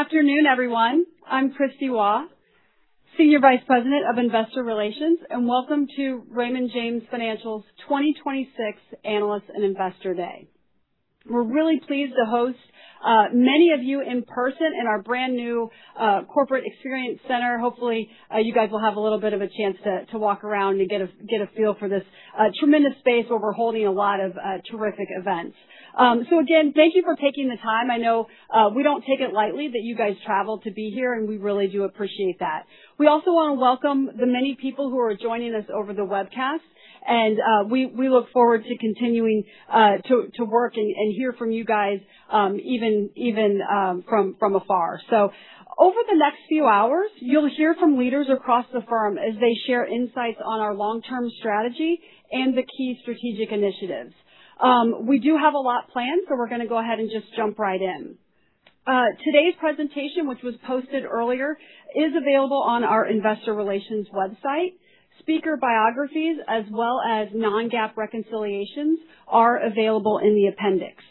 Good afternoon, everyone. I'm Kristie Waugh, Senior Vice President of Investor Relations, and welcome to Raymond James Financial's 2026 Analyst and Investor Day. We're really pleased to host many of you in person in our brand-new Corporate Experience Center. Hopefully, you guys will have a little bit of a chance to walk around and get a feel for this tremendous space where we're holding a lot of terrific events. Again, thank you for taking the time. I know we don't take it lightly that you guys traveled to be here, and we really do appreciate that. We also want to welcome the many people who are joining us over the webcast, and we look forward to continuing to work and hear from you guys even from afar. Over the next few hours, you'll hear from leaders across the firm as they share insights on our long-term strategy and the key strategic initiatives. We do have a lot planned, so we're going to go ahead and just jump right in. Today's presentation, which was posted earlier, is available on our investor relations website. Speaker biographies as well as non-GAAP reconciliations are available in the appendix.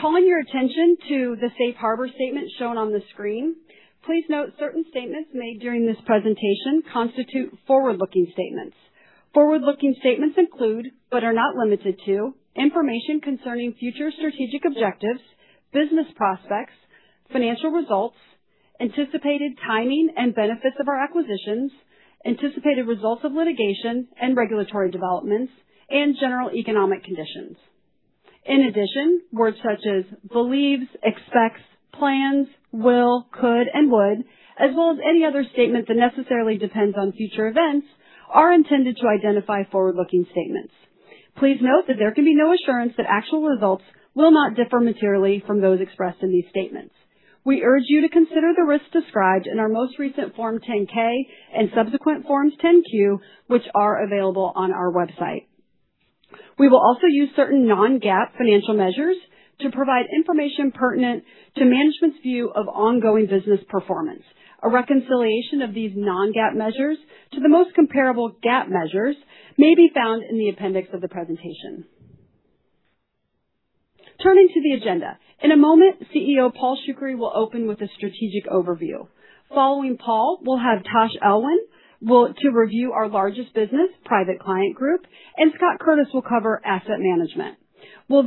Calling your attention to the safe harbor statement shown on the screen. Please note certain statements made during this presentation constitute forward-looking statements. Forward-looking statements include but are not limited to information concerning future strategic objectives, business prospects, financial results, anticipated timing and benefits of our acquisitions, anticipated results of litigation and regulatory developments, and general economic conditions. In addition, words such as believes, expects, plans, will, could, and would, as well as any other statement that necessarily depends on future events, are intended to identify forward-looking statements. Please note that there can be no assurance that actual results will not differ materially from those expressed in these statements. We urge you to consider the risks described in our most recent Form 10-K and subsequent Forms 10-Q, which are available on our website. We will also use certain non-GAAP financial measures to provide information pertinent to management's view of ongoing business performance. A reconciliation of these non-GAAP measures to the most comparable GAAP measures may be found in the appendix of the presentation. Turning to the agenda. In a moment, CEO Paul Shoukry will open with a strategic overview. Following Paul, we'll have Tash Elwyn to review our largest business, Private Client Group, and Scott Curtis will cover asset management. We'll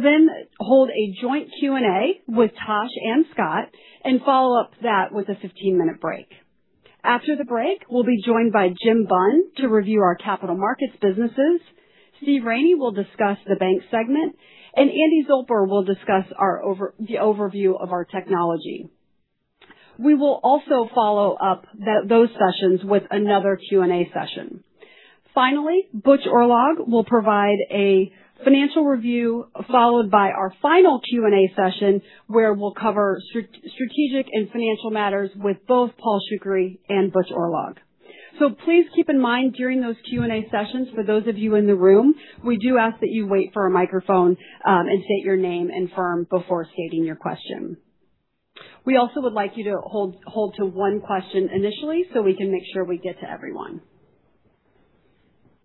hold a joint Q&A with Tash and Scott and follow up that with a 15-minute break. After the break, we'll be joined by Jim Bunn to review our capital markets businesses. Steve Raney will discuss the bank segment, and Andy Zolper will discuss the overview of our technology. We will also follow up those sessions with another Q&A session. Finally, Butch Oorlog will provide a financial review, followed by our final Q&A session, where we'll cover strategic and financial matters with both Paul Shoukry and Butch Oorlog. Please keep in mind during those Q&A sessions, for those of you in the room, we do ask that you wait for a microphone and state your name and firm before stating your question. We also would like you to hold to one question initially so we can make sure we get to everyone.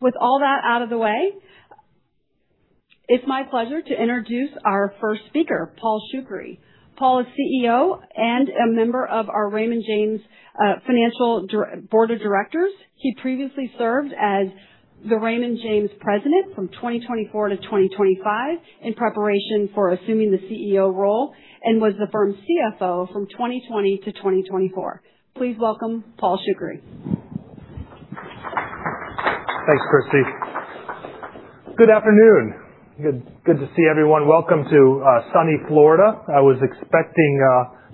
With all that out of the way, it is my pleasure to introduce our first speaker, Paul Shoukry. Paul is CEO and a member of our Raymond James Financial board of directors. He previously served as the Raymond James president from 2024-2025 in preparation for assuming the CEO role and was the firm's CFO from 2020-2024. Please welcome Paul Shoukry. Thanks, Kristie. Good afternoon. Good to see everyone. Welcome to sunny Florida. I was expecting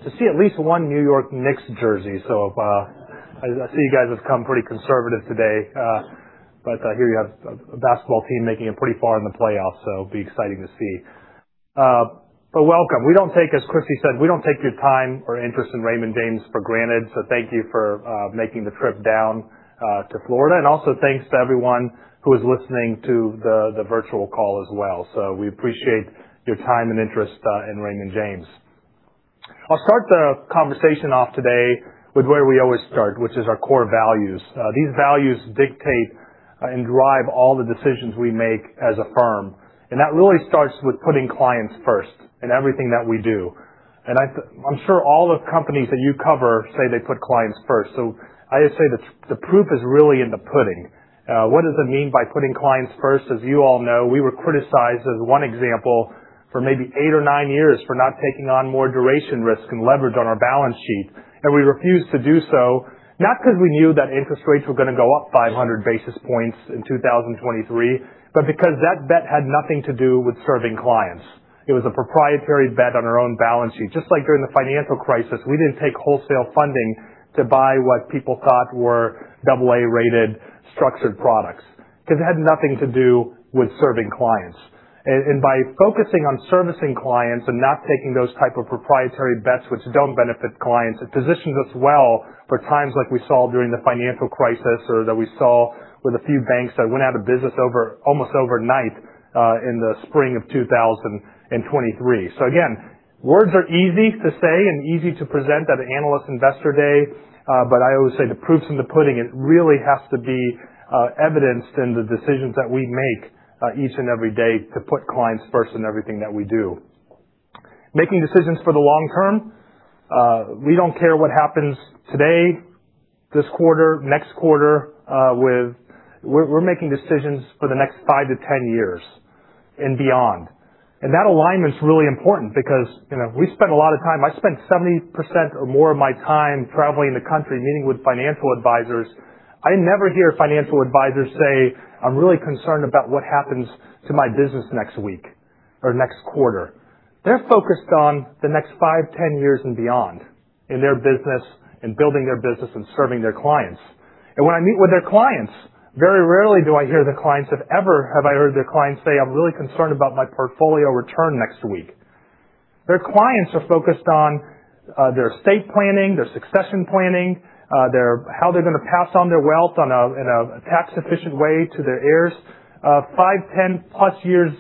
to see at least one New York Knicks jersey. I see you guys have come pretty conservative today. I hear you have a basketball team making it pretty far in the playoffs, so it'll be exciting to see. Welcome. As Kristie said, we don't take your time or interest in Raymond James for granted, so thank you for making the trip down to Florida. Also, thanks to everyone who is listening to the virtual call as well. We appreciate your time and interest in Raymond James. I'll start the conversation off today with where we always start, which is our core values. These values dictate and drive all the decisions we make as a firm, and that really starts with putting clients first in everything that we do. I'm sure all the companies that you cover say they put clients first. I just say that the proof is really in the pudding. What does it mean by putting clients first? As you all know, we were criticized as one example for maybe eight or nine years for not taking on more duration risk and leverage on our balance sheet. We refused to do so, not because we knew that interest rates were going to go up 500 basis points in 2023, but because that bet had nothing to do with serving clients. It was a proprietary bet on our own balance sheet. Just like during the financial crisis, we didn't take wholesale funding to buy what people thought were AA-rated structured products because it had nothing to do with serving clients. By focusing on servicing clients and not taking those type of proprietary bets which don't benefit clients, it positions us well for times like we saw during the financial crisis or that we saw with a few banks that went out of business almost overnight in the spring of 2023. Again, words are easy to say and easy to present at an analyst Investor Day, but I always say the proof's in the pudding. It really has to be evidenced in the decisions that we make each and every day to put clients first in everything that we do. Making decisions for the long term. We don't care what happens today, this quarter, next quarter. We're making decisions for the next 5-10 years and beyond. That alignment is really important because I spend 70% or more of my time traveling the country, meeting with financial advisors. I never hear financial advisors say, "I'm really concerned about what happens to my business next week or next quarter." They're focused on the next five, 10 years and beyond in their business, in building their business, and serving their clients. When I meet with their clients, very rarely do I hear the clients have I heard their clients say, "I'm really concerned about my portfolio return next week." Their clients are focused on their estate planning, their succession planning, how they're going to pass on their wealth in a tax-efficient way to their heirs five, 10+ years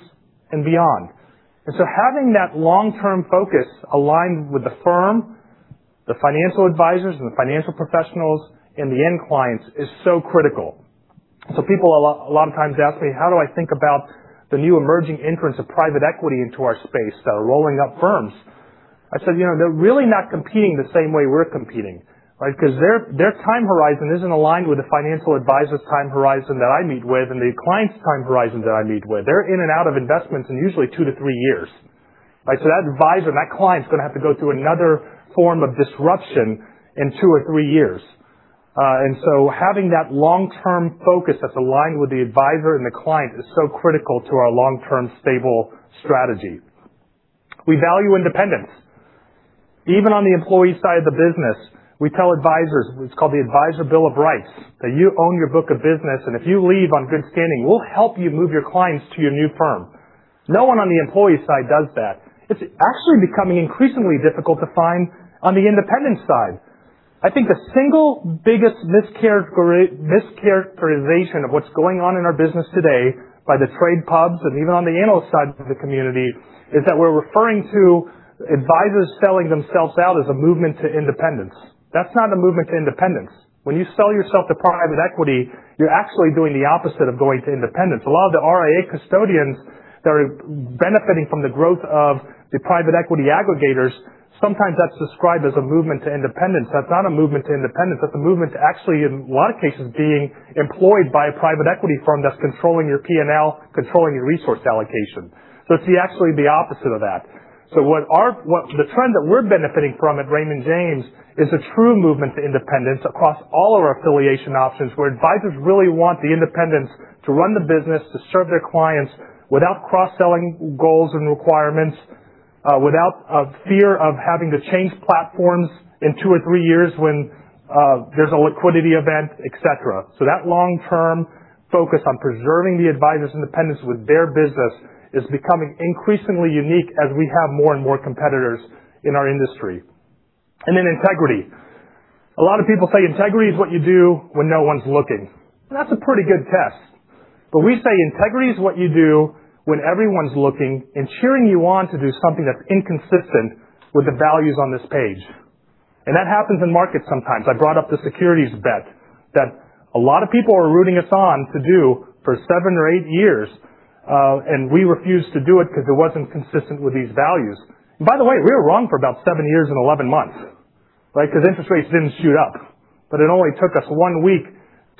and beyond. Having that long-term focus aligned with the firm, the financial advisors, and the financial professionals, and the end clients is so critical. People a lot of times ask me, how do I think about the new emerging entrants of private equity into our space that are rolling up firms? I said, they're really not competing the same way we're competing. Their time horizon isn't aligned with the financial advisor's time horizon that I meet with and the client's time horizon that I meet with. They're in and out of investments in usually 2-3 years, right? That advisor, that client's going to have to go through another form of disruption in two or three years. Having that long-term focus that's aligned with the advisor and the client is so critical to our long-term stable strategy. We value independence. Even on the employee side of the business, we tell advisors, it's called the Advisor Bill of Rights, that you own your book of business, if you leave on good standing, we'll help you move your clients to your new firm. No one on the employee side does that. It's actually becoming increasingly difficult to find on the independent side. I think the single biggest mischaracterization of what's going on in our business today by the trade pubs and even on the analyst side of the community is that we're referring to advisors selling themselves out as a movement to independence. That's not a movement to independence. When you sell yourself to private equity, you're actually doing the opposite of going to independence. A lot of the RIA custodians that are benefiting from the growth of the private equity aggregators, sometimes that's described as a movement to independence. That's not a movement to independence. That's a movement to actually, in a lot of cases, being employed by a private equity firm that's controlling your P&L, controlling your resource allocation. It's actually the opposite of that. The trend that we're benefiting from at Raymond James is a true movement to independence across all our affiliation options, where advisors really want the independence to run the business, to serve their clients without cross-selling goals and requirements, without a fear of having to change platforms in two or three years when there's a liquidity event, etc. That long-term focus on preserving the advisor's independence with their business is becoming increasingly unique as we have more and more competitors in our industry. Integrity. A lot of people say integrity is what you do when no one's looking. That's a pretty good test. We say integrity is what you do when everyone's looking and cheering you on to do something that's inconsistent with the values on this page. I brought up the securities bet that a lot of people are rooting us on to do for seven or eight years, and we refused to do it because it wasn't consistent with these values. By the way, we were wrong for about seven years and 11 months. Because interest rates didn't shoot up. It only took us one week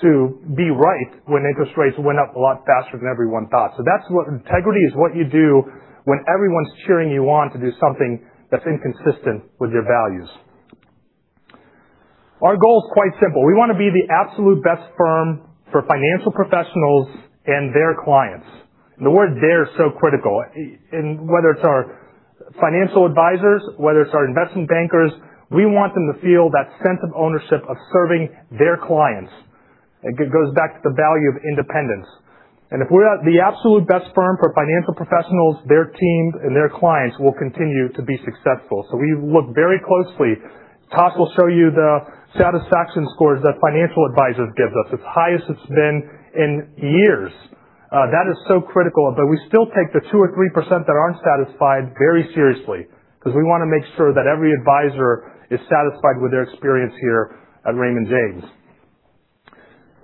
to be right when interest rates went up a lot faster than everyone thought. That's what integrity is, what you do when everyone's cheering you on to do something that's inconsistent with your values. Our goal is quite simple. We want to be the absolute best firm for financial professionals and their clients The word there is so critical. Whether it's our financial advisors, whether it's our investment bankers, we want them to feel that sense of ownership of serving their clients. It goes back to the value of independence. If we're the absolute best firm for financial professionals, their teams and their clients will continue to be successful. We look very closely. Tash Elwyn will show you the satisfaction scores that financial advisors give us. It's highest it's been in years. That is so critical, we still take the 2% or 3% that aren't satisfied very seriously because we want to make sure that every advisor is satisfied with their experience here at Raymond James.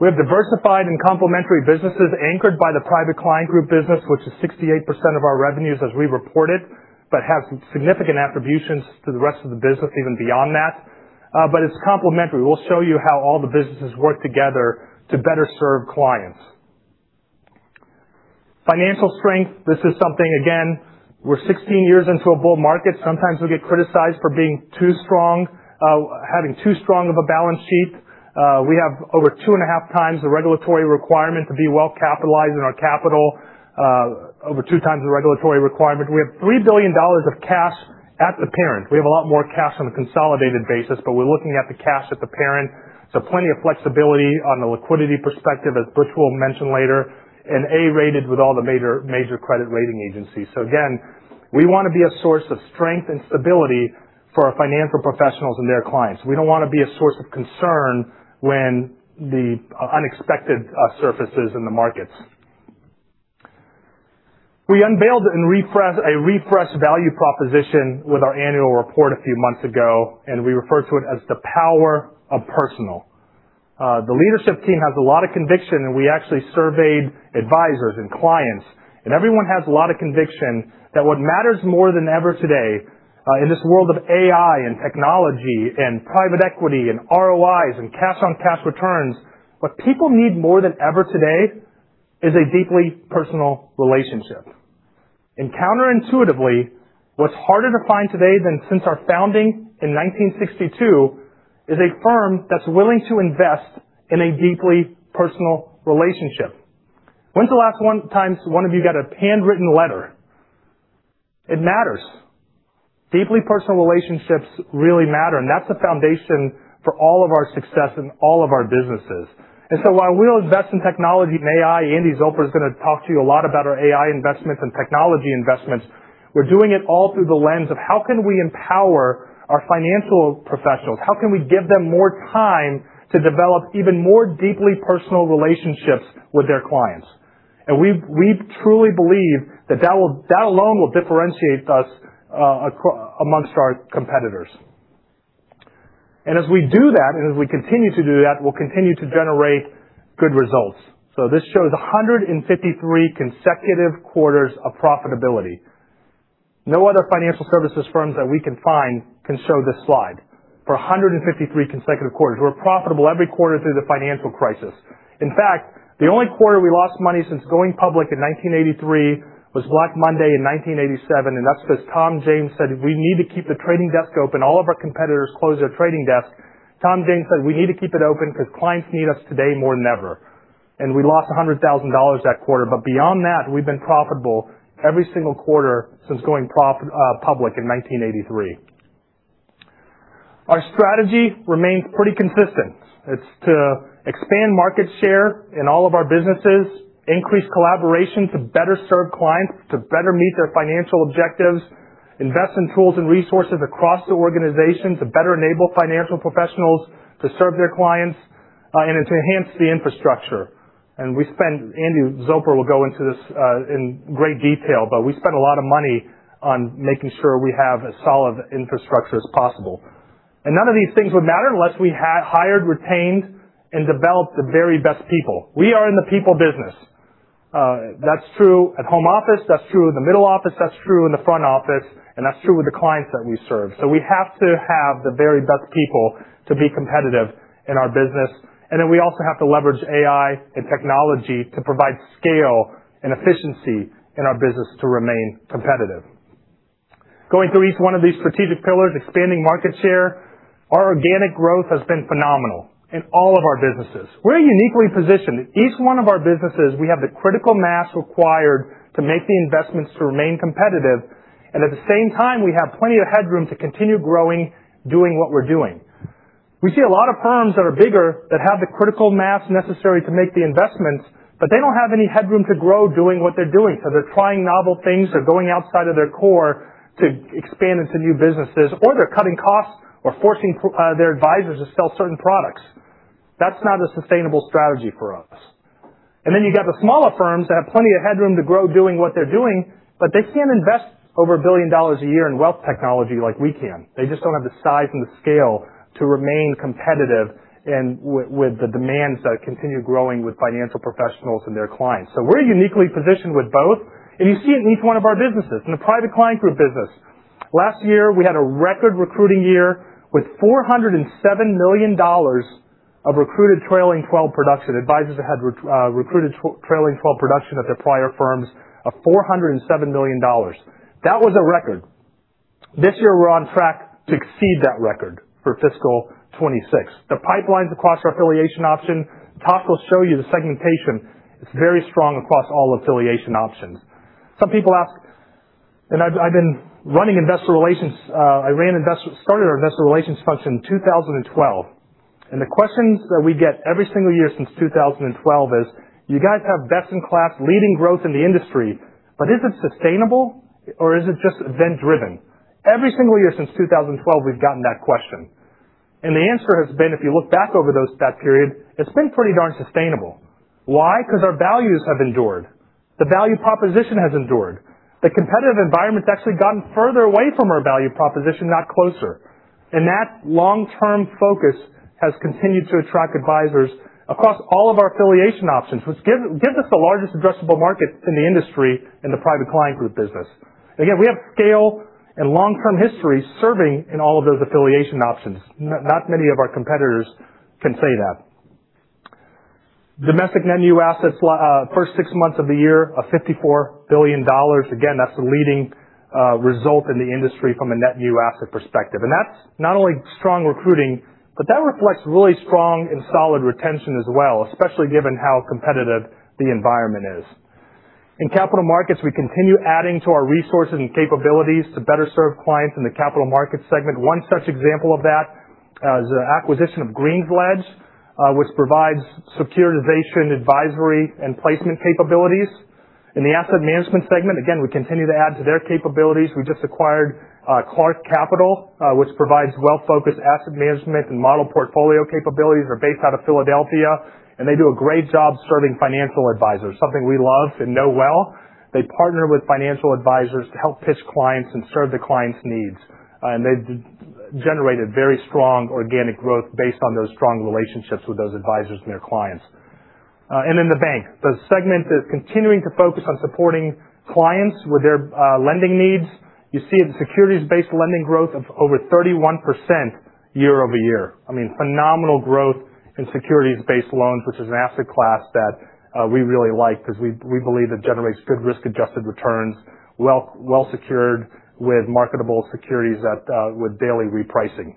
We have diversified and complementary businesses anchored by the Private Client Group business, which is 68% of our revenues as we reported, has significant attributions to the rest of the business even beyond that. It's complementary. We'll show you how all the businesses work together to better serve clients. Financial strength. This is something, again, we're 16 years into a bull market. Sometimes we get criticized for being too strong, having too strong of a balance sheet. We have over 2.5x the regulatory requirement to be well-capitalized in our capital, over 2x the regulatory requirement. We have $3 billion of cash at the parent. We have a lot more cash on a consolidated basis, we're looking at the cash at the parent. Plenty of flexibility on the liquidity perspective, as Butch will mention later, and A-rated with all the major credit rating agencies. Again, we want to be a source of strength and stability for our financial professionals and their clients. We don't want to be a source of concern when the unexpected surfaces in the markets. We unveiled a refreshed value proposition with our annual report a few months ago, and we refer to it as the power of personal. The leadership team has a lot of conviction, and we actually surveyed advisors and clients, and everyone has a lot of conviction that what matters more than ever today, in this world of AI and technology and private equity and ROIs and cash-on-cash returns, what people need more than ever today is a deeply personal relationship. Counterintuitively, what's harder to find today than since our founding in 1962 is a firm that's willing to invest in a deeply personal relationship. When's the last time one of you got a handwritten letter? It matters. Deeply personal relationships really matter, and that's the foundation for all of our success in all of our businesses. While we'll invest in technology and AI, Andy Zolper is going to talk to you a lot about our AI investments and technology investments. We're doing it all through the lens of how can we empower our financial professionals? How can we give them more time to develop even more deeply personal relationships with their clients? We truly believe that that alone will differentiate us amongst our competitors. As we do that, and as we continue to do that, we'll continue to generate good results. This shows 153 consecutive quarters of profitability. No other financial services firms that we can find can show this slide. For 153 consecutive quarters, we're profitable every quarter through the financial crisis. In fact, the only quarter we lost money since going public in 1983 was Black Monday in 1987, that's because Tom James said we need to keep the trading desk open. All of our competitors closed their trading desk. Tom James said we need to keep it open because clients need us today more than ever. We lost $100,000 that quarter. Beyond that, we've been profitable every single quarter since going public in 1983. Our strategy remains pretty consistent. It's to expand market share in all of our businesses, increase collaboration to better serve clients to better meet their financial objectives, invest in tools and resources across the organization to better enable financial professionals to serve their clients, and to enhance the infrastructure. We spend Andy Zolper will go into this in great detail, but we spend a lot of money on making sure we have as solid infrastructure as possible. None of these things would matter unless we hired, retained, and developed the very best people. We are in the people business. That's true at home office, that's true in the middle office, that's true in the front office, and that's true with the clients that we serve. We have to have the very best people to be competitive in our business. We also have to leverage AI and technology to provide scale and efficiency in our business to remain competitive. Going through each one of these strategic pillars, expanding market share, our organic growth has been phenomenal in all of our businesses. We're uniquely positioned. Each one of our businesses, we have the critical mass required to make the investments to remain competitive. At the same time, we have plenty of headroom to continue growing, doing what we're doing. We see a lot of firms that are bigger, that have the critical mass necessary to make the investments, but they don't have any headroom to grow doing what they're doing, so they're trying novel things. They're going outside of their core to expand into new businesses, or they're cutting costs or forcing their advisors to sell certain products. That's not a sustainable strategy for us. You got the smaller firms that have plenty of headroom to grow doing what they're doing, but they can't invest over $1 billion a year in wealth technology like we can. They just don't have the size and the scale to remain competitive and with the demands that continue growing with financial professionals and their clients. We're uniquely positioned with both, and you see it in each one of our businesses. In the Private Client Group business, last year, we had a record recruiting year with $407 million of recruited trailing 12 production. Advisors had recruited trailing 12 production at their prior firms of $407 million. That was a record. This year, we're on track to exceed that record for fiscal 2026. The pipelines across our affiliation option, Tash will show you the segmentation. It's very strong across all affiliation options. Some people ask, I've been running investor relations. I started our investor relations function in 2012. The questions that we get every single year since 2012 is, "You guys have best-in-class leading growth in the industry, but is it sustainable or is it just event-driven?" Every single year since 2012, we've gotten that question. The answer has been, if you look back over that period, it's been pretty darn sustainable. Why? Because our values have endured. The value proposition has endured. The competitive environment's actually gotten further away from our value proposition, not closer. That long-term focus has continued to attract advisors across all of our affiliation options, which gives us the largest addressable market in the industry in the Private Client Group business. Again, we have scale and long-term history serving in all of those affiliation options. Not many of our competitors can say that. Domestic net new assets, first six months of the year, $54 billion. Again, that's the leading result in the industry from a net new asset perspective. That's not only strong recruiting, but that reflects really strong and solid retention as well, especially given how competitive the environment is. In Capital Markets, we continue adding to our resources and capabilities to better serve clients in the Capital Markets segment. One such example of that is the acquisition of GreensLedge, which provides securitization, advisory, and placement capabilities. In the Asset Management segment, again, we continue to add to their capabilities. We just acquired Clark Capital, which provides wealth-focused asset management and model portfolio capabilities. They're based out of Philadelphia, and they do a great job serving financial advisors, something we love and know well. They partner with financial advisors to help pitch clients and serve the clients' needs. They've generated very strong organic growth based on those strong relationships with those advisors and their clients. The bank. The segment is continuing to focus on supporting clients with their lending needs. You see a securities-based lending growth of over 31% year-over-year. I mean, phenomenal growth in securities-based loans, which is an asset class that we really like because we believe it generates good risk-adjusted returns, well-secured with marketable securities with daily repricing.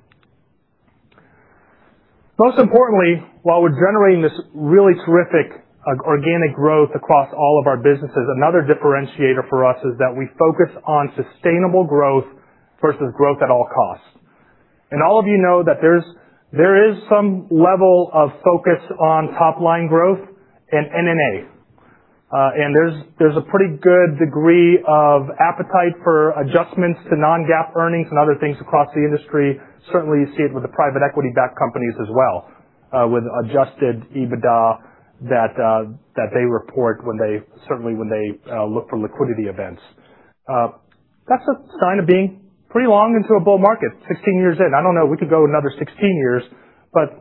Most importantly, while we're generating this really terrific organic growth across all of our businesses, another differentiator for us is that we focus on sustainable growth versus growth at all costs. All of you know that there is some level of focus on top-line growth in NNA. There's a pretty good degree of appetite for adjustments to non-GAAP earnings and other things across the industry. Certainly, you see it with the private equity-backed companies as well with adjusted EBITDA that they report certainly when they look for liquidity events. That's a sign of being pretty long into a bull market, 16 years in. I don't know, we could go another 16 years, but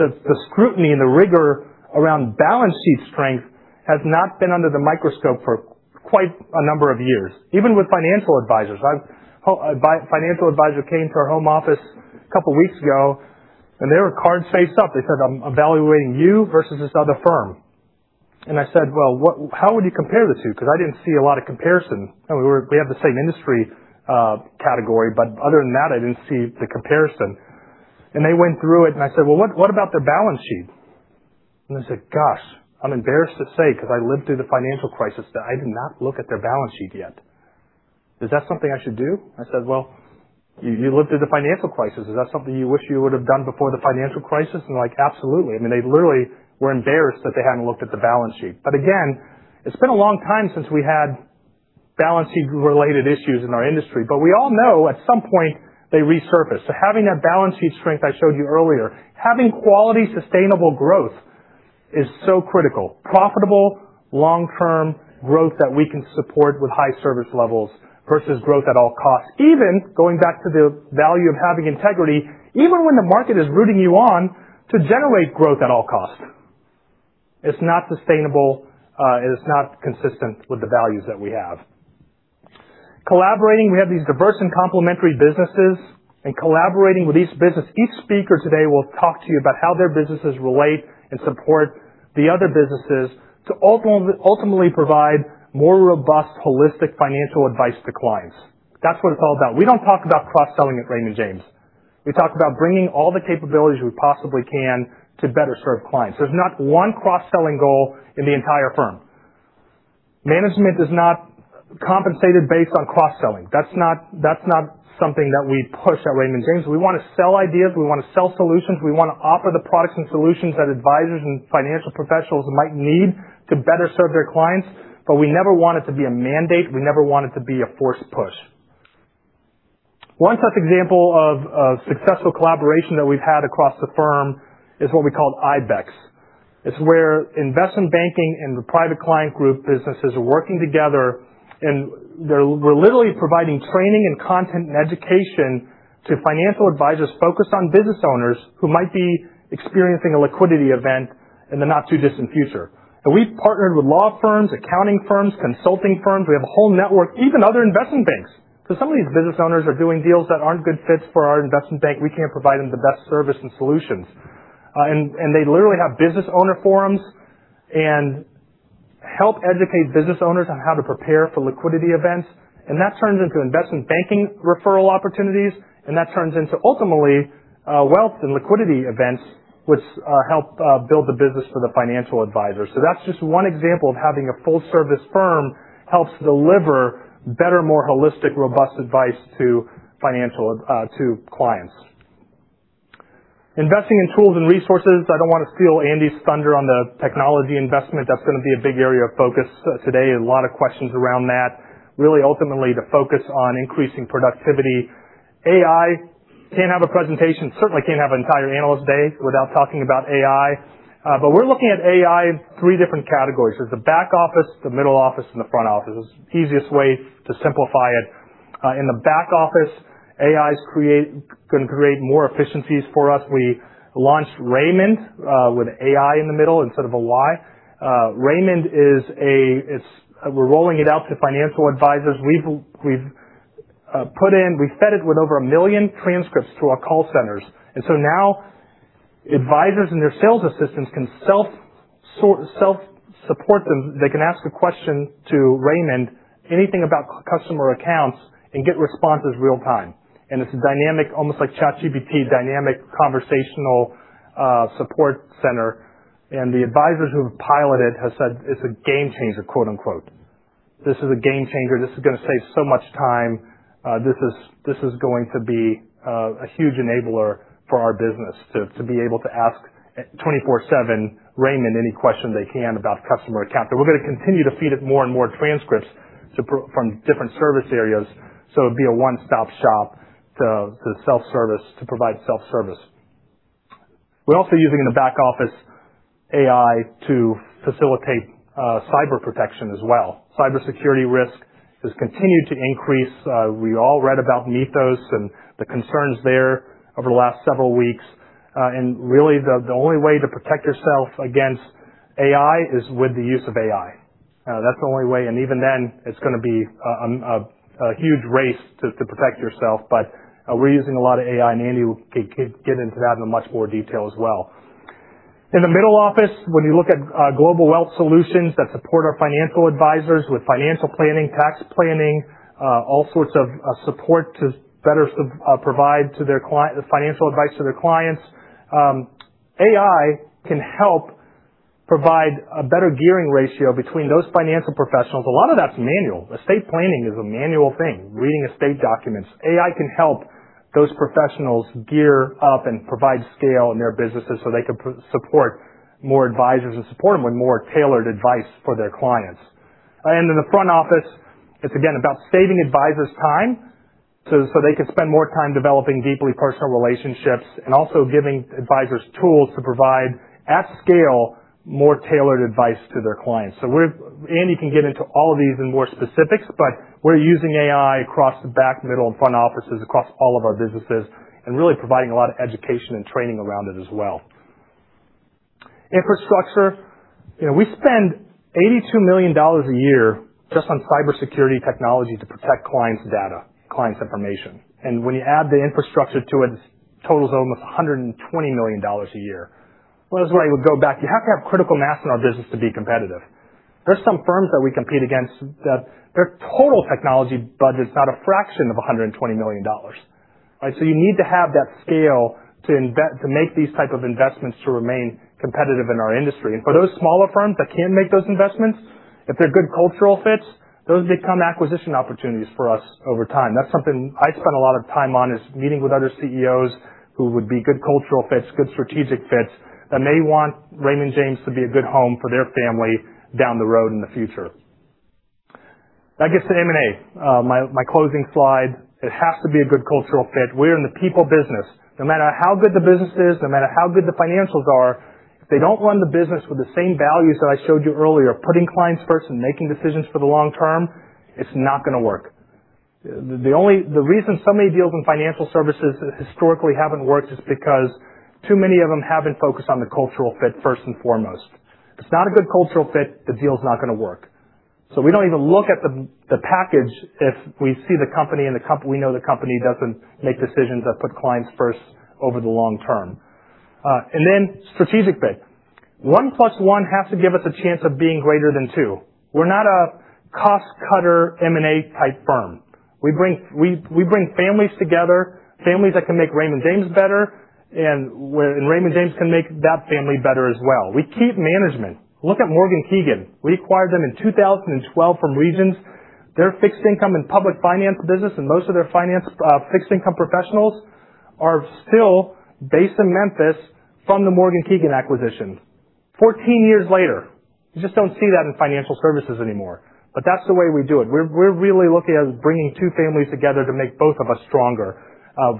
the scrutiny and the rigor around balance sheet strength has not been under the microscope for quite a number of years, even with financial advisors. A financial advisor came to our home office a couple of weeks ago, and they were cards face up. They said, "I'm evaluating you versus this other firm." I said, "Well, how would you compare the two?" I didn't see a lot of comparison. We have the same industry category, but other than that, I didn't see the comparison. They went through it, and I said, "Well, what about their balance sheet?" They said, "Gosh, I'm embarrassed to say, because I lived through the financial crisis, that I did not look at their balance sheet yet. Is that something I should do?" I said, "Well, you lived through the financial crisis. Is that something you wish you would have done before the financial crisis?" They're like, "Absolutely." I mean, they literally were embarrassed that they hadn't looked at the balance sheet. Again, it's been a long time since we had balance sheet-related issues in our industry. We all know at some point they resurface. Having that balance sheet strength I showed you earlier, having quality, sustainable growth is so critical. Profitable long-term growth that we can support with high service levels versus growth at all costs, even going back to the value of having integrity, even when the market is rooting you on to generate growth at all costs. It's not sustainable. It is not consistent with the values that we have. Collaborating. We have these diverse and complementary businesses, and collaborating with each business. Each speaker today will talk to you about how their businesses relate and support the other businesses to ultimately provide more robust, holistic financial advice to clients. That's what it's all about. We don't talk about cross-selling at Raymond James. We talk about bringing all the capabilities we possibly can to better serve clients. There's not one cross-selling goal in the entire firm. Management is not compensated based on cross-selling. That's not something that we push at Raymond James. We want to sell ideas. We want to sell solutions. We want to offer the products and solutions that advisors and financial professionals might need to better serve their clients, but we never want it to be a mandate. We never want it to be a forced push. One such example of successful collaboration that we've had across the firm is what we call IBEX. It's where investment banking and the Private Client Group businesses are working together, and we're literally providing training and content and education to financial advisors focused on business owners who might be experiencing a liquidity event in the not-too-distant future. We've partnered with law firms, accounting firms, consulting firms. We have a whole network, even other investment banks. Some of these business owners are doing deals that aren't good fits for our investment bank. We can't provide them the best service and solutions. They literally have business owner forums and help educate business owners on how to prepare for liquidity events, that turns into investment banking referral opportunities, and that turns into, ultimately, wealth and liquidity events, which help build the business for the financial advisor. That's just one example of having a full-service firm helps deliver better, more holistic, robust advice to clients. Investing in tools and resources. I don't want to steal Andy's thunder on the technology investment. That's going to be a big area of focus today. A lot of questions around that. Really, ultimately, the focus on increasing productivity. AI. Can't have a presentation, certainly can't have an entire analyst day without talking about AI. We're looking at AI in 3 different categories. There's the back office, the middle office, and the front office. Easiest way to simplify it. In the back office, AI is going to create more efficiencies for us. We launched Raimond with AI in the middle instead of a Y. Raimond, we're rolling it out to financial advisors. We fed it with over 1 million transcripts through our call centers. Now, advisors and their sales assistants can self-support them. They can ask a question to Raimond, anything about customer accounts, and get responses real-time. It's dynamic, almost like ChatGPT, dynamic conversational support center. The advisors who have piloted have said it's a game-changer, quote-unquote. This is a game-changer. This is going to save so much time. This is going to be a huge enabler for our business to be able to ask 24/7 Raimond any question they can about customer accounts. We're going to continue to feed it more and more transcripts from different service areas, so it'd be a one-stop shop to provide self-service. We're also using in the back office AI to facilitate cyber protection as well. Cybersecurity risk has continued to increase. We all read about Mythos and the concerns there over the last several weeks. Really, the only way to protect yourself against AI is with the use of AI. That's the only way, and even then, it's going to be a huge race to protect yourself. We're using a lot of AI, and Andy will get into that in much more detail as well. In the middle office, when you look at Global Wealth Solutions that support our financial advisors with financial planning, tax planning, all sorts of support to better provide financial advice to their clients. AI can help provide a better gearing ratio between those financial professionals. A lot of that's manual. Estate planning is a manual thing. Reading estate documents. AI can help those professionals gear up and provide scale in their businesses so they can support more advisors and support them with more tailored advice for their clients. In the front office, it's again about saving advisors time, so they can spend more time developing deeply personal relationships and also giving advisors tools to provide at scale, more tailored advice to their clients. Andy can get into all of these in more specifics, but we're using AI across the back, middle, and front offices across all of our businesses and really providing a lot of education and training around it as well. Infrastructure. We spend $82 million a year just on cybersecurity technology to protect clients' data, clients' information. When you add the infrastructure to it totals almost $120 million a year. This is where I would go back. You have to have critical mass in our business to be competitive. There's some firms that we compete against that their total technology budget's not a fraction of $120 million. You need to have that scale to make these type of investments to remain competitive in our industry. For those smaller firms that can't make those investments, if they're good cultural fits, those become acquisition opportunities for us over time. That's something I spend a lot of time on, is meeting with other CEOs who would be good cultural fits, good strategic fits, that may want Raymond James to be a good home for their family down the road in the future. That gets to M&A. My closing slide. It has to be a good cultural fit. We're in the people business. No matter how good the business is, no matter how good the financials are, if they don't run the business with the same values that I showed you earlier, putting clients first and making decisions for the long term, it's not going to work. The reason so many deals in financial services historically haven't worked is because too many of them haven't focused on the cultural fit first and foremost. If it's not a good cultural fit, the deal's not going to work. We don't even look at the package if we see the company, and we know the company doesn't make decisions that put clients first over the long term. Strategic fit. One plus one has to give us a chance of being greater than two. We're not a cost-cutter M&A type firm. We bring families together, families that can make Raymond James better, and Raymond James can make that family better as well. We keep management. Look at Morgan Keegan. We acquired them in 2012 from Regions. Their fixed income and public finance business, and most of their finance fixed income professionals are still based in Memphis from the Morgan Keegan acquisition. 14 years later. You just don't see that in financial services anymore. That's the way we do it. We're really looking at it as bringing two families together to make both of us stronger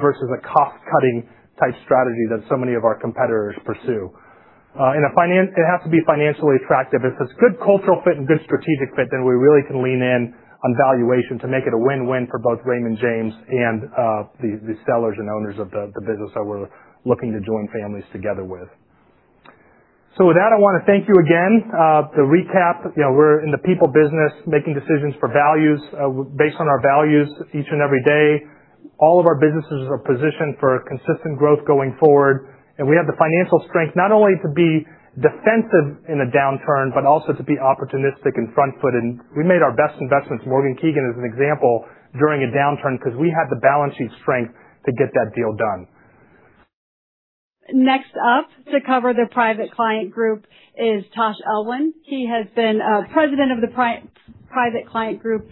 versus a cost-cutting type strategy that so many of our competitors pursue. It has to be financially attractive. If it's good cultural fit and good strategic fit, we really can lean in on valuation to make it a win-win for both Raymond James and the sellers and owners of the business that we're looking to join families together with. With that, I want to thank you again. To recap, we're in the people business, making decisions based on our values each and every day. All of our businesses are positioned for consistent growth going forward, and we have the financial strength not only to be defensive in a downturn, but also to be opportunistic and front-footed. We made our best investments, Morgan Keegan as an example, during a downturn because we had the balance sheet strength to get that deal done. Next up to cover the Private Client Group is Tash Elwyn. He has been president of the Private Client Group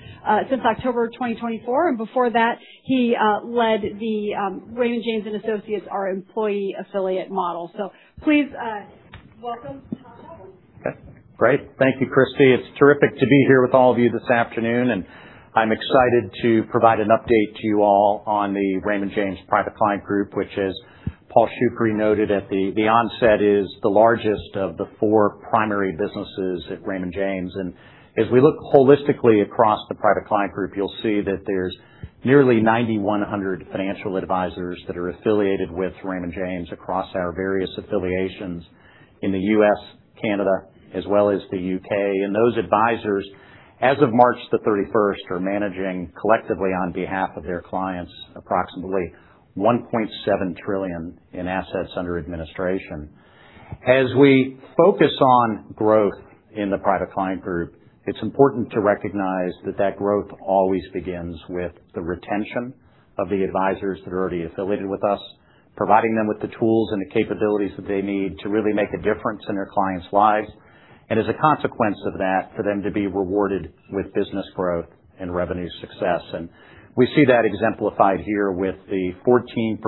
since October 2024, and before that, he led the Raymond James and Associates, our employee affiliate model. Please welcome Tash. Great. Thank you, Kristie. It's terrific to be here with all of you this afternoon, I'm excited to provide an update to you all on the Raymond James Private Client Group, which as Paul Shoukry noted at the onset, is the largest of the four primary businesses at Raymond James. As we look holistically across the Private Client Group, you'll see that there's nearly 9,100 financial advisors that are affiliated with Raymond James across our various affiliations in the U.S., Canada, as well as the U.K. Those advisors, as of March 31st, are managing collectively on behalf of their clients, approximately $1.7 trillion in assets under administration. As we focus on growth in the Private Client Group, it's important to recognize that growth always begins with the retention of the advisors that are already affiliated with us, providing them with the tools and the capabilities that they need to really make a difference in their clients' lives. As a consequence of that, for them to be rewarded with business growth and revenue success. We see that exemplified here with the 14%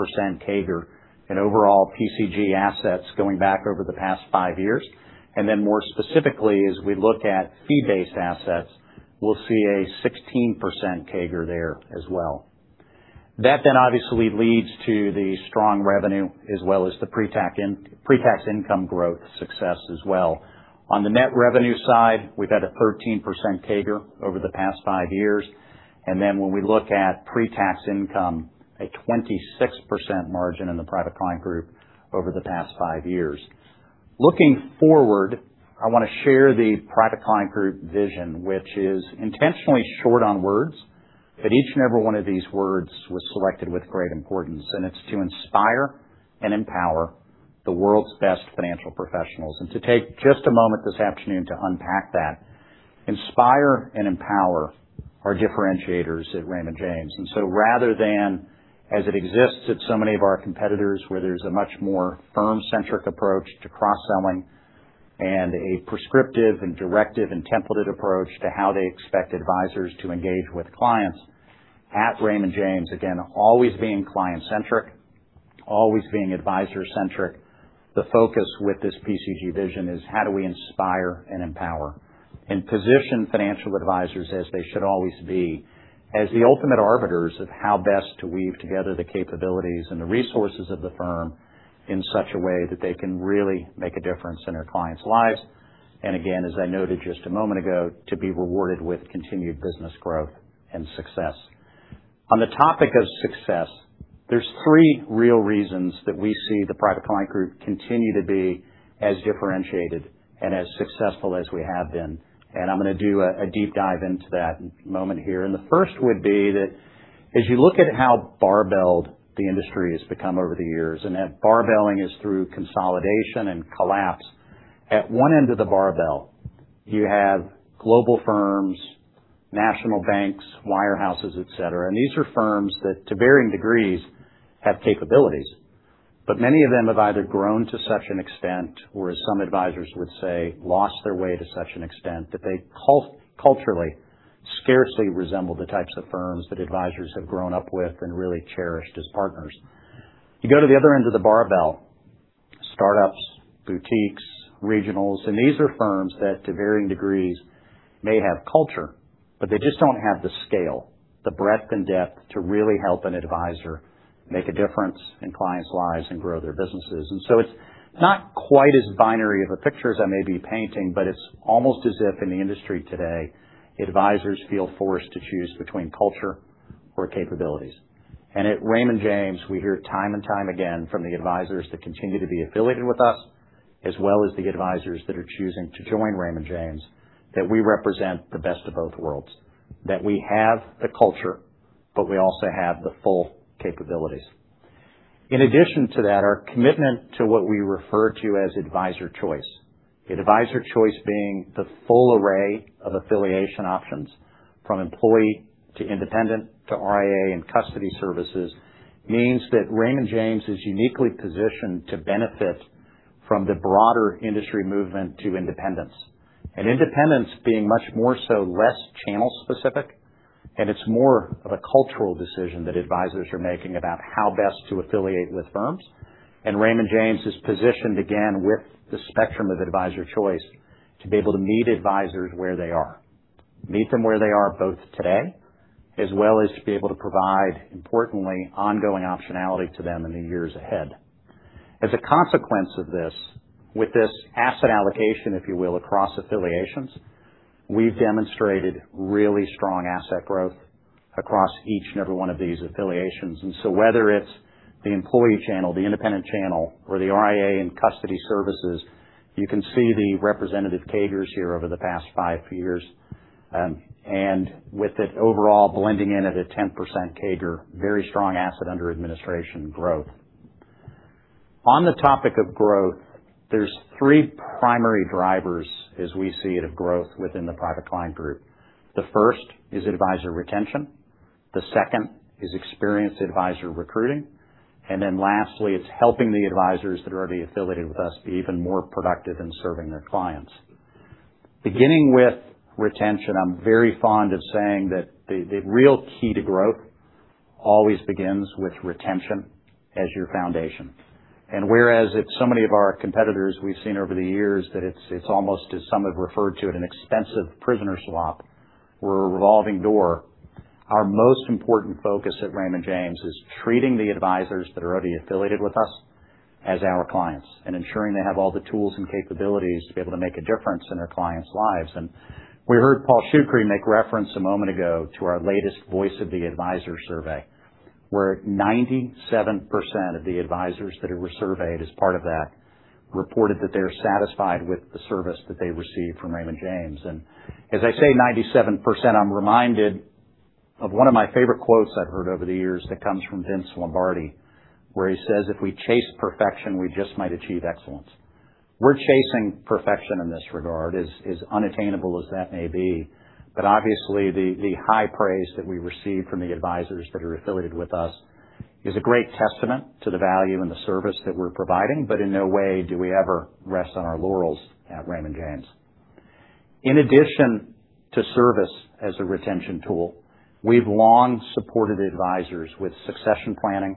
CAGR in overall PCG assets going back over the past five years. More specifically, as we look at fee-based assets, we'll see a 16% CAGR there as well. That obviously leads to the strong revenue as well as the pre-tax income growth success as well. On the net revenue side, we've had a 13% CAGR over the past five years. When we look at pre-tax income, a 26% margin in the Private Client Group over the past five years. Looking forward, I want to share the Private Client Group vision, which is intentionally short on words, but each and every one of these words was selected with great importance. It's to inspire and empower the world's best financial professionals. To take just a moment this afternoon to unpack that, inspire and empower are differentiators at Raymond James. Rather than, as it exists at so many of our competitors, where there's a much more firm-centric approach to cross-selling and a prescriptive and directive and templated approach to how they expect advisors to engage with clients, at Raymond James, again, always being client-centric, always being advisor-centric. The focus with this PCG vision is how do we inspire and empower and position financial advisors as they should always be, as the ultimate arbiters of how best to weave together the capabilities and the resources of the firm in such a way that they can really make a difference in their clients' lives. Again, as I noted just a moment ago, to be rewarded with continued business growth and success. On the topic of success, there's three real reasons that we see the Private Client Group continue to be as differentiated and as successful as we have been, and I'm going to do a deep dive into that in a moment here. The first would be that as you look at how barbelled the industry has become over the years, and that barbelling is through consolidation and collapse. At one end of the barbell, you have global firms, national banks, wirehouses, etc.g These are firms that, to varying degrees, have capabilities. Many of them have either grown to such an extent, or as some advisors would say, lost their way to such an extent that they culturally scarcely resemble the types of firms that advisors have grown up with and really cherished as partners. You go to the other end of the barbell, startups, boutiques, regionals, and these are firms that, to varying degrees, may have culture, but they just don't have the scale, the breadth and depth to really help an advisor make a difference in clients' lives and grow their businesses. It's not quite as binary of a picture as I may be painting, but it's almost as if in the industry today, advisors feel forced to choose between culture or capabilities. At Raymond James, we hear time and time again from the advisors that continue to be affiliated with us, as well as the advisors that are choosing to join Raymond James, that we represent the best of both worlds. That we have the culture, but we also have the full capabilities. In addition to that, our commitment to what we refer to as Advisor Choice, Advisor Choice being the full array of affiliation options from employee to independent to RIA and custody services, means that Raymond James is uniquely positioned to benefit from the broader industry movement to independence. Independence being much more so less channel-specific, it's more of a cultural decision that advisors are making about how best to affiliate with firms. Raymond James is positioned, again, with the spectrum of Advisor Choice to be able to meet advisors where they are. Meet them where they are both today, as well as to be able to provide, importantly, ongoing optionality to them in the years ahead. As a consequence of this, with this asset allocation, if you will, across affiliations, we've demonstrated really strong asset growth across each and every one of these affiliations. Whether it's the employee channel, the independent channel, or the RIA and custody services, you can see the representative CAGRs here over the past five years. With it overall blending in at a 10% CAGR, very strong asset under administration growth. On the topic of growth, there's three primary drivers as we see it, of growth within the Private Client Group. The first is advisor retention, the second is experienced advisor recruiting, lastly, it's helping the advisors that are already affiliated with us be even more productive in serving their clients. Beginning with retention, I'm very fond of saying that the real key to growth always begins with retention as your foundation. Whereas at so many of our competitors, we've seen over the years that it's almost as some have referred to it, an expensive prisoner swap or a revolving door. Our most important focus at Raymond James is treating the advisors that are already affiliated with us as our clients and ensuring they have all the tools and capabilities to be able to make a difference in their clients' lives. We heard Paul Shoukry make reference a moment ago to our latest Voice of the Advisor survey, where 97% of the advisors that were surveyed as part of that reported that they're satisfied with the service that they receive from Raymond James. As I say, 97%, I'm reminded of one of my favorite quotes I've heard over the years that comes from Vince Lombardi, where he says, "If we chase perfection, we just might achieve excellence." We're chasing perfection in this regard, as unattainable as that may be. Obviously, the high praise that we receive from the advisors that are affiliated with us is a great testament to the value and the service that we're providing, but in no way do we ever rest on our laurels at Raymond James. In addition to service as a retention tool, we've long supported advisors with succession planning,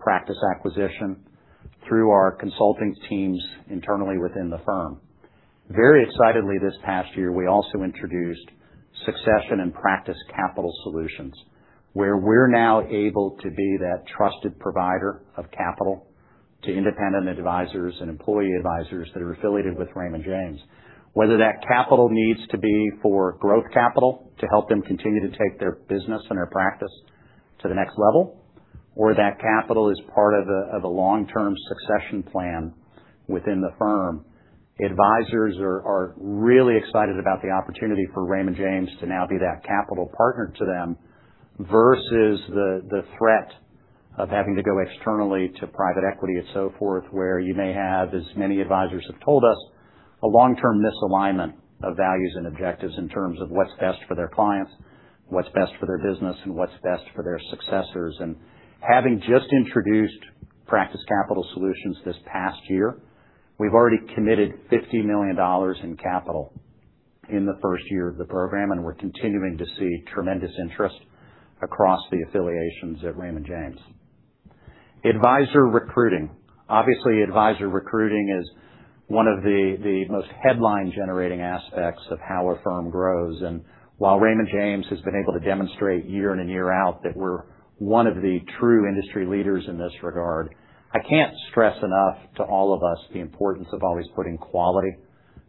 practice acquisition through our consulting teams internally within the firm. Very excitedly this past year, we also introduced succession and Practice Capital Solutions, where we're now able to be that trusted provider of capital to independent advisors and employee advisors that are affiliated with Raymond James. Whether that capital needs to be for growth capital to help them continue to take their business and their practice to the next level, or that capital is part of a long-term succession plan within the firm, the advisors are really excited about the opportunity for Raymond James to now be that capital partner to them, versus the threat of having to go externally to private equity and so forth, where you may have, as many advisors have told us, a long-term misalignment of values and objectives in terms of what's best for their clients, what's best for their business, and what's best for their successors. Having just introduced Practice Capital Solutions this past year, we've already committed $50 million in capital in the first year of the program, and we're continuing to see tremendous interest across the affiliations at Raymond James. Advisor recruiting. Obviously, advisor recruiting is one of the most headline-generating aspects of how a firm grows. While Raymond James has been able to demonstrate year in and year out that we're one of the true industry leaders in this regard, I can't stress enough to all of us the importance of always putting quality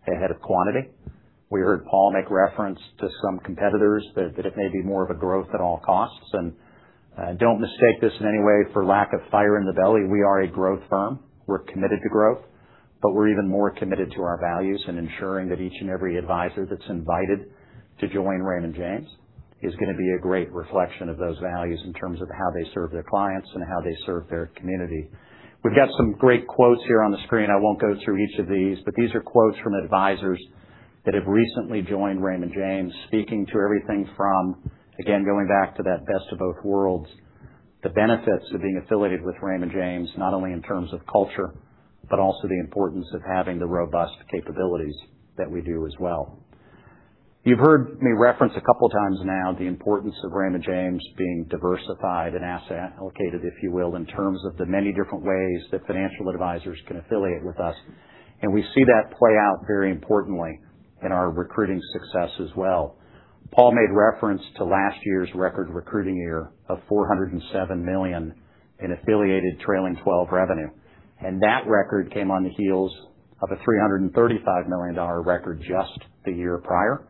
ahead of quantity. We heard Paul make reference to some competitors that it may be more of a growth at all costs. Don't mistake this in any way for lack of fire in the belly. We are a growth firm. We're committed to growth, but we're even more committed to our values and ensuring that each and every advisor that's invited to join Raymond James is going to be a great reflection of those values in terms of how they serve their clients and how they serve their community. We've got some great quotes here on the screen. I won't go through each of these, but these are quotes from advisors that have recently joined Raymond James, speaking to everything from, again, going back to that best of both worlds, the benefits of being affiliated with Raymond James, not only in terms of culture, but also the importance of having the robust capabilities that we do as well. You've heard me reference a couple of times now the importance of Raymond James being diversified and asset allocated, if you will, in terms of the many different ways that financial advisors can affiliate with us. We see that play out very importantly in our recruiting success as well. Paul made reference to last year's record recruiting year of $407 million in affiliated trailing 12 revenue. That record came on the heels of a $335 million record just the year prior.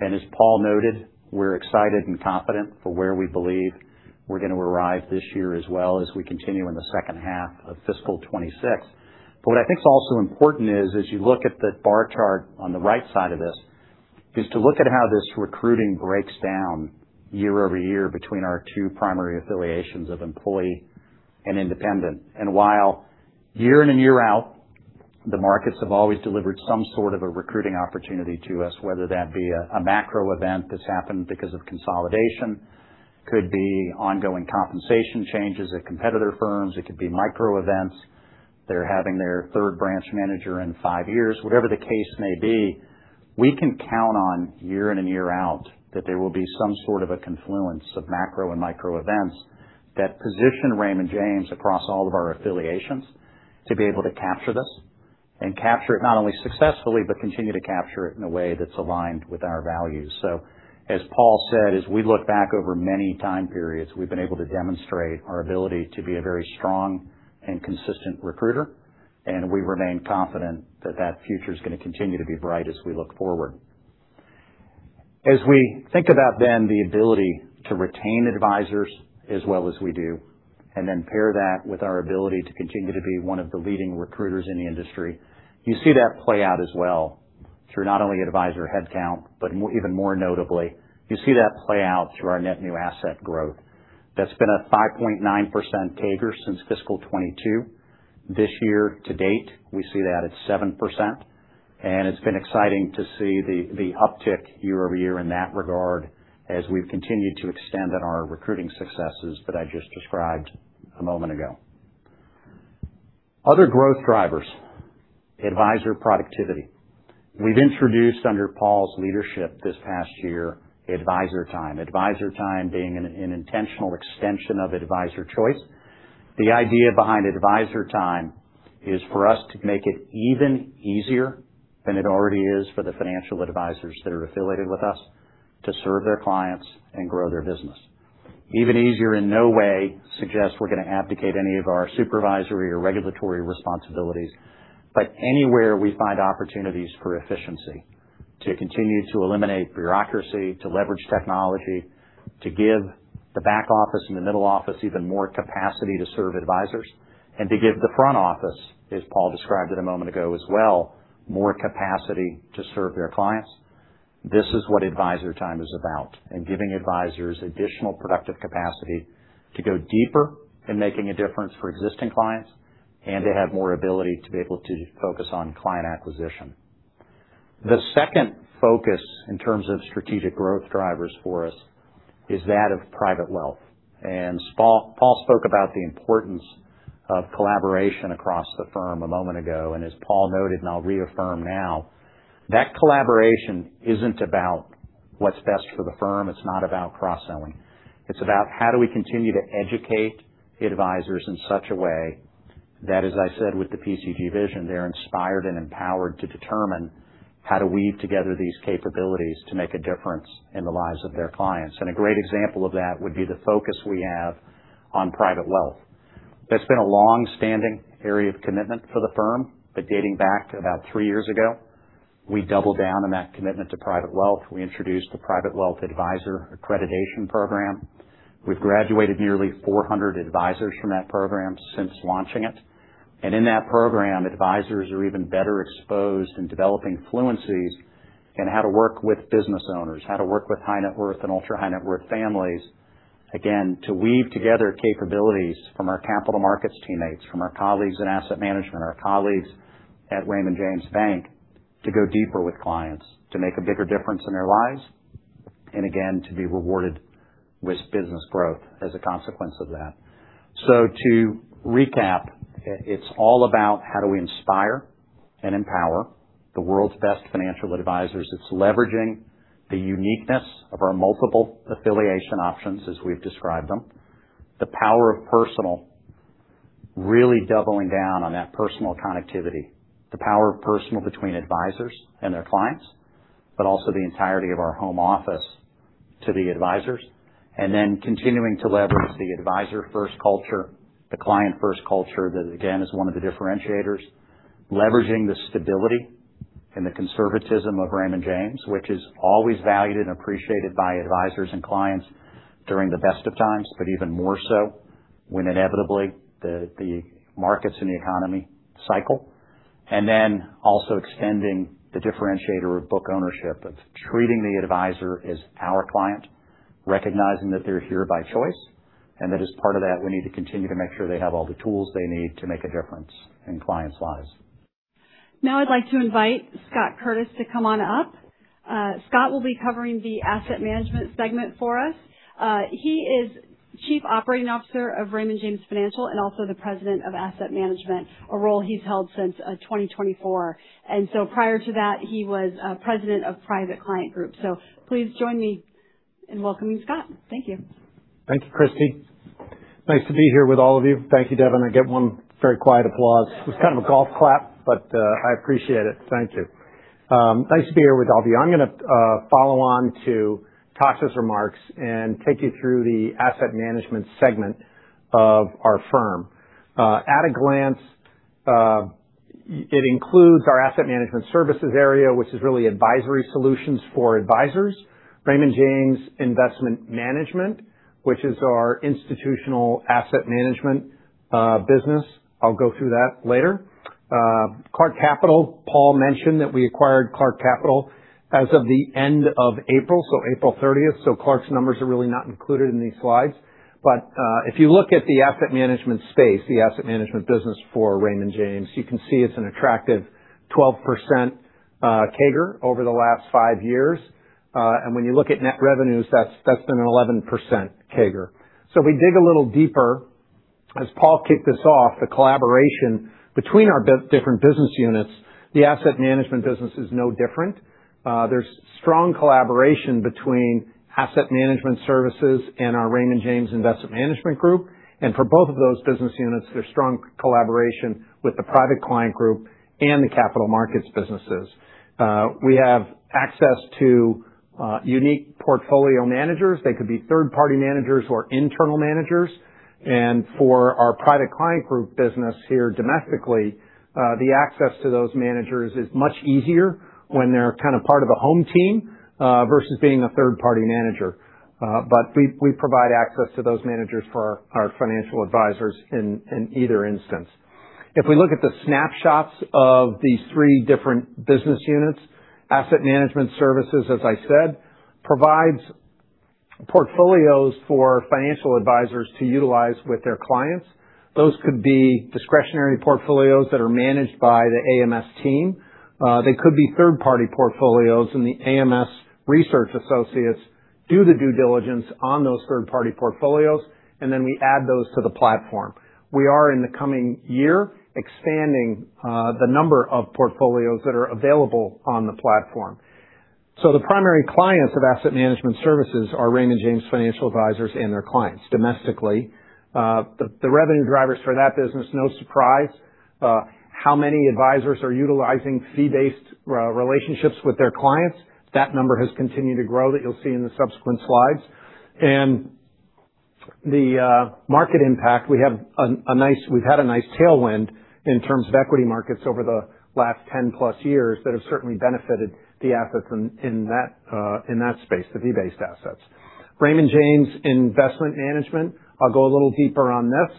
As Paul noted, we're excited and confident for where we believe we're going to arrive this year as well as we continue in the second half of fiscal 2026. What I think is also important is, as you look at the bar chart on the right side of this, is to look at how this recruiting breaks down year-over-year between our two primary affiliations of employee and independent. While year in and year out, the markets have always delivered some sort of a recruiting opportunity to us, whether that be a macro event that's happened because of consolidation, could be ongoing compensation changes at competitor firms, it could be micro events. They're having their third branch manager in five years. Whatever the case may be, we can count on year in and year out that there will be some sort of a confluence of macro and micro events that position Raymond James across all of our affiliations to be able to capture this and capture it not only successfully, but continue to capture it in a way that's aligned with our values. As Paul said, as we look back over many time periods, we've been able to demonstrate our ability to be a very strong and consistent recruiter, and we remain confident that future is going to continue to be bright as we look forward. As we think about then the ability to retain advisors as well as we do, and then pair that with our ability to continue to be one of the leading recruiters in the industry, you see that play out as well through not only advisor headcount, but even more notably, you see that play out through our net new asset growth. That's been a 5.9% CAGR since fiscal 2022. This year to date, we see that at 7%, and it's been exciting to see the uptick year-over-year in that regard as we've continued to extend on our recruiting successes that I just described a moment ago. Other growth drivers, advisor productivity. We've introduced under Paul's leadership this past year, Advisor Time. Advisor Time being an intentional extension of Advisor Choice. The idea behind Advisor Time is for us to make it even easier than it already is for the financial advisors that are affiliated with us to serve their clients and grow their business. Even easier in no way suggests we're going to abdicate any of our supervisory or regulatory responsibilities, but anywhere we find opportunities for efficiency to continue to eliminate bureaucracy, to leverage technology, to give the back office and the middle office even more capacity to serve advisors, and to give the front office, as Paul described it a moment ago as well, more capacity to serve their clients. This is what Advisor Time is about, and giving advisors additional productive capacity to go deeper in making a difference for existing clients and to have more ability to be able to focus on client acquisition. The second focus in terms of strategic growth drivers for us is that of private wealth. Paul spoke about the importance of collaboration across the firm a moment ago. As Paul noted, and I'll reaffirm now, that collaboration isn't about what's best for the firm. It's not about cross-selling. It's about how do we continue to educate the advisors in such a way that, as I said, with the PCG vision, they're inspired and empowered to determine how to weave together these capabilities to make a difference in the lives of their clients. A great example of that would be the focus we have on private wealth. That's been a long-standing area of commitment for the firm, but dating back to about three years ago, we doubled down on that commitment to private wealth. We introduced the Private Wealth Advisor Accreditation program. We've graduated nearly 400 advisors from that program since launching it. In that program, advisors are even better exposed in developing fluencies in how to work with business owners, how to work with high net worth and ultra-high net worth families, again, to weave together capabilities from our capital markets teammates, from our colleagues in asset management, our colleagues at Raymond James Bank, to go deeper with clients to make a bigger difference in their lives, again, to be rewarded with business growth as a consequence of that. To recap, it's all about how do we inspire and empower the world's best financial advisors. It's leveraging the uniqueness of our multiple affiliation options as we've described them. The power of personal, really doubling down on that personal connectivity, the power of personal between advisors and their clients, but also the entirety of our home office to the advisors, continuing to leverage the advisor-first culture, the client-first culture that again, is one of the differentiators. Leveraging the stability and the conservatism of Raymond James, which is always valued and appreciated by advisors and clients during the best of times, but even more so when inevitably the markets and the economy cycle. Also extending the differentiator of book ownership, of treating the advisor as our client, recognizing that they're here by choice, and that as part of that, we need to continue to make sure they have all the tools they need to make a difference in clients' lives. Now I'd like to invite Scott Curtis to come on up. Scott will be covering the Asset Management segment for us. He is Chief Operating Officer of Raymond James Financial and also the President of Asset Management, a role he's held since 2024. Prior to that, he was President of Private Client Group. Please join me in welcoming Scott. Thank you. Thank you, Kristie. Nice to be here with all of you. Thank you, Devin. I get one very quiet applause. It's kind of a golf clap. I appreciate it. Thank you. Nice to be here with all of you. I'm going to follow on to Tash's remarks and take you through the Asset Management Segment of our firm. At a glance, it includes our Asset Management Services area, which is really advisory solutions for advisors. Raymond James Investment Management, which is our institutional asset management business. I'll go through that later. Clark Capital, Paul mentioned that we acquired Clark Capital as of the end of April 30th. Clark's numbers are really not included in these slides. If you look at the asset management space, the asset management business for Raymond James, you can see it's an attractive 12% CAGR over the last five years. When you look at net revenues, that's been an 11% CAGR. If we dig a little deeper, as Paul kicked us off, the collaboration between our different business units, the asset management business is no different. There's strong collaboration between asset management services and our Raymond James Investment Management group. For both of those business units, there's strong collaboration with the Private Client Group and the Capital Markets businesses. We have access to unique portfolio managers. They could be third-party managers or internal managers. For our Private Client Group business here domestically, the access to those managers is much easier when they're kind of part of a home team versus being a third-party manager. We provide access to those managers for our financial advisors in either instance. If we look at the snapshots of these three different business units, Asset Management Services, as I said, provides portfolios for financial advisors to utilize with their clients. Those could be discretionary portfolios that are managed by the AMS team. They could be third-party portfolios. The AMS research associates do the due diligence on those third-party portfolios, then we add those to the platform. We are, in the coming year, expanding the number of portfolios that are available on the platform. The primary clients of Asset Management Services are Raymond James financial advisors and their clients domestically. The revenue drivers for that business, no surprise. How many advisors are utilizing fee-based relationships with their clients? That number has continued to grow that you'll see in the subsequent slides. The market impact, we've had a nice tailwind in terms of equity markets over the last 10+ years that have certainly benefited the assets in that space, the fee-based assets. Raymond James Investment Management, I'll go a little deeper on this.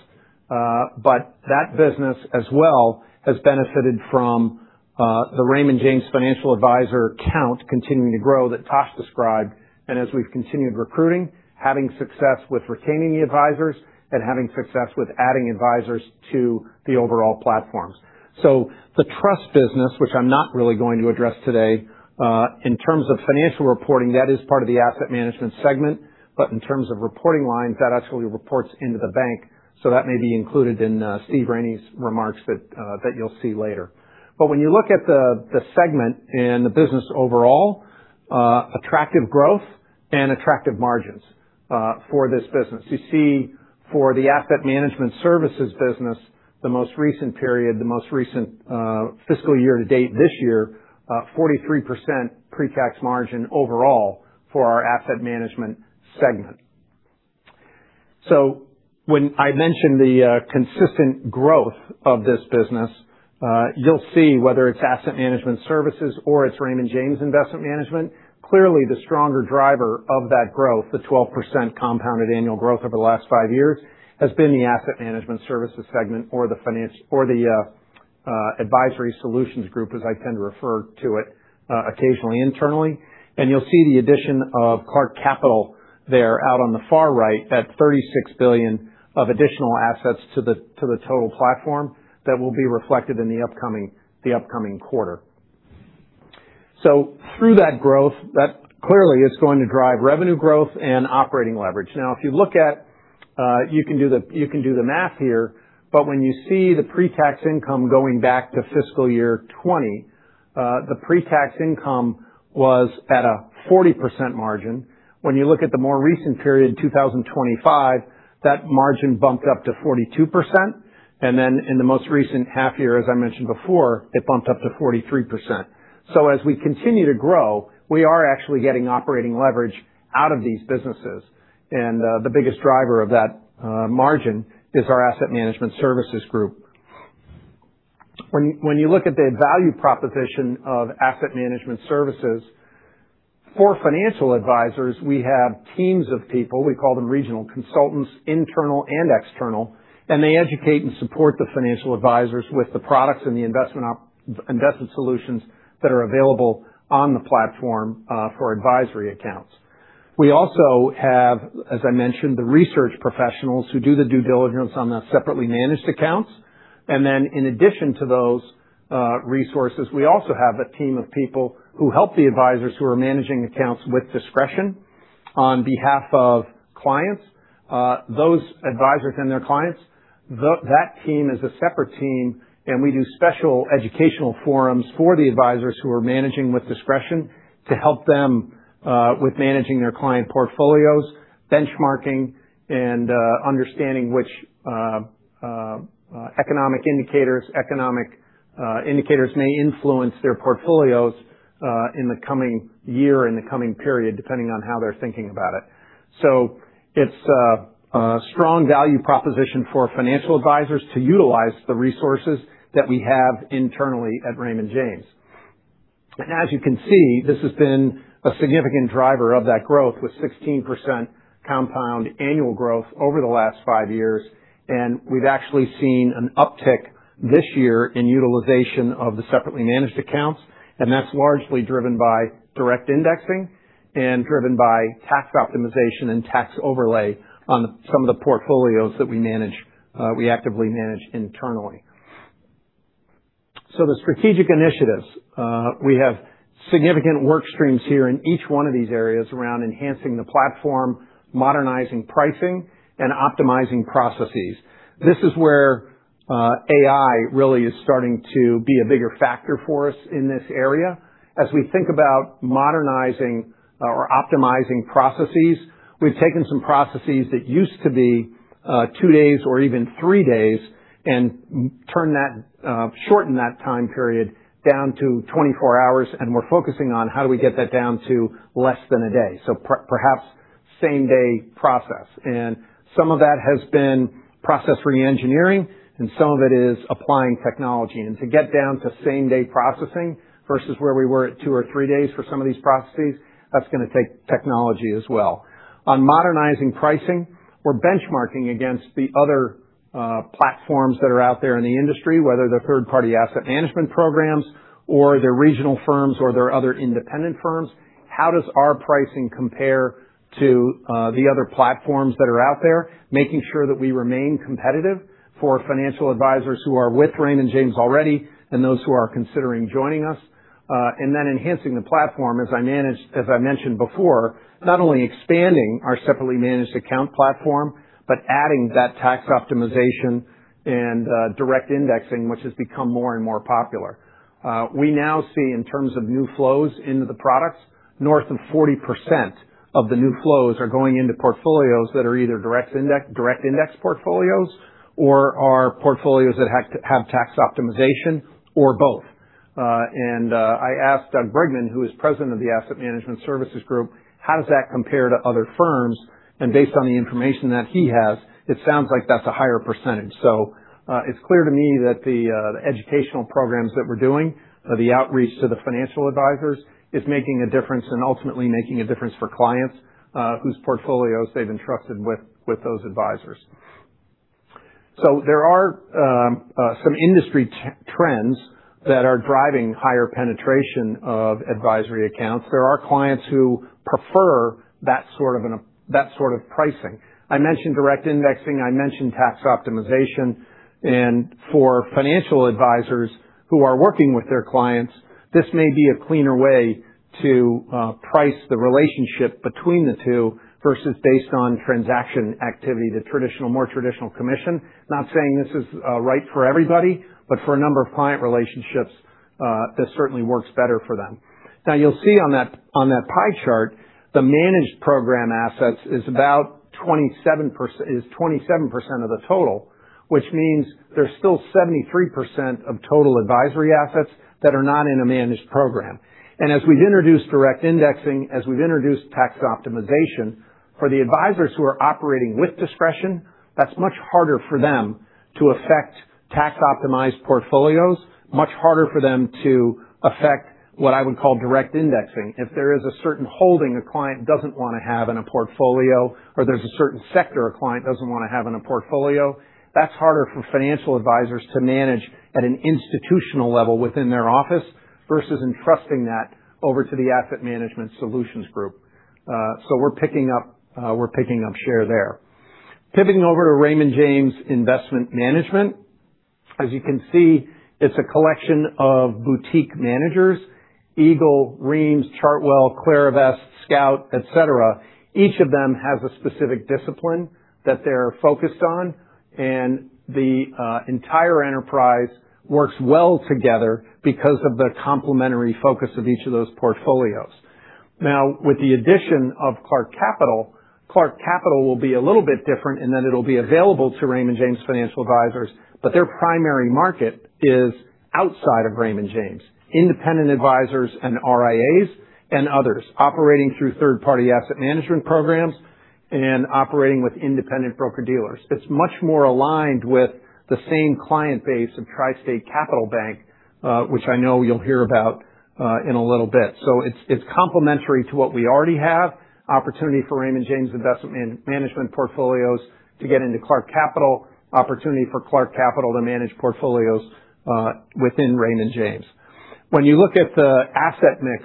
That business as well has benefited from the Raymond James financial advisor count continuing to grow that Tash described, and as we've continued recruiting, having success with retaining the advisors, and having success with adding advisors to the overall platforms. The trust business, which I'm not really going to address today, in terms of financial reporting, that is part of the asset management segment. In terms of reporting lines, that actually reports into the bank. That may be included in Steve Raney's remarks that you'll see later. When you look at the segment and the business overall, attractive growth and attractive margins for this business. You see for the asset management services business, the most recent period, the most recent fiscal year to date this year, 43% pre-tax margin overall for our asset management segment. When I mentioned the consistent growth of this business, you'll see whether it's asset management services or it's Raymond James Investment Management. Clearly, the stronger driver of that growth, the 12% compounded annual growth over the last five years, has been the asset management services segment or the advisory solutions group, as I tend to refer to it occasionally internally. You'll see the addition of Clark Capital there out on the far right, that 36 billion of additional assets to the total platform that will be reflected in the upcoming quarter. Through that growth, that clearly is going to drive revenue growth and operating leverage. If you look at, you can do the math here, but when you see the pre-tax income going back to fiscal year 2020, the pre-tax income was at a 40% margin. You look at the more recent period, 2025, that margin bumped up to 42%. In the most recent half year, as I mentioned before, it bumped up to 43%. As we continue to grow, we are actually getting operating leverage out of these businesses. The biggest driver of that margin is our Asset Management Services group. When you look at the value proposition of Asset Management Services, for financial advisors, we have teams of people, we call them regional consultants, internal and external, and they educate and support the financial advisors with the products and the investment solutions that are available on the platform for advisory accounts. We also have, as I mentioned, the research professionals who do the due diligence on the separately managed accounts. In addition to those resources, we also have a team of people who help the advisors who are managing accounts with discretion on behalf of clients. Those advisors and their clients, that team is a separate team. We do special educational forums for the advisors who are managing with discretion to help them with managing their client portfolios, benchmarking, and understanding which economic indicators may influence their portfolios in the coming year, in the coming period, depending on how they're thinking about it. It's a strong value proposition for financial advisors to utilize the resources that we have internally at Raymond James. As you can see, this has been a significant driver of that growth, with 16% compound annual growth over the last five years. We've actually seen an uptick this year in utilization of the separately managed accounts. That's largely driven by direct indexing and driven by tax optimization and tax overlay on some of the portfolios that we actively manage internally. We have significant work streams here in each one of these areas around enhancing the platform, modernizing pricing, and optimizing processes. This is where AI really is starting to be a bigger factor for us in this area. As we think about modernizing or optimizing processes, we've taken some processes that used to be two days or even three days and shortened that time period down to 24 hours. We're focusing on how do we get that down to less than a day. Perhaps same-day process. Some of that has been process re-engineering, and some of it is applying technology. To get down to same-day processing versus where we were at two or three days for some of these processes, that's going to take technology as well. On modernizing pricing, we're benchmarking against the other platforms that are out there in the industry, whether they're third-party asset management programs or they're regional firms or they're other independent firms. How does our pricing compare to the other platforms that are out there? Making sure that we remain competitive for financial advisors who are with Raymond James already and those who are considering joining us. Enhancing the platform, as I mentioned before, not only expanding our separately managed account platform, but adding that tax optimization and direct indexing, which has become more and more popular. We now see in terms of new flows into the products, north of 40% of the new flows are going into portfolios that are either direct index portfolios or are portfolios that have tax optimization or both. I asked Doug Brigman, who is President of the Asset Management Services group, how does that compare to other firms? Based on the information that he has, it sounds like that's a higher percentage. It's clear to me that the educational programs that we're doing, the outreach to the financial advisors is making a difference and ultimately making a difference for clients whose portfolios they've entrusted with those advisors. There are some industry trends that are driving higher penetration of advisory accounts. There are clients who prefer that sort of pricing. I mentioned direct indexing. I mentioned tax optimization. For financial advisors who are working with their clients, this may be a cleaner way to price the relationship between the two versus based on transaction activity, the more traditional commission. Not saying this is right for everybody, but for a number of client relationships, this certainly works better for them. You'll see on that pie chart, the managed program assets is 27% of the total, which means there's still 73% of total advisory assets that are not in a managed program. As we've introduced direct indexing, as we've introduced tax optimization, for the advisors who are operating with discretion, that's much harder for them to affect tax-optimized portfolios, much harder for them to affect what I would call direct indexing. If there is a certain holding a client doesn't want to have in a portfolio, or there's a certain sector a client doesn't want to have in a portfolio, that's harder for financial advisors to manage at an institutional level within their office versus entrusting that over to the asset management solutions group. We're picking up share there. Pivoting over to Raymond James Investment Management. As you can see, it's a collection of boutique managers, Eagle, Reams, Chartwell, ClariVest, Scout, etc. Each of them has a specific discipline that they're focused on, and the entire enterprise works well together because of the complementary focus of each of those portfolios. With the addition of Clark Capital, Clark Capital will be a little bit different in that it'll be available to Raymond James financial advisors, but their primary market is outside of Raymond James, independent advisors and RIAs and others operating through third-party asset management programs and operating with independent broker-dealers. It's much more aligned with the same client base of TriState Capital Bank, which I know you'll hear about in a little bit. It's complementary to what we already have. Opportunity for Raymond James Investment Management portfolios to get into Clark Capital. Opportunity for Clark Capital to manage portfolios within Raymond James. When you look at the asset mix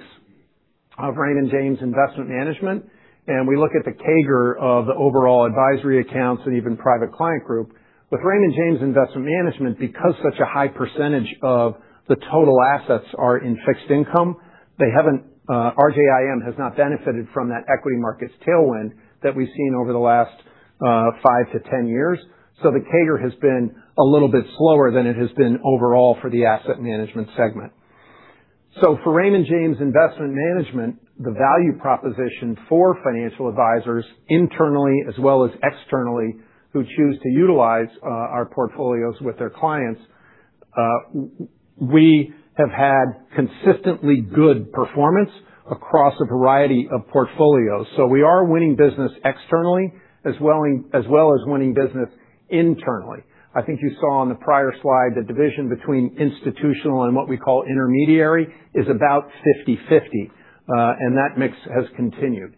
of Raymond James Investment Management, and we look at the CAGR of the overall advisory accounts and even Private Client Group, with Raymond James Investment Management because such a high percentage of the total assets are in fixed income, RJIM has not benefited from that equity market's tailwind that we've seen over the last 5-10 years. The CAGR has been a little bit slower than it has been overall for the asset management segment. For Raymond James Investment Management, the value proposition for financial advisors internally as well as externally, who choose to utilize our portfolios with their clients, we have had consistently good performance across a variety of portfolios. We are winning business externally as well as winning business internally. I think you saw on the prior slide, the division between institutional and what we call intermediary is about 50/50. That mix has continued.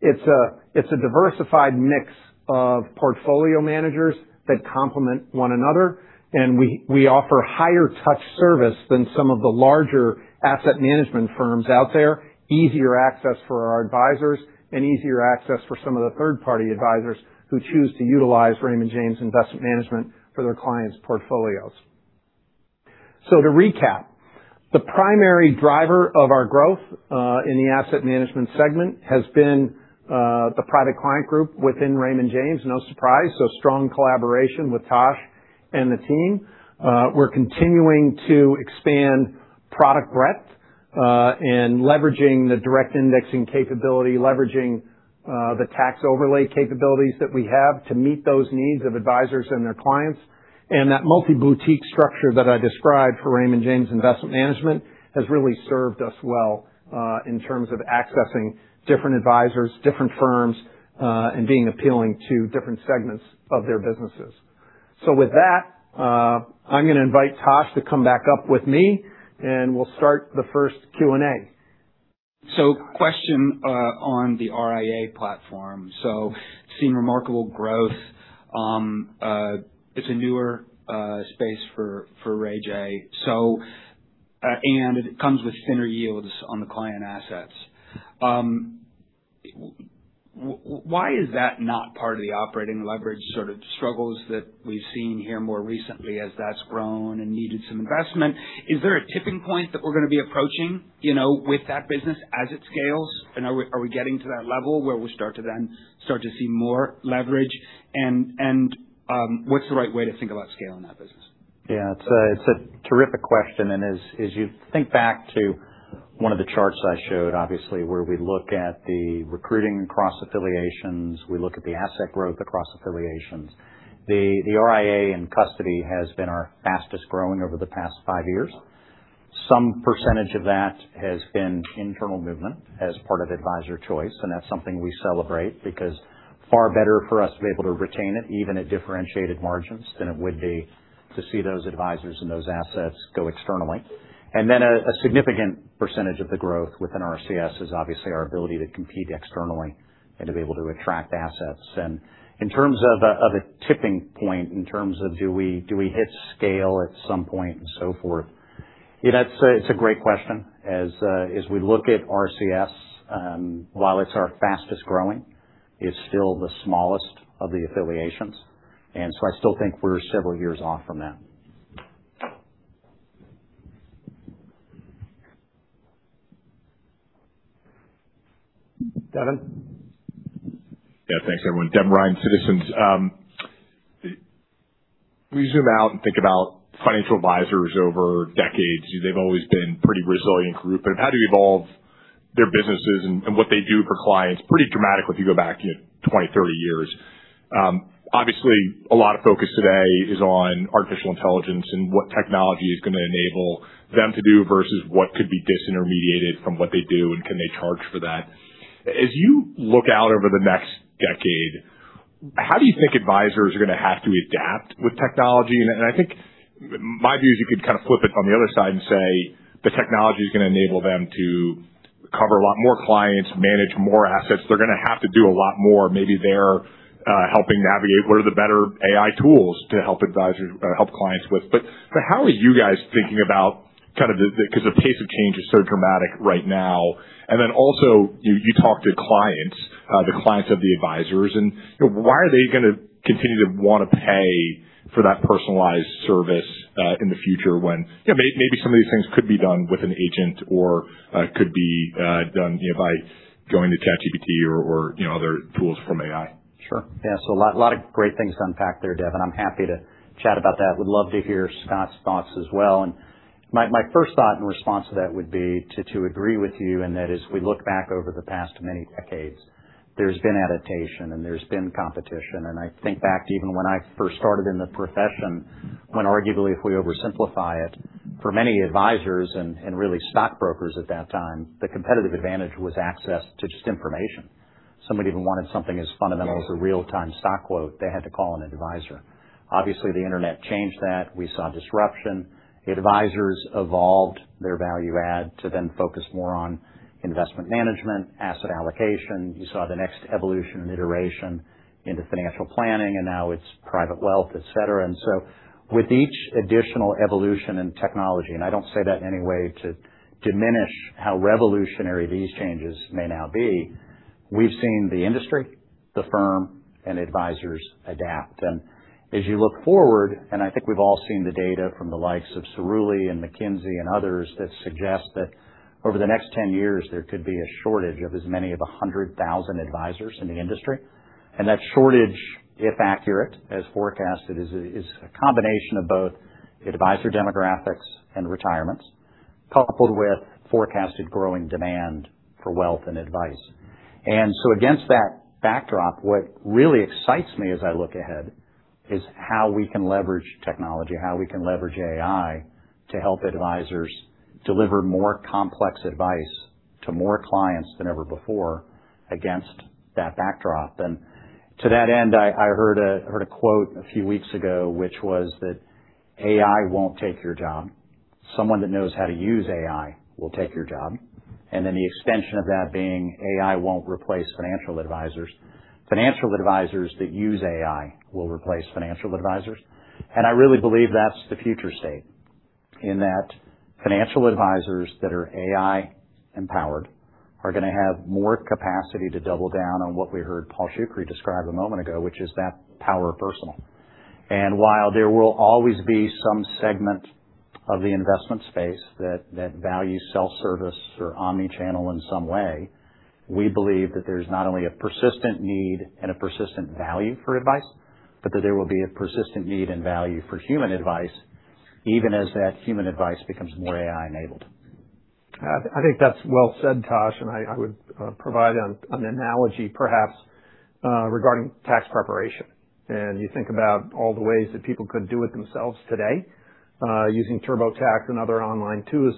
It's a diversified mix of portfolio managers that complement one another, and we offer higher touch service than some of the larger asset management firms out there, easier access for our advisors, and easier access for some of the third-party advisors who choose to utilize Raymond James Investment Management for their clients' portfolios. To recap, the primary driver of our growth, in the asset management segment, has been the Private Client Group within Raymond James. No surprise. Strong collaboration with Tash and the team. We're continuing to expand product breadth, leveraging the direct indexing capability, leveraging the tax overlay capabilities that we have to meet those needs of advisors and their clients. That multi-boutique structure that I described for Raymond James Investment Management has really served us well, in terms of accessing different advisors, different firms, and being appealing to different segments of their businesses. With that, I'm going to invite Tash to come back up with me, and we'll start the first Q&A. Question on the RIA platform. Seeing remarkable growth. It's a newer space for Raymond James. It comes with thinner yields on the client assets. Why is that not part of the operating leverage sort of struggles that we've seen here more recently as that's grown and needed some investment? Is there a tipping point that we're going to be approaching, with that business as it scales? Are we getting to that level where we start to then see more leverage? What's the right way to think about scaling that business? Yeah, it's a terrific question. As you think back to one of the charts I showed, obviously, where we look at the recruiting across affiliations, we look at the asset growth across affiliations. The RIA and custody has been our fastest-growing over the past five years. Some percentage of that has been internal movement as part of Advisor Choice, and that's something we celebrate because far better for us to be able to retain it, even at differentiated margins than it would be to see those advisors and those assets go externally. A significant percentage of the growth within RCS is obviously our ability to compete externally and to be able to attract assets. In terms of a tipping point, in terms of do we hit scale at some point and so forth? It's a great question. As we look at RCS, while it's our fastest-growing, it's still the smallest of the affiliations. I still think we're several years off from that. Devin? Thanks everyone. Devin Ryan, Citizens JMP. We zoom out and think about financial advisors over decades, they've always been a pretty resilient group, but have had to evolve their businesses and what they do for clients pretty dramatically if you go back 20, 30 years. Obviously, a lot of focus today is on artificial intelligence and what technology is going to enable them to do versus what could be disintermediated from what they do, and can they charge for that? As you look out over the next decade, how do you think advisors are going to have to adapt with technology? I think my view is you could kind of flip it on the other side and say the technology's going to enable them to cover a lot more clients, manage more assets. They're going to have to do a lot more. Maybe they're helping navigate what are the better AI tools to help clients with. How are you guys thinking about the Because the pace of change is so dramatic right now? Also, you talk to clients, the clients of the advisors, and why are they going to continue to want to pay for that personalized service in the future when maybe some of these things could be done with an agent or could be done by going to ChatGPT or other tools from AI? A lot of great things to unpack there, Devin. I am happy to chat about that. Would love to hear Scott's thoughts as well. My first thought and response to that would be to agree with you, and that as we look back over the past many decades, there's been adaptation and there's been competition. I think back to even when I first started in the profession, when arguably if we oversimplify it, for many advisors and really stockbrokers at that time, the competitive advantage was access to just information. Somebody even wanted something as fundamental as a real-time stock quote, they had to call an advisor. Obviously, the internet changed that. We saw disruption. The advisors evolved their value add to then focus more on investment management, asset allocation. You saw the next evolution and iteration into financial planning, and now it's private wealth, etc. With each additional evolution in technology, and I don't say that in any way to diminish how revolutionary these changes may now be, we've seen the industry, the firm, and advisors adapt. As you look forward, and I think we've all seen the data from the likes of Cerulli and McKinsey and others that suggest that over the next 10 years, there could be a shortage of as many of 100,000 advisors in the industry. That shortage, if accurate, as forecasted, is a combination of both advisor demographics and retirements, coupled with forecasted growing demand for wealth and advice. Against that backdrop, what really excites me as I look ahead is how we can leverage technology, how we can leverage AI to help advisors deliver more complex advice to more clients than ever before against that backdrop. To that end, I heard a quote a few weeks ago, which was that AI won't take your job. Someone that knows how to use AI will take your job. The extension of that being AI won't replace financial advisors. Financial advisors that use AI will replace financial advisors. I really believe that's the future state, in that financial advisors that are AI-empowered are going to have more capacity to double down on what we heard Paul Shoukry describe a moment ago, which is that power of personal. While there will always be some segment of the investment space that values self-service or omni-channel in some way, we believe that there's not only a persistent need and a persistent value for advice, but that there will be a persistent need and value for human advice, even as that human advice becomes more AI-enabled. I think that's well said, Tash, I would provide an analogy perhaps, regarding tax preparation. You think about all the ways that people could do it themselves today, using TurboTax and other online tools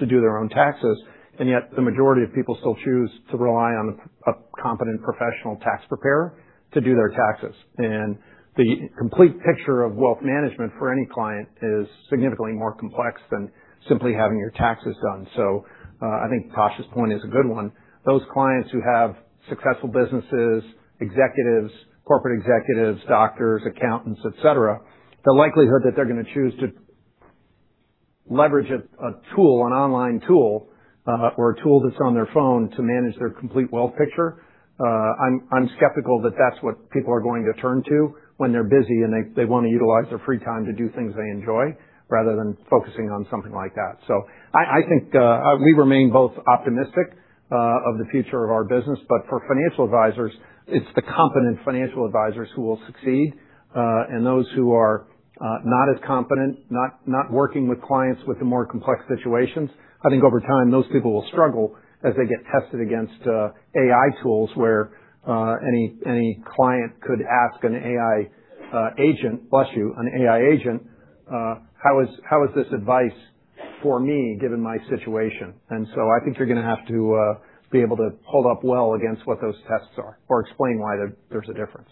to do their own taxes, yet the majority of people still choose to rely on a competent professional tax preparer to do their taxes. The complete picture of wealth management for any client is significantly more complex than simply having your taxes done. I think Tash's point is a good one. Those clients who have successful businesses, executives, corporate executives, doctors, accountants, etc, the likelihood that they're going to choose to leverage a tool, an online tool, or a tool that's on their phone to manage their complete wealth picture, I'm skeptical that that's what people are going to turn to when they're busy and they want to utilize their free time to do things they enjoy rather than focusing on something like that. I think we remain both optimistic of the future of our business, but for financial advisors, it's the competent financial advisors who will succeed. Those who are not as competent, not working with clients with the more complex situations, I think over time, those people will struggle as they get tested against AI tools where any client could ask an AI agent, "How is this advice for me, given my situation?" I think you're going to have to be able to hold up well against what those tests are or explain why there's a difference.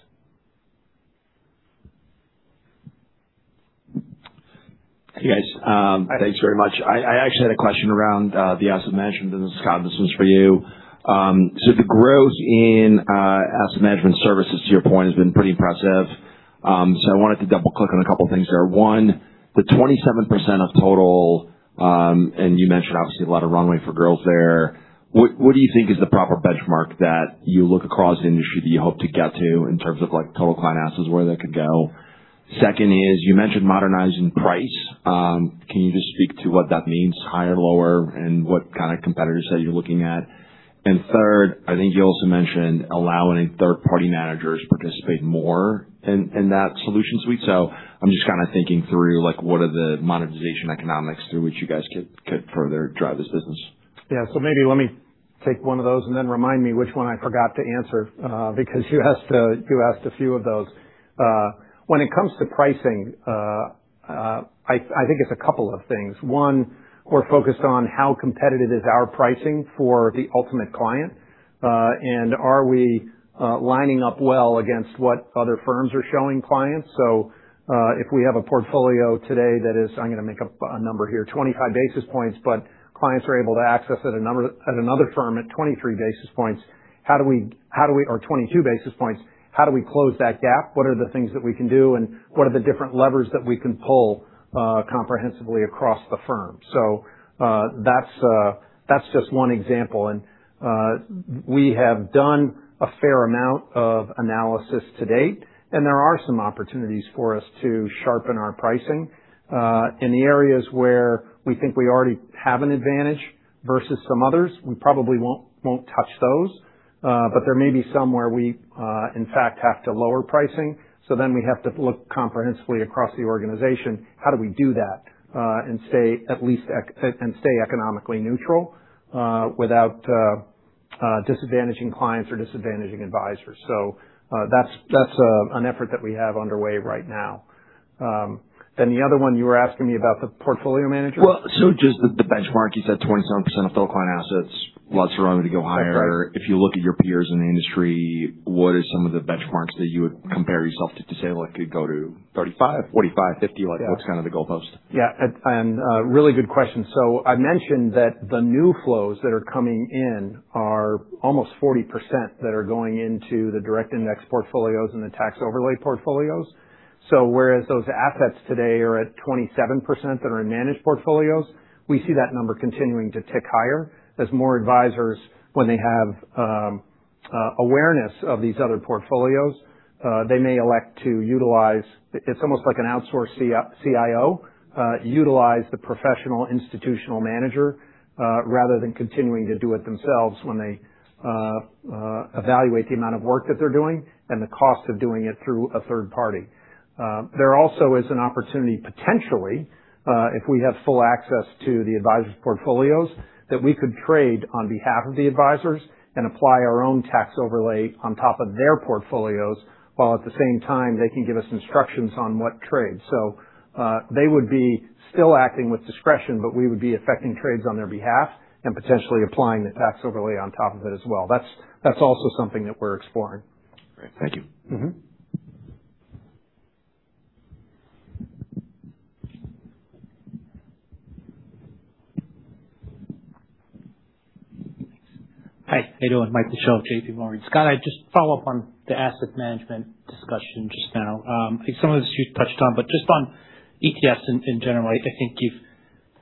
Hey, guys. Thanks very much. I actually had a question around the asset management business. Scott, this one's for you. The growth in Asset Management Services, to your point, has been pretty impressive. I wanted to double-click on a couple things there. One, the 27% of total. You mentioned, obviously, a lot of runway for growth there. What do you think is the proper benchmark that you look across the industry that you hope to get to in terms of total client assets, where that could go? Second is, you mentioned modernizing price. Can you just speak to what that means, higher, lower, and what kind of competitors are you looking at? Third, I think you also mentioned allowing third-party managers to participate more in that solution suite. I'm just thinking through, what are the monetization economics through which you guys could further drive this business? Yeah. Maybe let me take one of those then remind me which one I forgot to answer, because you asked a few of those. When it comes to pricing, I think it's a couple of things. One, we're focused on how competitive is our pricing for the ultimate client. Are we lining up well against what other firms are showing clients? If we have a portfolio today that is, I'm going to make up a number here, 25 basis points, but clients are able to access at another firm at 23 basis points or 22 basis points. How do we close that gap? What are the things that we can do, and what are the different levers that we can pull comprehensively across the firm? That's just one example. We have done a fair amount of analysis to date. There are some opportunities for us to sharpen our pricing. In the areas where we think we already have an advantage versus some others, we probably won't touch those. There may be some where we, in fact, have to lower pricing. We have to look comprehensively across the organization. How do we do that, and stay economically neutral, without disadvantaging clients or disadvantaging advisors? That's an effort that we have underway right now. The other one you were asking me about the portfolio manager? Just the benchmark, you said 27% of total client assets, lots of room to go higher. If you look at your peers in the industry, what are some of the benchmarks that you would compare yourself to say, like, could go to 35, 45, 50? Like, what's kind of the goalpost? Yeah. Really good question. I mentioned that the new flows that are coming in are almost 40% that are going into the direct index portfolios and the tax overlay portfolios. Whereas those assets today are at 27% that are in managed portfolios, we see that number continuing to tick higher as more advisors, when they have awareness of these other portfolios, it's almost like an outsourced CIO. Utilize the professional institutional manager, rather than continuing to do it themselves when they evaluate the amount of work that they're doing and the cost of doing it through a third party. There also is an opportunity, potentially, if we have full access to the advisors' portfolios, that we could trade on behalf of the advisors and apply our own tax overlay on top of their portfolios, while at the same time, they can give us instructions on what trade. They would be still acting with discretion, but we would be effecting trades on their behalf and potentially applying the tax overlay on top of it as well. That's also something that we're exploring. Great. Thank you. Hi, how you doing? Michael Cho, JPMorgan. Scott, I just follow up on the asset management discussion just now. I think some of this you've touched on, but just on ETFs in general, I think you've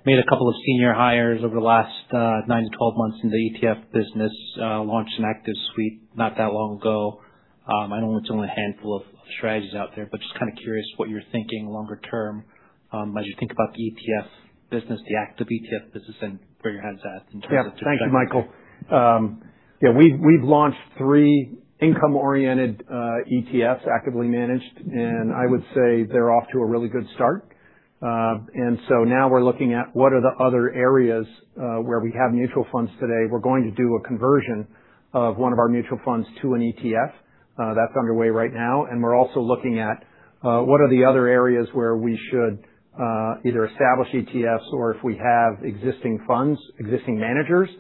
made a couple of senior hires over the last 9-12 months in the ETF business. Launched an active suite not that long ago. I know it's only a handful of strategies out there, but just kind of curious what you're thinking longer term, as you think about the ETF business, the active ETF business. Thank you, Michael. We've launched three income-oriented ETFs, actively managed, I would say they're off to a really good start. Now we're looking at what are the other areas where we have mutual funds today. We're going to do a conversion of one of our mutual funds to an ETF. That's underway right now. We're also looking at, what are the other areas where we should either establish ETFs or if we have existing funds, existing managers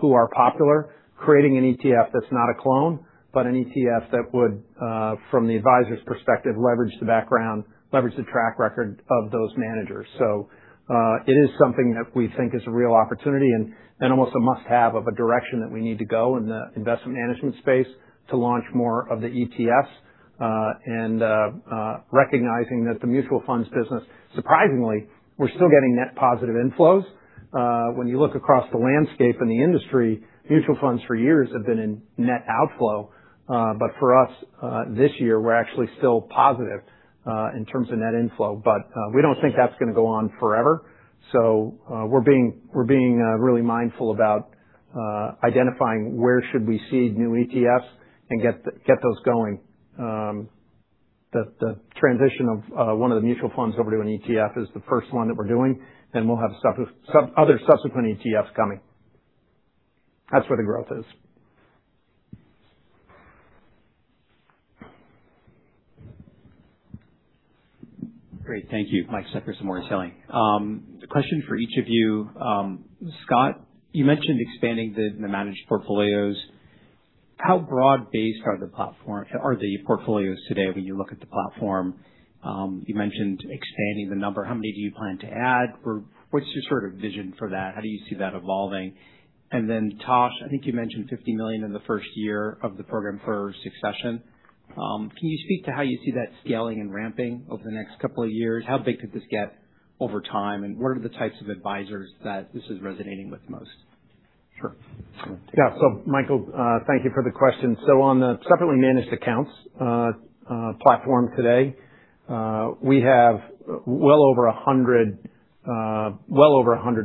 who are popular, creating an ETF that's not a clone, but an ETF that would, from the advisor's perspective, leverage the background, leverage the track record of those managers. It is something that we think is a real opportunity and almost a must-have of a direction that we need to go in the investment management space to launch more of the ETFs. Recognizing that the mutual funds business, surprisingly, we're still getting net positive inflows. When you look across the landscape in the industry, mutual funds for years have been in net outflow. For us, this year, we're actually still positive, in terms of net inflow. We don't think that's going to go on forever. We're being really mindful about identifying where should we seed new ETFs and get those going. The transition of one of the mutual funds over to an ETF is the first one that we're doing, and we'll have other subsequent ETFs coming. That's where the growth is. Great. Thank you. Michael Cyprys, Morgan Stanley. A question for each of you. Scott, you mentioned expanding the managed portfolios. How broad-based are the portfolios today when you look at the platform? You mentioned expanding the number. How many do you plan to add, or what's your sort of vision for that? How do you see that evolving? Tash Elwyn, I think you mentioned $50 million in the first year of the program for succession. Can you speak to how you see that scaling and ramping over the next couple of years? How big could this get over time, and what are the types of advisors that this is resonating with most? Sure. Yeah. Michael, thank you for the question. On the separately managed accounts platform today, we have well over 100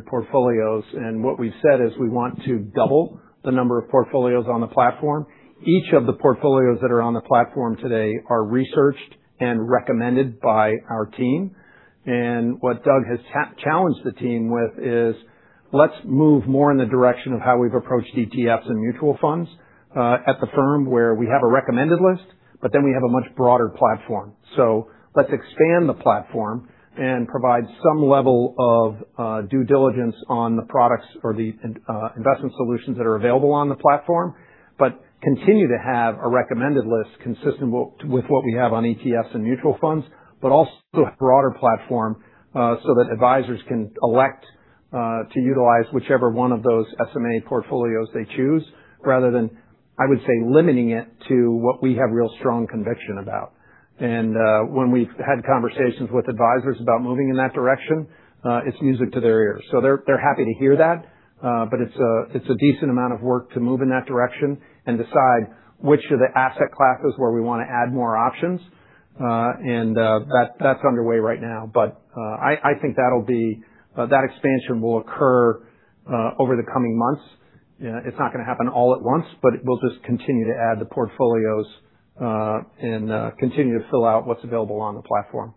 portfolios, and what we've said is we want to double the number of portfolios on the platform. Each of the portfolios that are on the platform today are researched and recommended by our team. What Doug has challenged the team with is, let's move more in the direction of how we've approached ETFs and mutual funds, at the firm where we have a recommended list, but then we have a much broader platform. Let's expand the platform and provide some level of due diligence on the products or the investment solutions that are available on the platform, but continue to have a recommended list consistent with what we have on ETFs and mutual funds, but also a broader platform, so that advisors can elect to utilize whichever one of those SMA portfolios they choose rather than, I would say, limiting it to what we have real strong conviction about. When we've had conversations with advisors about moving in that direction, it's music to their ears. They're happy to hear that, but it's a decent amount of work to move in that direction and decide which of the asset classes where we want to add more options. That's underway right now. I think that expansion will occur over the coming months. It's not going to happen all at once, we'll just continue to add the portfolios, and continue to fill out what's available on the platform.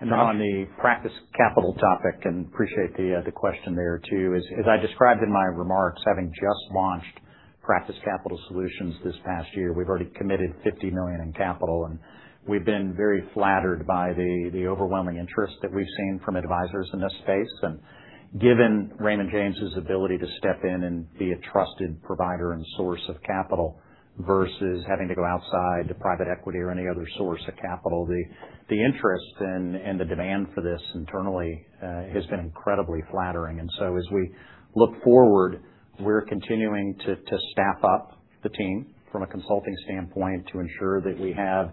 On the Practice Capital topic, appreciate the question there too. As I described in my remarks, having just launched Practice Capital Solutions this past year, we've already committed $50 million in capital, and we've been very flattered by the overwhelming interest that we've seen from advisors in this space. Given Raymond James' ability to step in and be a trusted provider and source of capital versus having to go outside to private equity or any other source of capital, the interest and the demand for this internally has been incredibly flattering. As we look forward, we're continuing to staff up the team from a consulting standpoint to ensure that we have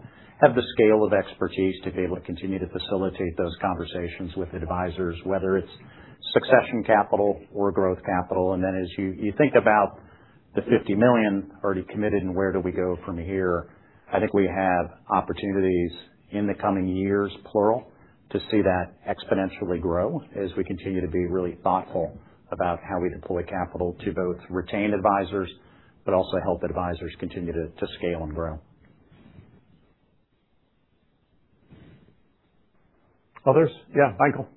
the scale of expertise to be able to continue to facilitate those conversations with advisors, whether it's succession capital or growth capital. As you think about the $50 million already committed and where do we go from here, I think we have opportunities in the coming years, plural, to see that exponentially grow as we continue to be really thoughtful about how we deploy capital to both retain advisors but also help advisors continue to scale and grow. Others? Yeah, Michael.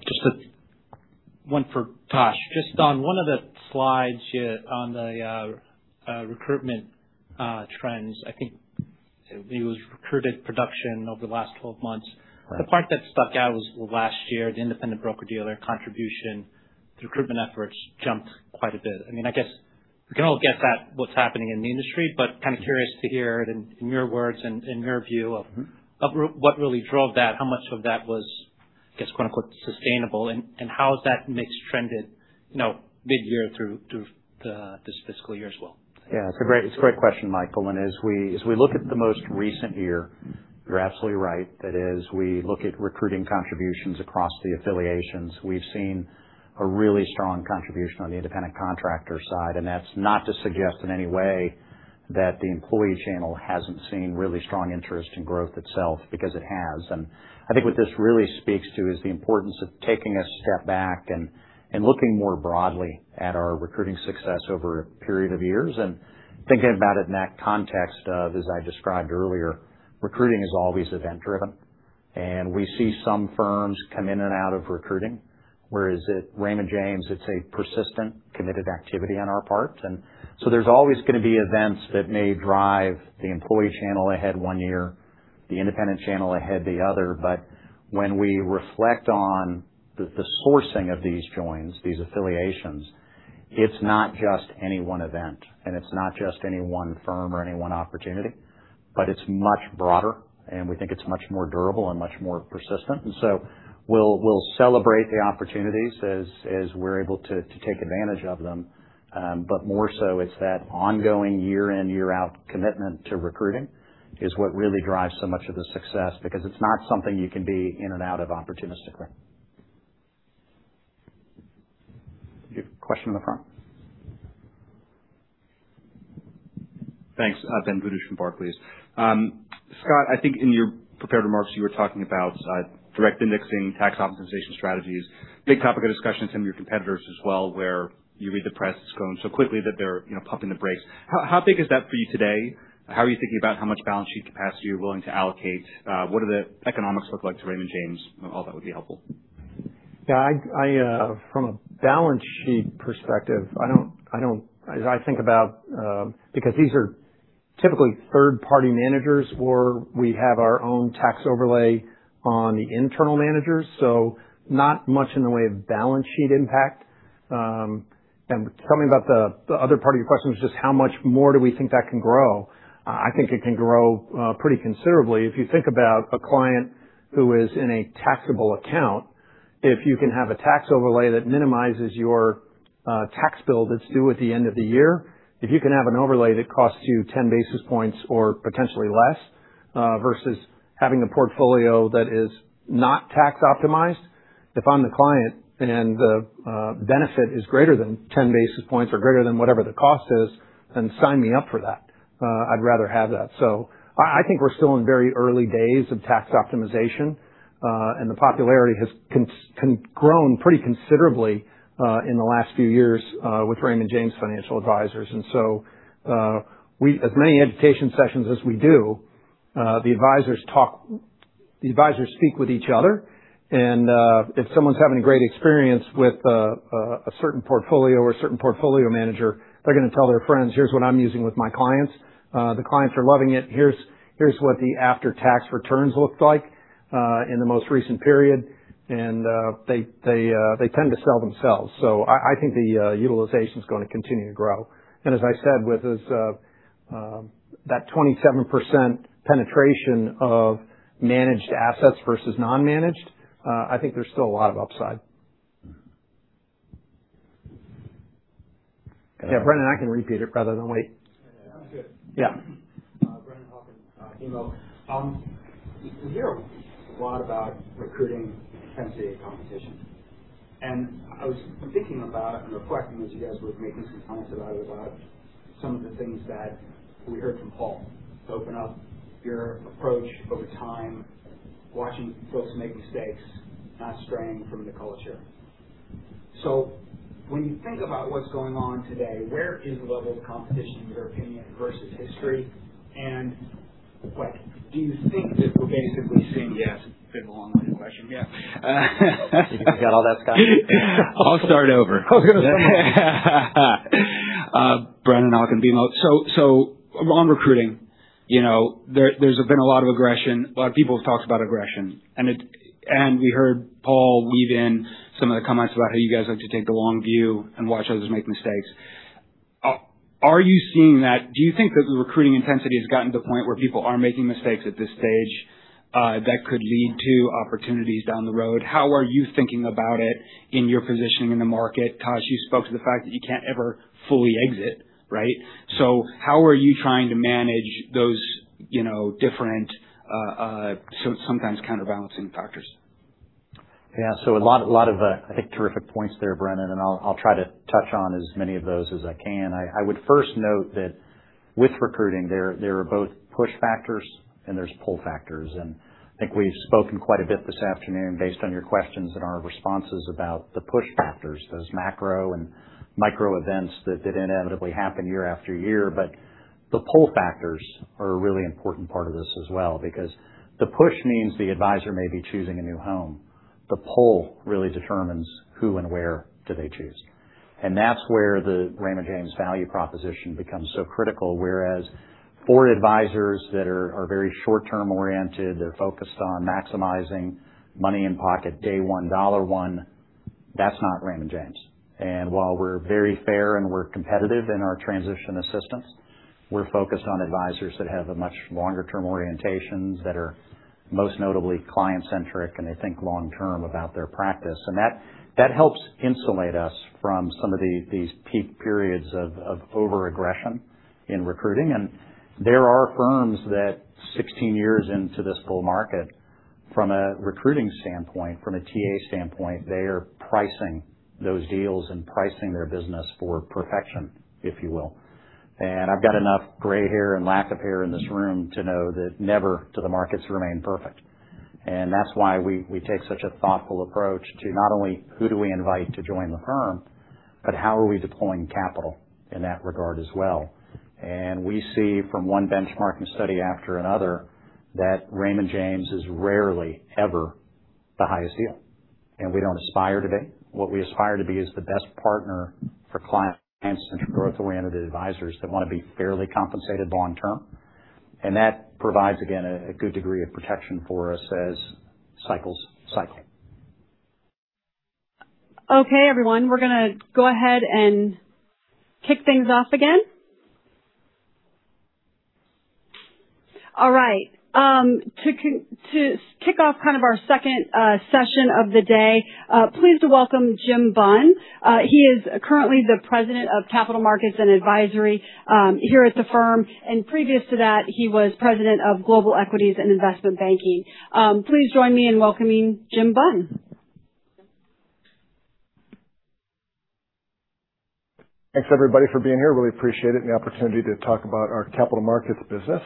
Just one for Tash. Just on one of the slides on the recruitment trends, I think it was recruited production over the last 12 months. The part that stuck out was last year, the independent broker-dealer contribution, the recruitment efforts jumped quite a bit. I guess we can all guess at what's happening in the industry, but kind of curious to hear it in your words and in your view of what really drove that, how much of that was "sustainable", and how has that mix trended mid-year through this fiscal year as well? Yeah. It's a great question, Michael. As we look at the most recent year, you're absolutely right. That is, we look at recruiting contributions across the affiliations. We've seen a really strong contribution on the independent contractor side, and that's not to suggest in any way that the employee channel hasn't seen really strong interest in growth itself because it has. I think what this really speaks to is the importance of taking a step back and looking more broadly at our recruiting success over a period of years and thinking about it in that context of, as I described earlier, recruiting is always event-driven. We see some firms come in and out of recruiting, whereas at Raymond James, it's a persistent, committed activity on our part. There's always going to be events that may drive the employee channel ahead one year, the independent channel ahead the other. When we reflect on the sourcing of these joins, these affiliations, it's not just any one event, and it's not just any one firm or any one opportunity, but it's much broader, and we think it's much more durable and much more persistent. We'll celebrate the opportunities as we're able to take advantage of them. More so it's that ongoing year in, year out commitment to recruiting is what really drives so much of the success because it's not something you can be in and out of opportunistically. Question in the front. Thanks. Ben Budish from Barclays. Scott, I think in your prepared remarks, you were talking about direct indexing, tax optimization strategies. Big topic of discussion with some of your competitors as well, where you read the press, it's going so quickly that they're pumping the brakes. How big is that for you today? How are you thinking about how much balance sheet capacity you're willing to allocate? What do the economics look like to Raymond James? All that would be helpful. Yeah. From a balance sheet perspective, as I think about because these are typically third-party managers where we have our own tax overlay on the internal managers, so not much in the way of balance sheet impact. Something about the other part of your question was just how much more do we think that can grow? I think it can grow pretty considerably. If you think about a client who is in a taxable account, if you can have a tax overlay that minimizes your tax bill that's due at the end of the year, if you can have an overlay that costs you 10 basis points or potentially less, versus having a portfolio that is not tax optimized, if I'm the client and the benefit is greater than 10 basis points or greater than whatever the cost is, then sign me up for that. I'd rather have that. I think we're still in very early days of tax optimization, and the popularity has grown pretty considerably in the last few years with Raymond James Financial Advisors. As many education sessions as we do, the advisors speak with each other, and if someone's having a great experience with a certain portfolio or a certain portfolio manager, they're going to tell their friends, "Here's what I'm using with my clients. The clients are loving it. Here's what the after-tax returns looked like in the most recent period." They tend to sell themselves. I think the utilization's going to continue to grow. As I said, with that 27% penetration of managed assets versus non-managed, I think there's still a lot of upside. Yeah, Brennan, I can repeat it rather than wait. Sounds good. Yeah. Brennan Hawken, BMO. We hear a lot about recruiting intensity and competition, I've been thinking about it and reflecting as you guys were making some comments about it, about some of the things that we heard from Paul. Open up your approach over time, watching folks make mistakes, not straying from the culture. When you think about what's going on today, where is the level of competition, in your opinion, versus history? Do you think that we're basically seeing Yeah, it's been a long-winded question. You got all that, Scott? I'll start over. Okay. Brennan Hawken, BMO. On recruiting, there's been a lot of aggression. A lot of people have talked about aggression, and we heard Paul weave in some of the comments about how you guys like to take the long view and watch others make mistakes. Do you think that the recruiting intensity has gotten to the point where people are making mistakes at this stage that could lead to opportunities down the road? How are you thinking about it in your positioning in the market? Tash, you spoke to the fact that you can't ever fully exit, right? How are you trying to manage those different, sometimes counterbalancing factors? Yeah. A lot of, I think, terrific points there, Brennan, and I'll try to touch on as many of those as I can. I would first note that with recruiting, there are both push factors and there's pull factors. I think we've spoken quite a bit this afternoon based on your questions and our responses about the push factors, those macro and micro events that inevitably happen year after year. The pull factors are a really important part of this as well, because the push means the advisor may be choosing a new home. The pull really determines who and where do they choose. That's where the Raymond James value proposition becomes so critical. Whereas for advisors that are very short-term oriented, they're focused on maximizing money in pocket day one, dollar one, that's not Raymond James. While we're very fair and we're competitive in our transition assistance, we're focused on advisors that have a much longer-term orientation, that are most notably client-centric, and they think long term about their practice. That helps insulate us from some of these peak periods of over-aggression in recruiting. There are firms that 16 years into this bull market, from a recruiting standpoint, from a TA standpoint, they are pricing those deals and pricing their business for perfection, if you will. I've got enough gray hair and lack of hair in this room to know that never do the markets remain perfect. That's why we take such a thoughtful approach to not only who do we invite to join the firm, but how are we deploying capital in that regard as well. We see from one benchmarking study after another that Raymond James is rarely ever the highest yield, and we don't aspire to be. What we aspire to be is the best partner for client and growth-oriented advisors that want to be fairly compensated long term. That provides, again, a good degree of protection for us as cycles cycle. Okay, everyone. We're going to go ahead and kick things off again. All right. To kick off our second session of the day, pleased to welcome Jim Bunn. He is currently the President of Capital Markets & Advisory here at the firm, and previous to that, he was President of Global Equities and Investment Banking. Please join me in welcoming Jim Bunn. Thanks, everybody, for being here. Really appreciate it, the opportunity to talk about our Capital Markets business.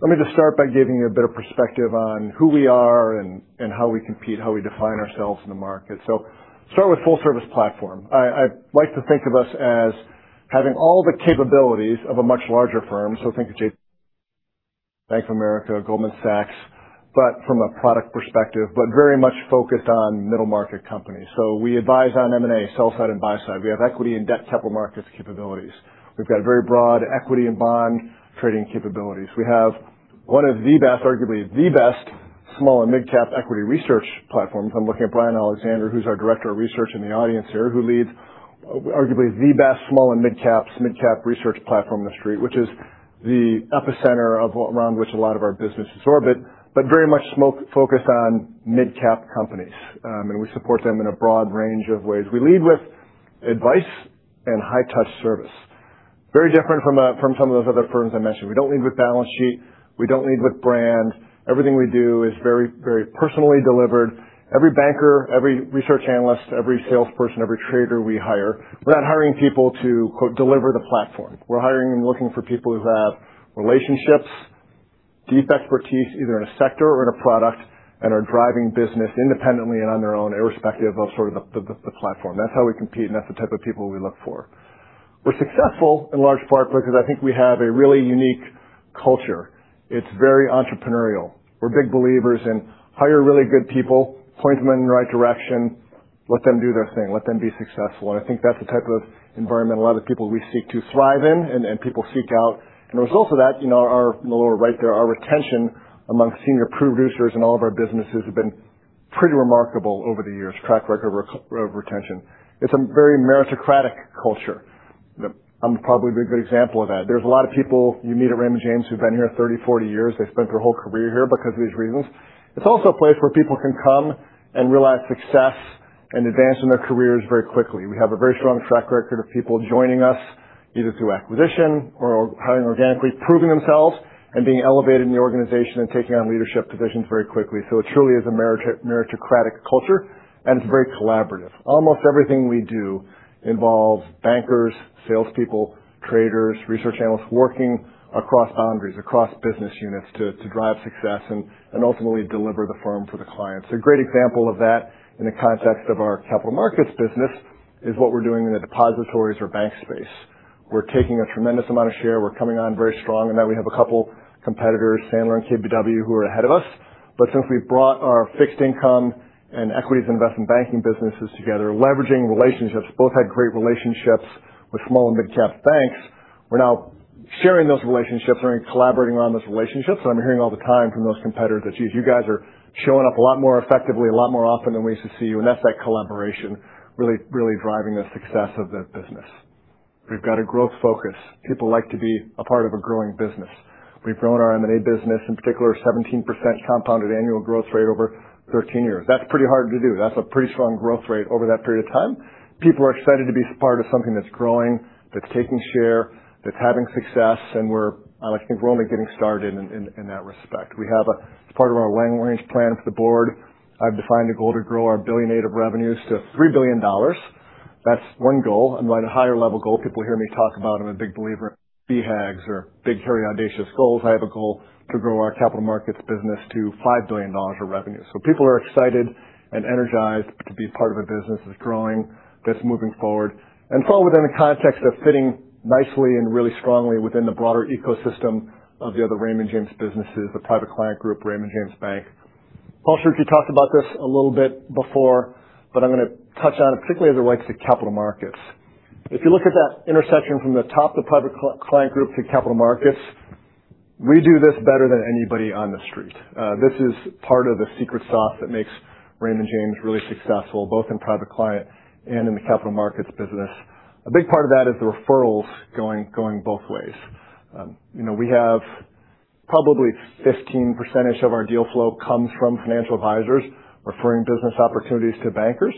Let me just start by giving you a bit of perspective on who we are and how we compete, how we define ourselves in the market. Start with full service platform. I like to think of us as having all the capabilities of a much larger firm. Think of JPMorgan, Bank of America, Goldman Sachs, from a product perspective, but very much focused on middle-market companies. We advise on M&A sell-side and buy-side. We have equity and debt Capital Markets capabilities. We've got very broad equity and bond trading capabilities. We have one of the best, arguably the best small and mid-cap equity research platform. I'm looking at Brian Alexander, who's our Director of Research in the audience here, who leads arguably the best small and mid-cap research platform on the street, which is the epicenter around which a lot of our businesses orbit, but very much focused on mid-cap companies. We support them in a broad range of ways. We lead with advice and high-touch service. Very different from some of those other firms I mentioned. We don't lead with balance sheet. We don't lead with brand. Everything we do is very personally delivered. Every banker, every research analyst, every salesperson, every trader we hire, we're not hiring people to, quote, "deliver the platform." We're hiring and looking for people who have relationships, deep expertise, either in a sector or in a product, and are driving business independently and on their own, irrespective of sort of the platform. That's how we compete, and that's the type of people we look for. We're successful in large part because I think we have a really unique culture. It's very entrepreneurial. We're big believers in hire really good people, point them in the right direction, let them do their thing, let them be successful. I think that's the type of environment a lot of people we seek to thrive in and people seek out. A result of that, in the lower right there, our retention among senior producers in all of our businesses have been pretty remarkable over the years. Track record of retention. It's a very meritocratic culture. I'm probably a very good example of that. There's a lot of people you meet at Raymond James who've been here 30, 40 years. They've spent their whole career here because of these reasons. It's also a place where people can come and realize success and advance in their careers very quickly. We have a very strong track record of people joining us, either through acquisition or hiring organically, proving themselves and being elevated in the organization and taking on leadership positions very quickly. It truly is a meritocratic culture, and it's very collaborative. Almost everything we do involves bankers, salespeople, traders, research analysts, working across boundaries, across business units to drive success and ultimately deliver the firm for the clients. A great example of that in the context of our Capital Markets business is what we're doing in the depositories or bank space. We're taking a tremendous amount of share. We're coming on very strong in that we have a couple competitors, Sandler and KBW, who are ahead of us. Since we've brought our fixed income and equities investment banking businesses together, leveraging relationships, both had great relationships with small and mid-cap banks. We're now sharing those relationships and collaborating on those relationships. I'm hearing all the time from those competitors that, "Geez, you guys are showing up a lot more effectively, a lot more often than we used to see you." That's that collaboration really driving the success of that business. We've got a growth focus. People like to be a part of a growing business. We've grown our M&A business, in particular, 17% compounded annual growth rate over 13 years. That's pretty hard to do. That's a pretty strong growth rate over that period of time. People are excited to be part of something that's growing, that's taking share, that's having success. We're only getting started in that respect. As part of our long range plan for the board, I've defined a goal to grow our billion Native revenues to $3 billion. That's one goal. A higher level goal, people hear me talk about I'm a big believer in BHAGs or big, hairy, audacious goals. I have a goal to grow our capital markets business to $5 billion of revenue. People are excited and energized to be part of a business that's growing, that's moving forward, and fall within the context of fitting nicely and really strongly within the broader ecosystem of the other Raymond James businesses, the Private Client Group, Raymond James Bank. Paul, I'm sure you talked about this a little bit before, but I'm going to touch on it, particularly as it relates to capital markets. If you look at that intersection from the top of the Private Client Group to Capital Markets, we do this better than anybody on The Street. This is part of the secret sauce that makes Raymond James really successful, both in Private Client and in the Capital Markets business. A big part of that is the referrals going both ways. We have probably 15% of our deal flow comes from financial advisors referring business opportunities to bankers.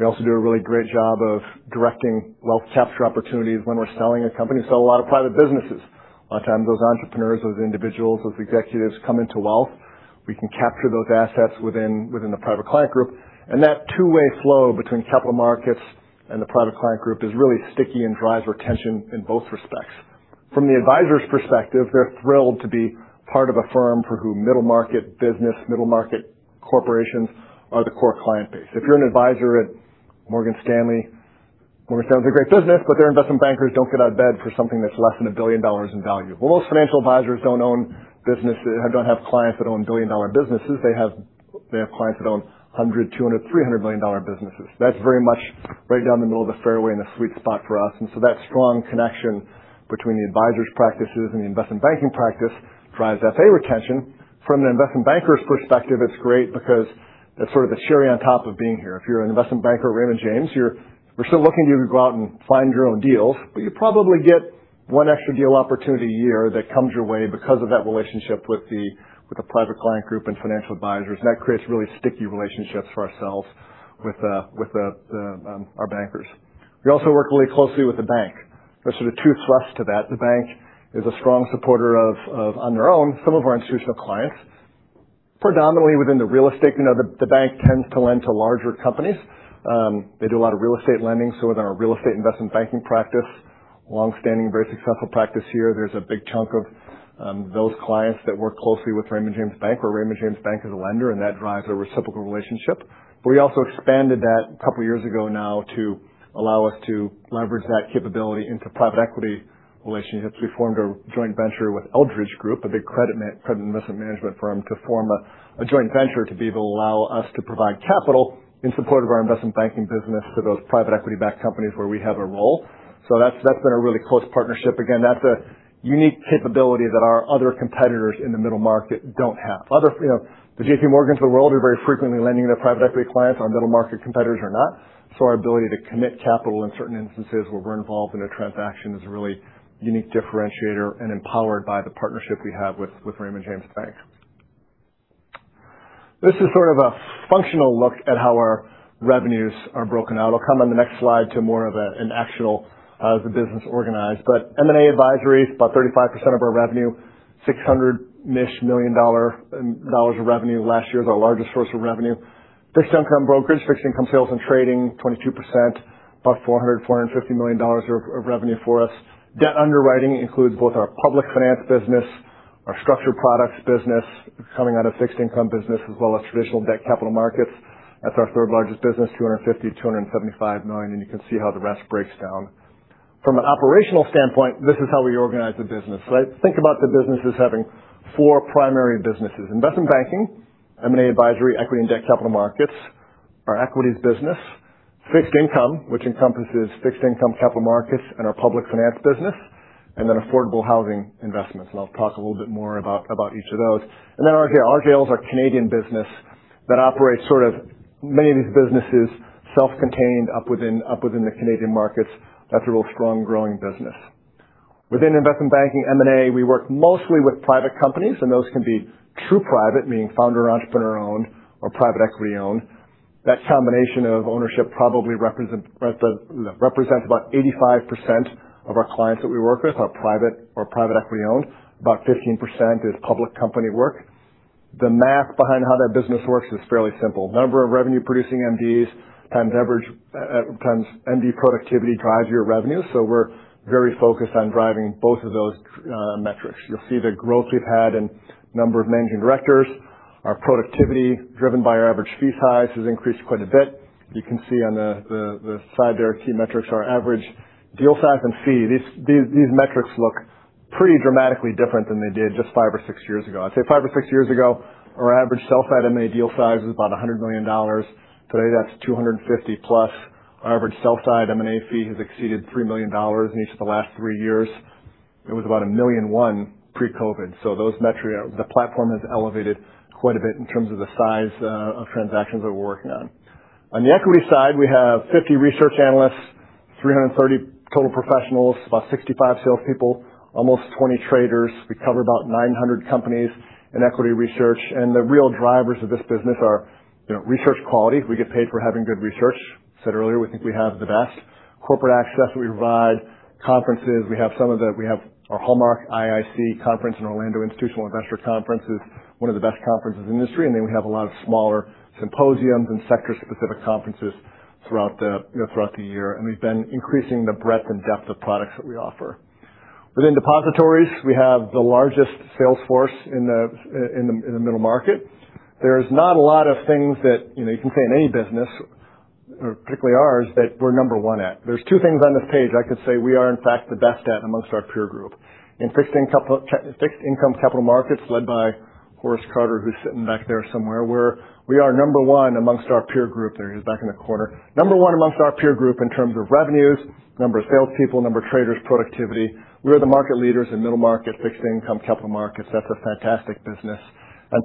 We also do a really great job of directing wealth capture opportunities when we're selling a company. We sell a lot of private businesses. A lot of times those entrepreneurs, those individuals, those executives come into wealth. We can capture those assets within the Private Client Group. That two-way flow between Capital Markets and the Private Client Group is really sticky and drives retention in both respects. From the advisor's perspective, they're thrilled to be part of a firm for who middle market business, middle market corporations are the core client base. If you're an advisor at Morgan Stanley, Morgan Stanley is a great business. Their investment bankers don't get out of bed for something that's less than $1 billion in value. Most financial advisors don't have clients that own billion-dollar businesses. They have clients that own 100 million, 200 million, 300 million dollar businesses. That's very much right down the middle of the fairway in the sweet spot for us. That strong connection between the advisors' practices and the investment banking practice drives FA retention. From an investment banker's perspective, it's great because that's sort of the cherry on top of being here. If you're an investment banker at Raymond James, we're still looking at you to go out and find your own deals, but you probably get one extra deal opportunity a year that comes your way because of that relationship with the Private Client Group and financial advisors. That creates really sticky relationships for ourselves with our bankers. We also work really closely with the bank. There's sort of [two fluffs] to that. The bank is a strong supporter of, on their own, some of our institutional clients, predominantly within the real estate. The bank tends to lend to larger companies. They do a lot of real estate lending. Within our real estate investment banking practice, longstanding, very successful practice here, there's a big chunk of those clients that work closely with Raymond James Bank, where Raymond James Bank is a lender, and that drives a reciprocal relationship. We also expanded that a couple of years ago now to allow us to leverage that capability into private equity relationships. We formed a joint venture with Eldridge Industries, a big credit investment management firm, to form a joint venture to be able to allow us to provide capital in support of our investment banking business to those private equity-backed companies where we have a role. That's been a really close partnership. Again, that's a unique capability that our other competitors in the middle market don't have. The JPMorgan of the world are very frequently lending their private equity clients. Our middle-market competitors are not. Our ability to commit capital in certain instances where we're involved in a transaction is a really unique differentiator and empowered by the partnership we have with Raymond James Bank. This is sort of a functional look at how our revenues are broken out. It'll come on the next slide to more of an actual of the business organized. M&A advisory is about 35% of our revenue, $600-ish million of revenue last year, is our largest source of revenue. Fixed income brokerage, fixed income sales and trading, 22%, about $400 million, $450 million of revenue for us. Debt underwriting includes both our public finance business, our structured products business coming out of fixed income business, as well as traditional debt capital markets. That's our third largest business, $250 million-$275 million. You can see how the rest breaks down. From an operational standpoint, this is how we organize the business, right? Think about the business as having four primary businesses. Investment banking, M&A advisory, equity and debt capital markets, our equities business. Fixed income, which encompasses Fixed Income Capital Markets and our public finance business, then affordable housing investments. I'll talk a little bit more about each of those. RJL is our Canadian business that operates sort of many of these businesses self-contained up within the Canadian markets. That's a real strong, growing business. Within investment banking, M&A, we work mostly with private companies, and those can be true private, meaning founder, entrepreneur-owned or private equity-owned. That combination of ownership probably represents about 85% of our clients that we work with are private or private equity-owned. About 15% is public company work. The math behind how that business works is fairly simple. Number of revenue-producing MDs times MD productivity drives your revenue. We're very focused on driving both of those metrics. You'll see the growth we've had in number of managing directors. Our productivity, driven by our average fee size, has increased quite a bit. You can see on the side there, key metrics are average deal size and fee. These metrics look pretty dramatically different than they did just five or six years ago. I'd say five or six years ago, our average sell-side M&A deal size was about $100 million. Today, that's 250+. Our average sell-side M&A fee has exceeded $3 million in each of the last three years. It was about $1.1 million pre-COVID. The platform has elevated quite a bit in terms of the size of transactions that we're working on. On the equity side, we have 50 research analysts, 330 total professionals, about 65 salespeople, almost 20 traders. We cover about 900 companies in equity research, and the real drivers of this business are research quality. We get paid for having good research. Said earlier, we think we have the best. Corporate access. We provide conferences. We have our hallmark IIC conference in Orlando, Institutional Investor Conference. It's one of the best conferences in the industry. Then we have a lot of smaller symposiums and sector-specific conferences throughout the year, and we've been increasing the breadth and depth of products that we offer. Within depositories, we have the largest sales force in the middle market. There's not a lot of things that you can say in any business, particularly ours, that we're number one at. There's two things on this page I could say we are, in fact, the best at amongst our peer group. In Fixed Income Capital Markets, led by Horace Carter, who's sitting back there somewhere, where we are number one amongst our peer group. There he is, back in the corner. Number one, amongst our peer group in terms of revenues, number of salespeople, number of traders, productivity. We are the market leaders in middle market fixed income Capital Markets. That's a fantastic business.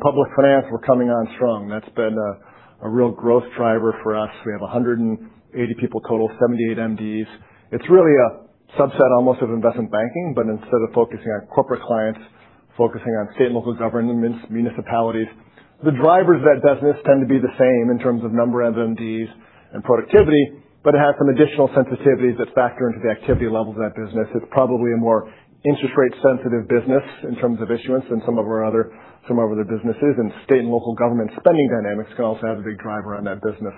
Public finance, we're coming on strong. That's been a real growth driver for us. We have 180 people total, 78 MDs. It's really a subset almost of investment banking, but instead of focusing on corporate clients, focusing on state and local government municipalities. The drivers of that business tend to be the same in terms of number of MDs and productivity, but it has some additional sensitivities that factor into the activity levels of that business. It's probably a more interest rate sensitive business in terms of issuance than some of our other businesses. State and local government spending dynamics can also have a big driver on that business.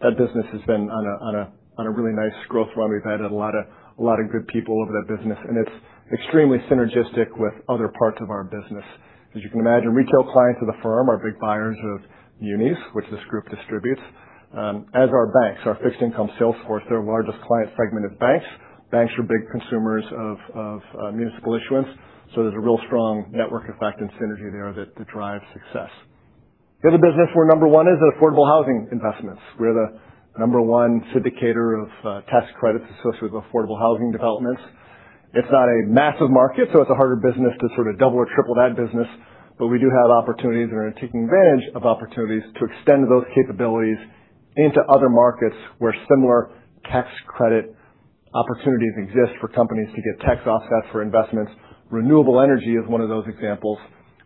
That business has been on a really nice growth run. We've added a lot of good people over that business, and it's extremely synergistic with other parts of our business. As you can imagine, retail clients of the firm are big buyers of munis, which this group distributes, as are banks. Our fixed income sales force, their largest client fragment is banks. Banks are big consumers of municipal issuance. There's a real strong network effect and synergy there that drives success. The other business we're number one is in affordable housing investments. We're the number 1 syndicator of tax credits associated with affordable housing developments. It's not a massive market, it's a harder business to sort of double or triple that business. We do have opportunities and are taking advantage of opportunities to extend those capabilities into other markets where similar tax credit opportunities exist for companies to get tax offsets for investments. Renewable energy is one of those examples.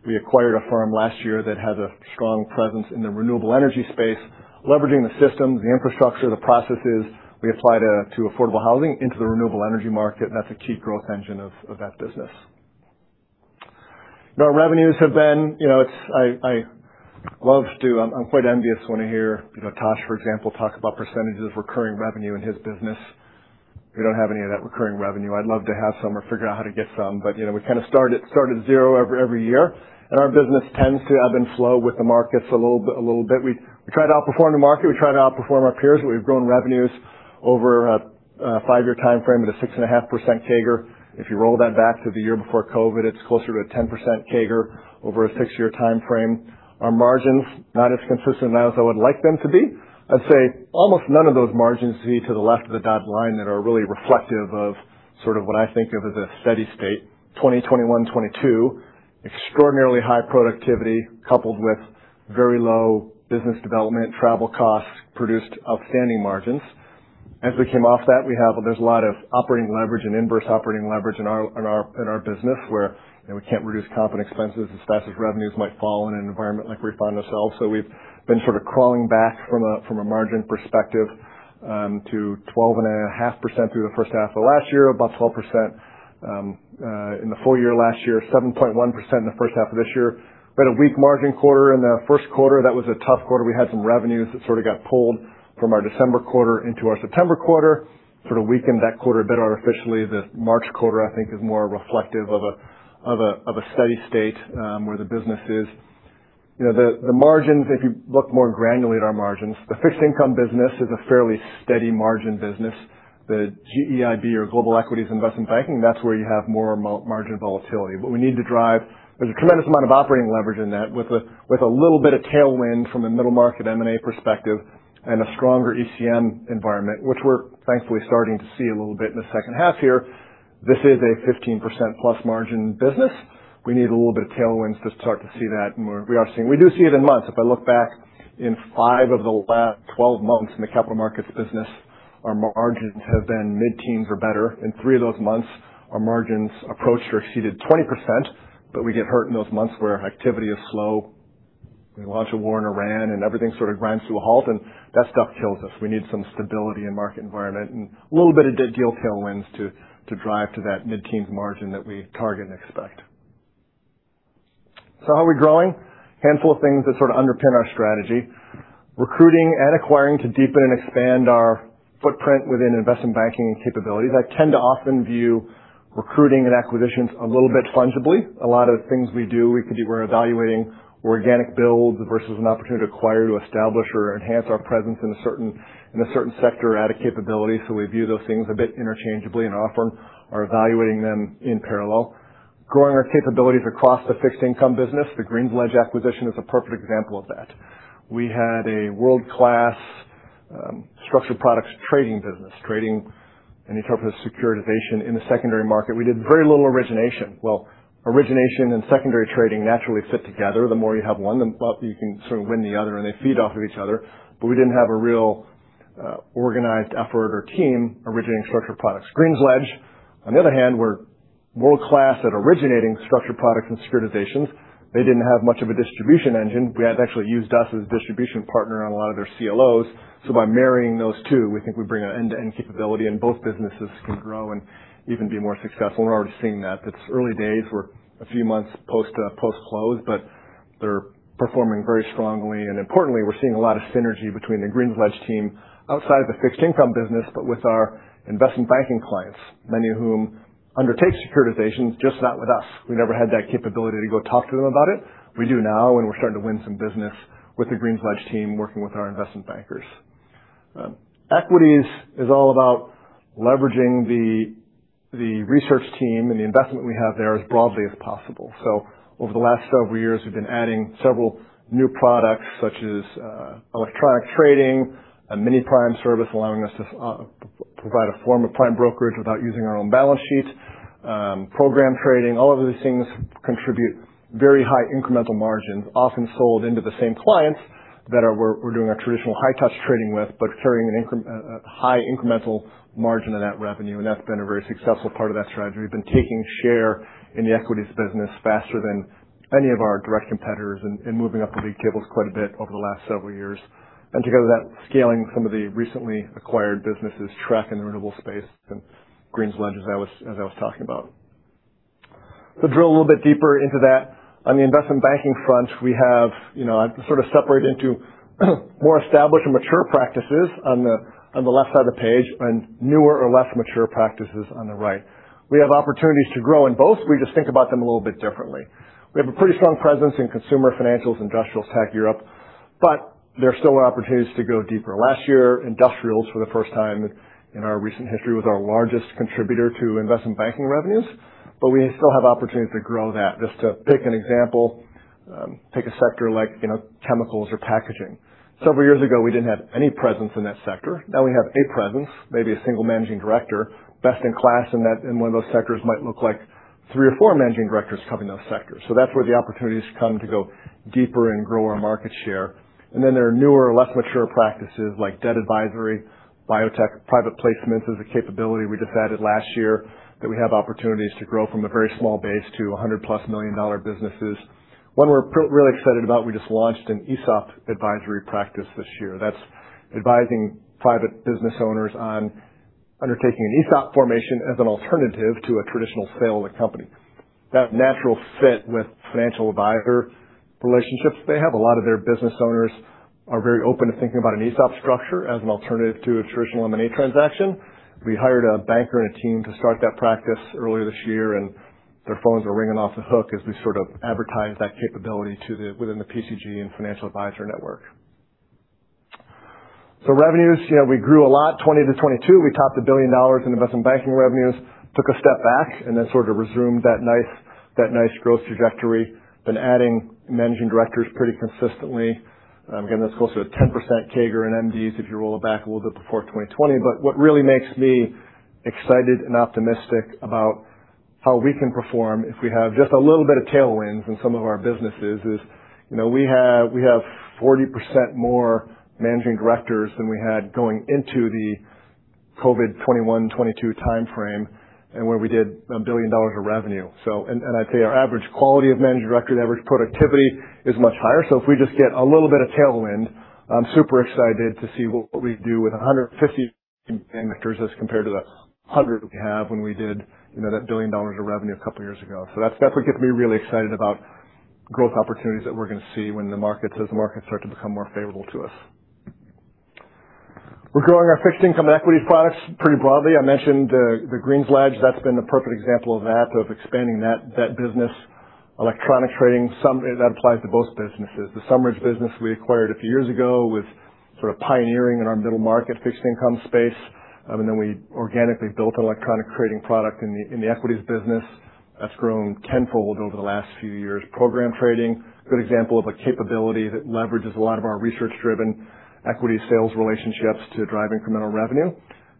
We acquired a firm last year that has a strong presence in the renewable energy space, leveraging the systems, the infrastructure, the processes we apply to affordable housing into the renewable energy market, and that's a key growth engine of that business. Our revenues have been, I'm quite envious when I hear Tash, for example, talk about percentages of recurring revenue in his business. We don't have any of that recurring revenue. I'd love to have some or figure out how to get some. We start at zero every year, and our business tends to ebb and flow with the markets a little bit. We try to outperform the market. We try to outperform our peers. We've grown revenues over a five-year timeframe at a 6.5% CAGR. If you roll that back to the year before COVID, it's closer to a 10% CAGR over a six-year timeframe. Our margins, not as consistent now as I would like them to be. I'd say almost none of those margins you see to the left of the dotted line that are really reflective of what I think of as a steady state. 2021, 2022, extraordinarily high productivity coupled with very low business development, travel costs, produced outstanding margins. As we came off that, there's a lot of operating leverage and inverse operating leverage in our business where we can't reduce comp and expenses as fast as revenues might fall in an environment like we find ourselves. We've been sort of crawling back from a margin perspective to 12.5% through the first half of last year, about 12% in the full year last year, 7.1% in the first half of this year. We had a weak margin quarter in the first quarter. That was a tough quarter. We had some revenues that sort of got pulled from our December quarter into our September quarter, sort of weakened that quarter a bit artificially. The March quarter, I think, is more reflective of a steady state, where the business is. The margins, if you look more granular at our margins, the fixed income business is a fairly steady margin business. The GEIB, or Global Equities and Investment Banking, that's where you have more margin volatility. We need to drive There's a tremendous amount of operating leverage in that with a little bit of tailwind from a middle market M&A perspective and a stronger ECM environment, which we're thankfully starting to see a little bit in the second half here. This is a 15%+ margin business. We need a little bit of tailwinds to start to see that more. We are seeing. We do see it in months. If I look back in five of the last 12 months in the Capital Markets business, our margins have been mid-teens or better. In three of those months, our margins approached or exceeded 20%, but we get hurt in those months where activity is slow. We launch a war in Iran, and everything sort of grinds to a halt, and that stuff kills us. We need some stability in market environment and a little bit of deal tailwinds to drive to that mid-teens margin that we target and expect. How are we growing? Handful of things that sort of underpin our strategy. Recruiting and acquiring to deepen and expand our footprint within investment banking and capabilities. I tend to often view recruiting and acquisitions a little bit fungibly. A lot of things we do, we're evaluating organic build versus an opportunity to acquire, to establish or enhance our presence in a certain sector or add a capability. We view those things a bit interchangeably and often are evaluating them in parallel. Growing our capabilities across the fixed income business. The GreensLedge acquisition is a perfect example of that. We had a world-class structured products trading business, trading any type of securitization in the secondary market. We did very little origination. Origination and secondary trading naturally fit together. The more you have one, the more you can sort of win the other, and they feed off of each other. We didn't have a real organized effort or team originating structured products. GreensLedge, on the other hand, were world-class at originating structured products and securitizations. They didn't have much of a distribution engine. They had actually used us as a distribution partner on a lot of their CLOs. By marrying those two, we think we bring an end-to-end capability, and both businesses can grow and even be more successful, and we're already seeing that. It's early days. We're a few months post-close, but they're performing very strongly. Importantly, we're seeing a lot of synergy between the GreensLedge team outside of the fixed income business, but with our investment banking clients, many of whom undertake securitizations, just not with us. We never had that capability to go talk to them about it. We do now, and we're starting to win some business with the GreensLedge team working with our investment bankers. Equities is all about leveraging the research team and the investment we have there as broadly as possible. Over the last several years, we've been adding several new products, such as electronic trading, a mini-prime service allowing us to provide a form of prime brokerage without using our own balance sheet, program trading. All of these things contribute very high incremental margins, often sold into the same clients that we're doing a traditional high-touch trading with, but carrying a high incremental margin of that revenue, that's been a very successful part of that strategy. We've been taking share in the equities business faster than any of our direct competitors and moving up the big tables quite a bit over the last several years. Together with that, scaling some of the recently acquired businesses, TReK in the renewable space and GreensLedge, as I was talking about. To drill a little bit deeper into that, on the investment banking front, we have sort of separated into more established and mature practices on the left side of the page and newer or less mature practices on the right. We have opportunities to grow in both. We just think about them a little bit differently. We have a pretty strong presence in consumer financials, industrials, tech, Europe, but there are still opportunities to go deeper. Last year, industrials, for the first time in our recent history, was our largest contributor to investment banking revenues, but we still have opportunities to grow that. Just to pick an example, take a sector like chemicals or packaging. Several years ago, we didn't have any presence in that sector. Now we have a presence, maybe a single managing director. Best in class in one of those sectors might look like three or four managing directors covering those sectors. That's where the opportunities come to go deeper and grow our market share. Then there are newer, less mature practices like debt advisory, biotech. Private placements is a capability we just added last year that we have opportunities to grow from a very small base to $100+ million businesses. One we're really excited about, we just launched an ESOP advisory practice this year. That's advising private business owners on undertaking an ESOP formation as an alternative to a traditional sale of the company. That natural fit with financial advisor relationships. They have a lot of their business owners are very open to thinking about an ESOP structure as an alternative to a traditional M&A transaction. We hired a banker and a team to start that practice earlier this year. Their phones are ringing off the hook as we sort of advertise that capability within the PCG and financial advisor network. Revenues, we grew a lot, 2020-2022. We topped $1 billion in investment banking revenues. Took a step back and then sort of resumed that nice growth trajectory. Been adding managing directors pretty consistently. Again, that's close to a 10% CAGR in MDs if you roll it back a little bit before 2020. What really makes me excited and optimistic about how we can perform if we have just a little bit of tailwinds in some of our businesses is, we have 40% more managing directors than we had going into the COVID 2021, 2022 timeframe, and where we did $1 billion of revenue. I'd say our average quality of managing director, the average productivity is much higher. If we just get a little bit of tailwind, I'm super excited to see what we do with 150 managers as compared to that 100 we have when we did that $1 billion of revenue a couple of years ago. That's what gets me really excited about growth opportunities that we're going to see when the markets start to become more favorable to us. We're growing our fixed income and equities products pretty broadly. I mentioned the GreensLedge, that's been a perfect example of that, of expanding that business. Electronic trading, that applies to both businesses. The SumRidge Partners business we acquired a few years ago was sort of pioneering in our middle market fixed income space. Then we organically built an electronic trading product in the equities business that's grown tenfold over the last few years. Program trading, a good example of a capability that leverages a lot of our research-driven equity sales relationships to drive incremental revenue.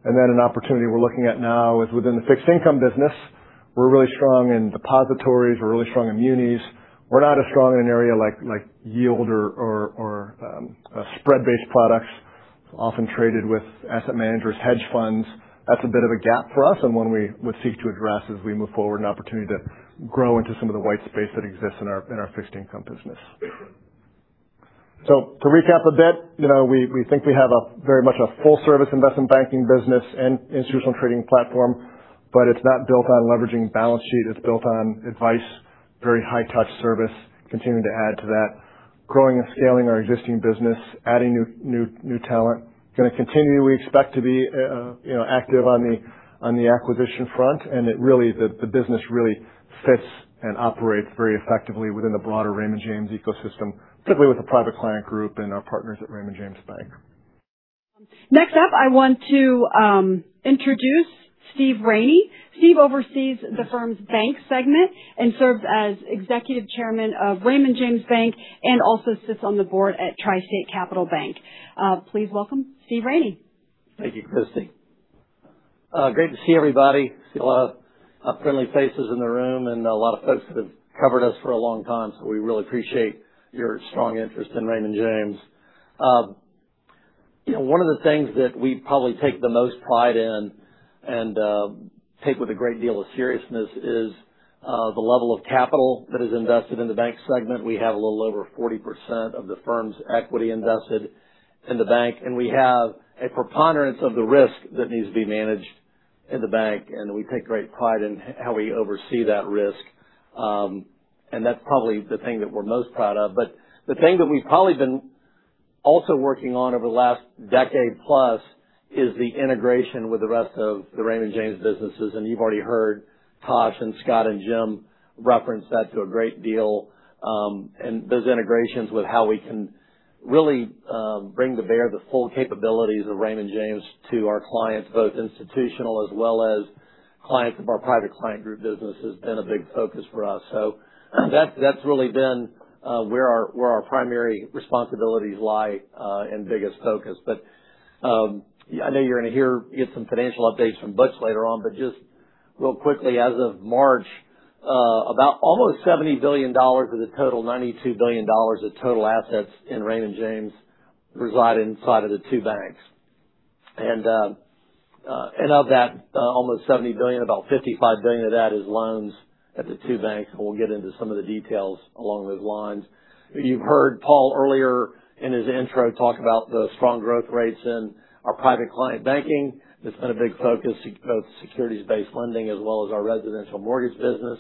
Then an opportunity we're looking at now is within the fixed income business. We're really strong in depositories, we're really strong in munis. We're not as strong in an area like yield or spread-based products often traded with asset managers, hedge funds. That's a bit of a gap for us and one we would seek to address as we move forward, an opportunity to grow into some of the white space that exists in our fixed income business. To recap a bit, we think we have very much a full service investment banking business and institutional trading platform, but it's not built on leveraging balance sheet. It's built on advice, very high touch service, continuing to add to that. Growing and scaling our existing business, adding new talent. We expect to be active on the acquisition front, and the business really fits and operates very effectively within the broader Raymond James ecosystem, particularly with the Private Client Group and our partners at Raymond James Bank. Next up, I want to introduce Steve Raney. Steve oversees the firm's bank segment and serves as Executive Chairman of Raymond James Bank, and also sits on the board at TriState Capital Bank. Please welcome Steve Raney. Thank you, Kristie Great to see everybody. I see a lot of friendly faces in the room and a lot of folks that have covered us for a long time. We really appreciate your strong interest in Raymond James. One of the things that we probably take the most pride in and take with a great deal of seriousness is the level of capital that is invested in the bank segment. We have a little over 40% of the firm's equity invested in the bank, and we have a preponderance of the risk that needs to be managed in the bank, and we take great pride in how we oversee that risk. That's probably the thing that we're most proud of. The thing that we've probably been also working on over the last decade plus is the integration with the rest of the Raymond James businesses. You've already heard Tash and Scott and Jim reference that to a great deal. Those integrations with how we can really bring to bear the full capabilities of Raymond James to our clients, both institutional as well as clients of our Private Client Group business, has been a big focus for us. That's really been where our primary responsibilities lie and biggest focus. I know you're going to get some financial updates from Butch later on. Just real quickly, as of March, almost $70 billion of the total $92 billion of total assets in Raymond James reside inside of the two banks. Of that almost $70 billion, about $55 billion of that is loans at the two banks. We'll get into some of the details along those lines. You've heard Paul earlier in his intro talk about the strong growth rates in our private client banking. That's been a big focus, both securities-based lending as well as our residential mortgage business.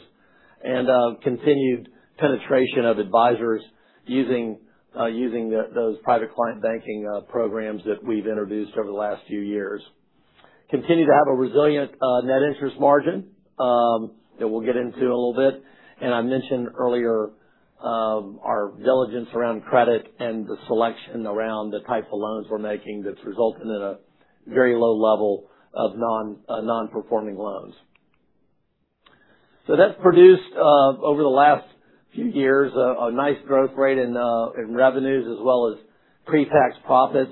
Continued penetration of advisors using those private client banking programs that we've introduced over the last few years. Continue to have a resilient net interest margin that we'll get into in a little bit. I mentioned earlier our diligence around credit and the selection around the type of loans we're making that's resulted in a very low level of non-performing loans. That's produced, over the last few years, a nice growth rate in revenues as well as pre-tax profits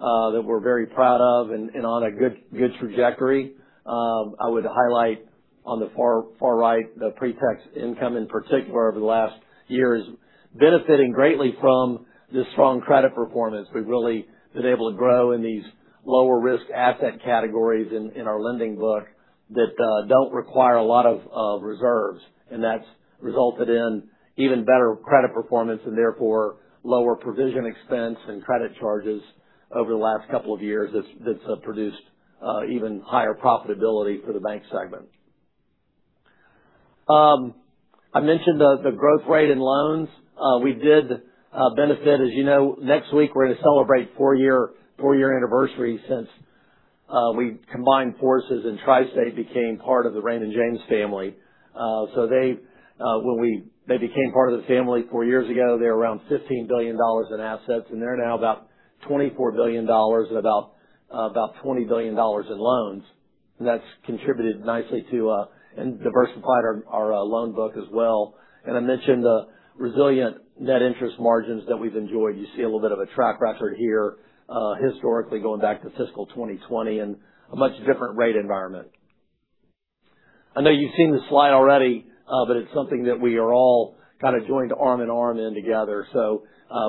that we're very proud of and on a good trajectory. I would highlight on the far right, the pre-tax income in particular over the last year is benefiting greatly from the strong credit performance. We've really been able to grow in these lower risk asset categories in our lending book that don't require a lot of reserves. That's resulted in even better credit performance and therefore lower provision expense and credit charges over the last couple of years that has produced even higher profitability for the bank segment. I mentioned the growth rate in loans. We did benefit, as you know, next week we're going to celebrate four-year anniversary since we combined forces and TriState became part of the Raymond James family. They became part of the family four years ago. They were around $15 billion in assets, and they're now about $24 billion and about $20 billion in loans. That's contributed nicely to and diversified our loan book as well. I mentioned the resilient net interest margins that we've enjoyed. You see a little bit of a track record here historically going back to fiscal 2020 and a much different rate environment. I know you've seen this slide already, but it's something that we are all kind of joined arm and arm in together.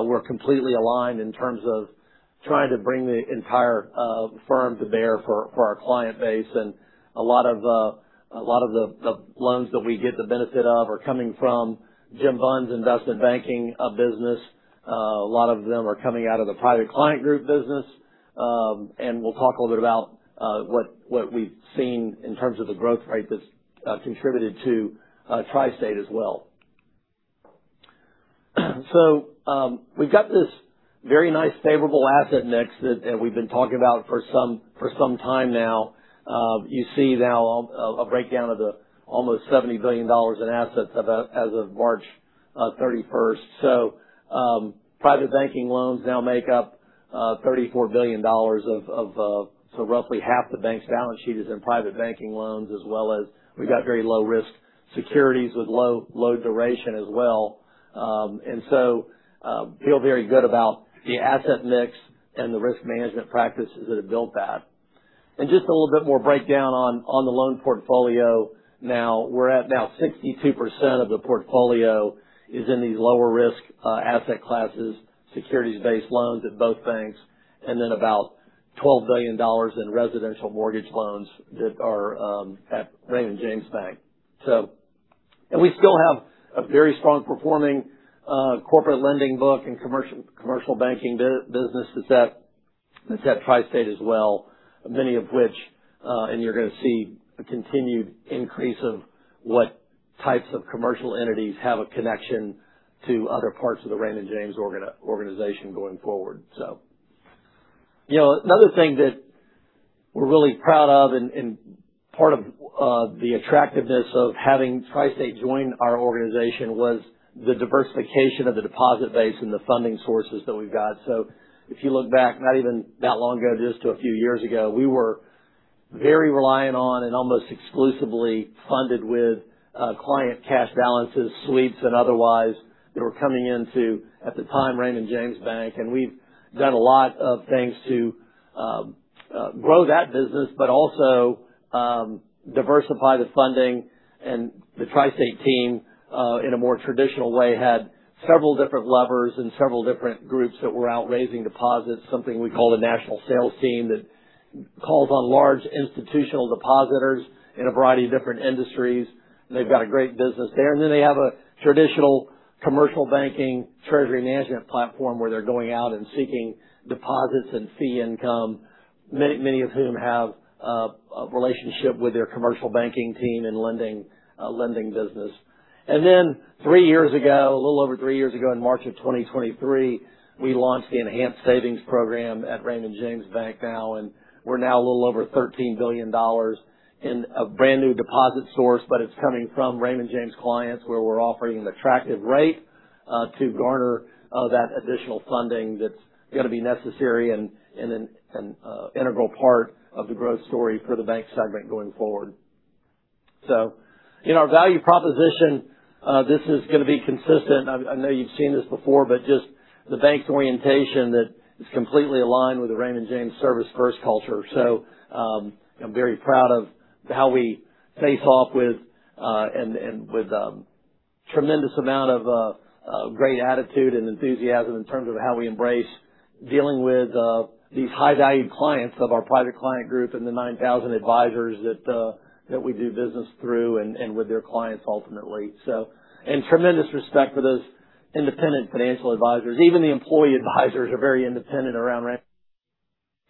We're completely aligned in terms of trying to bring the entire firm to bear for our client base and a lot of the loans that we get the benefit of are coming from Jim Bunn's investment banking business. A lot of them are coming out of the Private Client Group business. We'll talk a little bit about what we've seen in terms of the growth rate that's contributed to TriState as well. We've got this very nice favorable asset mix that we've been talking about for some time now. You see now a breakdown of the almost $70 billion in assets as of March 31st. Private banking loans now make up $34 billion, roughly half the bank's balance sheet is in private banking loans as well as we've got very low risk securities with low duration as well. We feel very good about the asset mix and the risk management practices that have built that. Just a little bit more breakdown on the loan portfolio now. We're at now 62% of the portfolio is in these lower risk asset classes, securities-based loans at both banks, and then about $12 billion in residential mortgage loans that are at Raymond James Bank. We still have a very strong performing corporate lending book and commercial banking businesses at TriState as well, many of which and you're going to see a continued increase of what types of commercial entities have a connection to other parts of the Raymond James organization going forward. Another thing that we're really proud of and part of the attractiveness of having TriState join our organization was the diversification of the deposit base and the funding sources that we've got. If you look back, not even that long ago, just to a few years ago, we were very reliant on and almost exclusively funded with client cash balances, sweeps, and otherwise that were coming into, at the time, Raymond James Bank. We've done a lot of things to grow that business, but also diversify the funding. The TriState team, in a more traditional way, had several different levers and several different groups that were out raising deposits, something we call the national sales team that calls on large institutional depositors in a variety of different industries. They've got a great business there. They have a traditional commercial banking treasury management platform where they're going out and seeking deposits and fee income, many of whom have a relationship with their commercial banking team and lending business. Three years ago, a little over three years ago, in March of 2023, we launched the Enhanced Savings Program at Raymond James Bank now, and we're now a little over $13 billion in a brand new deposit source. It's coming from Raymond James clients, where we're offering an attractive rate to garner that additional funding that's going to be necessary and an integral part of the growth story for the bank segment going forward. In our value proposition, this is going to be consistent. I know you've seen this before, but just the bank's orientation that is completely aligned with the Raymond James service-first culture. I'm very proud of how we face off with a tremendous amount of great attitude and enthusiasm in terms of how we embrace dealing with these high value clients of our Private Client Group and the 9,000 advisors that we do business through and with their clients ultimately. Tremendous respect for those independent financial advisors. Even the employee advisors are very independent around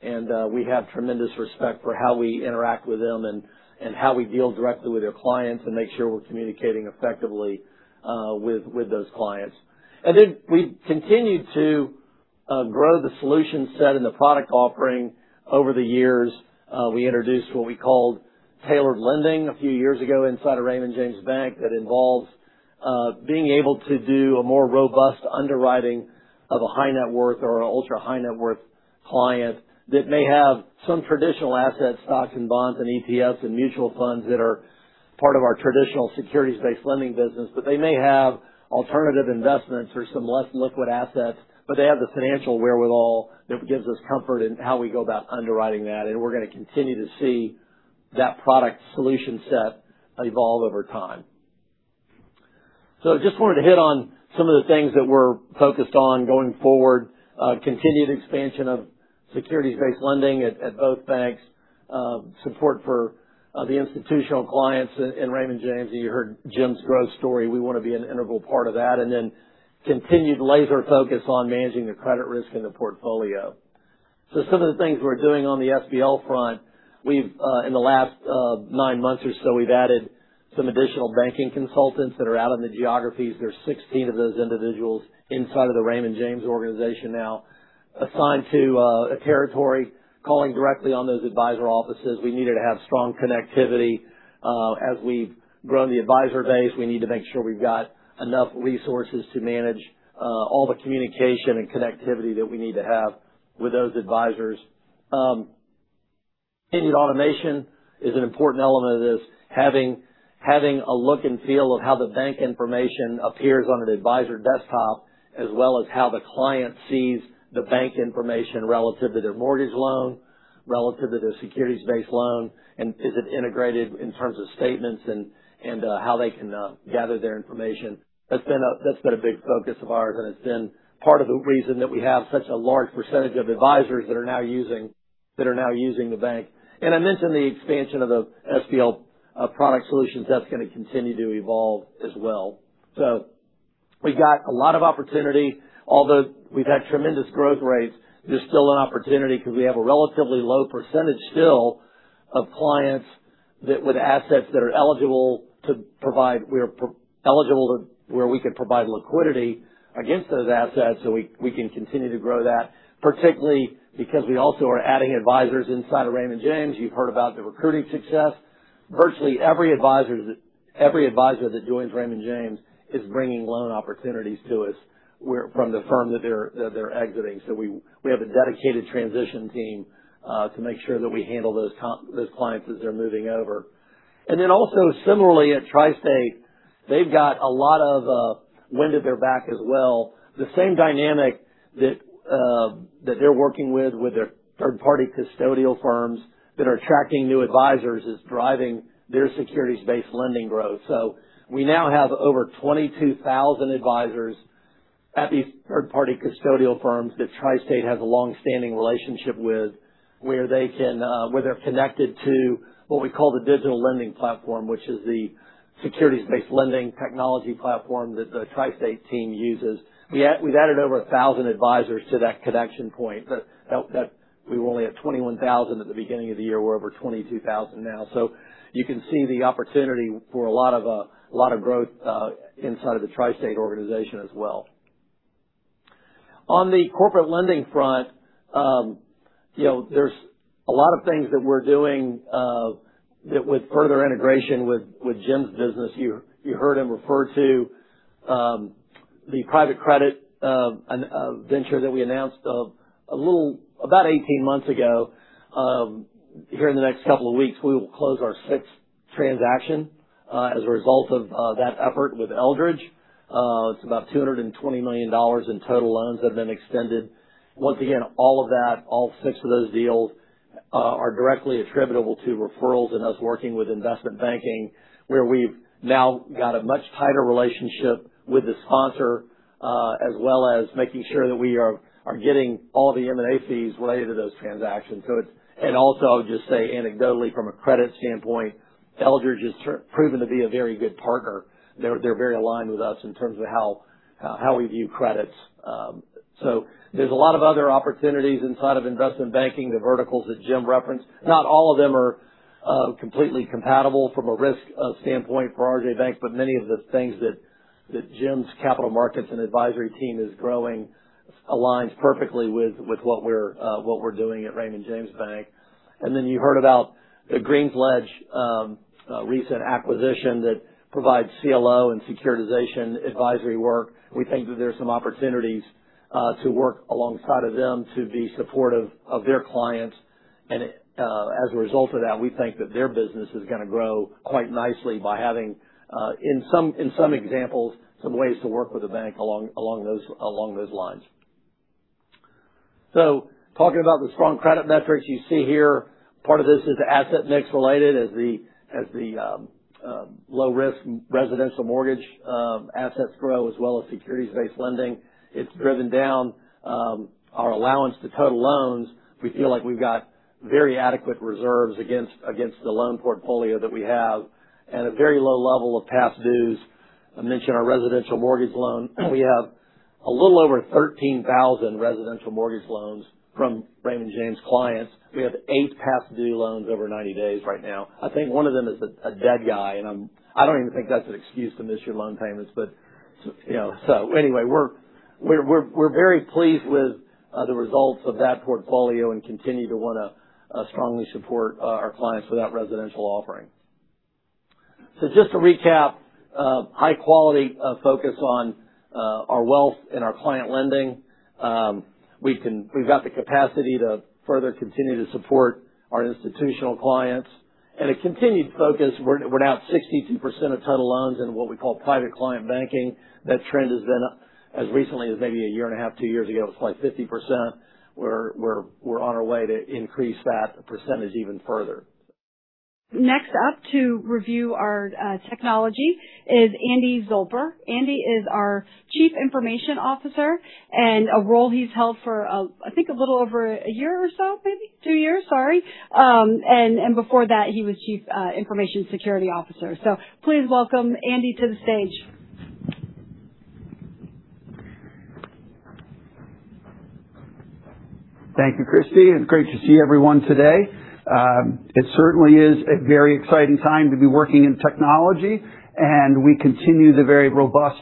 Raymond. We have tremendous respect for how we interact with them and how we deal directly with their clients and make sure we're communicating effectively with those clients. Then we've continued to grow the solution set and the product offering over the years. We introduced what we called tailored lending a few years ago inside of Raymond James Bank. That involves being able to do a more robust underwriting of a high net worth or an ultra high net worth client that may have some traditional assets, stocks and bonds, and ETFs and mutual funds that are part of our traditional securities-based lending business. They may have alternative investments or some less liquid assets, but they have the financial wherewithal that gives us comfort in how we go about underwriting that. We're going to continue to see that product solution set evolve over time. Just wanted to hit on some of the things that we're focused on going forward. Continued expansion of Securities-based lending at both banks, support for the institutional clients in Raymond James. You heard Jim's growth story. We want to be an integral part of that, and then continued laser focus on managing the credit risk in the portfolio. Some of the things we're doing on the SBL front, in the last nine months or so, we've added some additional banking consultants that are out in the geographies. There's 16 of those individuals inside of the Raymond James organization now assigned to a territory, calling directly on those advisor offices. We needed to have strong connectivity. As we've grown the advisor base, we need to make sure we've got enough resources to manage all the communication and connectivity that we need to have with those advisors. Continued automation is an important element of this. Having a look and feel of how the bank information appears on an advisor desktop, as well as how the client sees the bank information relative to their mortgage loan, relative to their securities-based loan, and is it integrated in terms of statements and how they can gather their information. That's been a big focus of ours, and it's been part of the reason that we have such a large percentage of advisors that are now using the bank. I mentioned the expansion of the SBL product solutions. That's going to continue to evolve as well. We've got a lot of opportunity. Although we've had tremendous growth rates, there's still an opportunity because we have a relatively low percentage still of clients with assets eligible where we could provide liquidity against those assets. We can continue to grow that, particularly because we also are adding advisors inside of Raymond James. You've heard about the recruiting success. Virtually every advisor that joins Raymond James is bringing loan opportunities to us from the firm that they're exiting. We have a dedicated transition team to make sure that we handle those clients as they're moving over. Also similarly at TriState, they've got a lot of wind at their back as well. The same dynamic that they're working with their third-party custodial firms that are attracting new advisors, is driving their securities-based lending growth. We now have over 22,000 advisors at these third-party custodial firms that TriState has a long-standing relationship with, where they're connected to what we call the digital lending platform, which is the securities-based lending technology platform that the TriState team uses. We've added over 1,000 advisors to that connection point. We were only at 21,000 at the beginning of the year. We're over 22,000 now. You can see the opportunity for a lot of growth inside of the TriState organization as well. On the corporate lending front, there's a lot of things that we're doing with further integration with Jim's business. You heard him refer to the private credit venture that we announced about 18 months ago. Here in the next couple of weeks, we will close our sixth transaction as a result of that effort with Eldridge. It's about $220 million in total loans that have been extended. Once again, all of that, all six of those deals, are directly attributable to referrals and us working with investment banking, where we've now got a much tighter relationship with the sponsor, as well as making sure that we are getting all the M&A fees related to those transactions. Also, I'll just say anecdotally, from a credit standpoint, Eldridge has proven to be a very good partner. They're very aligned with us in terms of how we view credits. There's a lot of other opportunities inside of investment banking, the verticals that Jim referenced. Not all of them are completely compatible from a risk standpoint for RJ Bank, but many of the things that Jim's Capital Markets and Advisory team is growing aligns perfectly with what we're doing at Raymond James Bank. Then you heard about the GreensLedge recent acquisition that provides CLO and securitization advisory work. We think that there's some opportunities to work alongside of them to be supportive of their clients. As a result of that, we think that their business is going to grow quite nicely by having, in some examples, some ways to work with a bank along those lines. Talking about the strong credit metrics you see here, part of this is asset mix related. As the low risk residential mortgage assets grow, as well as securities-based lending, it's driven down our allowance to total loans. We feel like we've got very adequate reserves against the loan portfolio that we have and a very low level of past dues. I mentioned our residential mortgage loan. We have a little over 13,000 residential mortgage loans from Raymond James clients. We have eight past due loans over 90 days right now. I think one of them is a dead guy, and I don't even think that's an excuse to miss your loan payments. We're very pleased with the results of that portfolio and continue to want to strongly support our clients with that residential offering. Just to recap, high quality of focus on our wealth and our client lending. We've got the capacity to further continue to support our institutional clients and a continued focus. We're now 62% of total loans in what we call private client banking. That trend has been up as recently as maybe a year and a half, two years ago, it was like 50%. We're on our way to increase that percentage even further. Next up to review our technology is Andy Zolper. Andy is our Chief Information Officer, and a role he's held for, I think, a little over a year or so, maybe two years. Sorry. Before that, he was Chief Information Security Officer. Please welcome Andy to the stage. Thank you, Kristie. It's great to see everyone today. It certainly is a very exciting time to be working in technology, we continue the very robust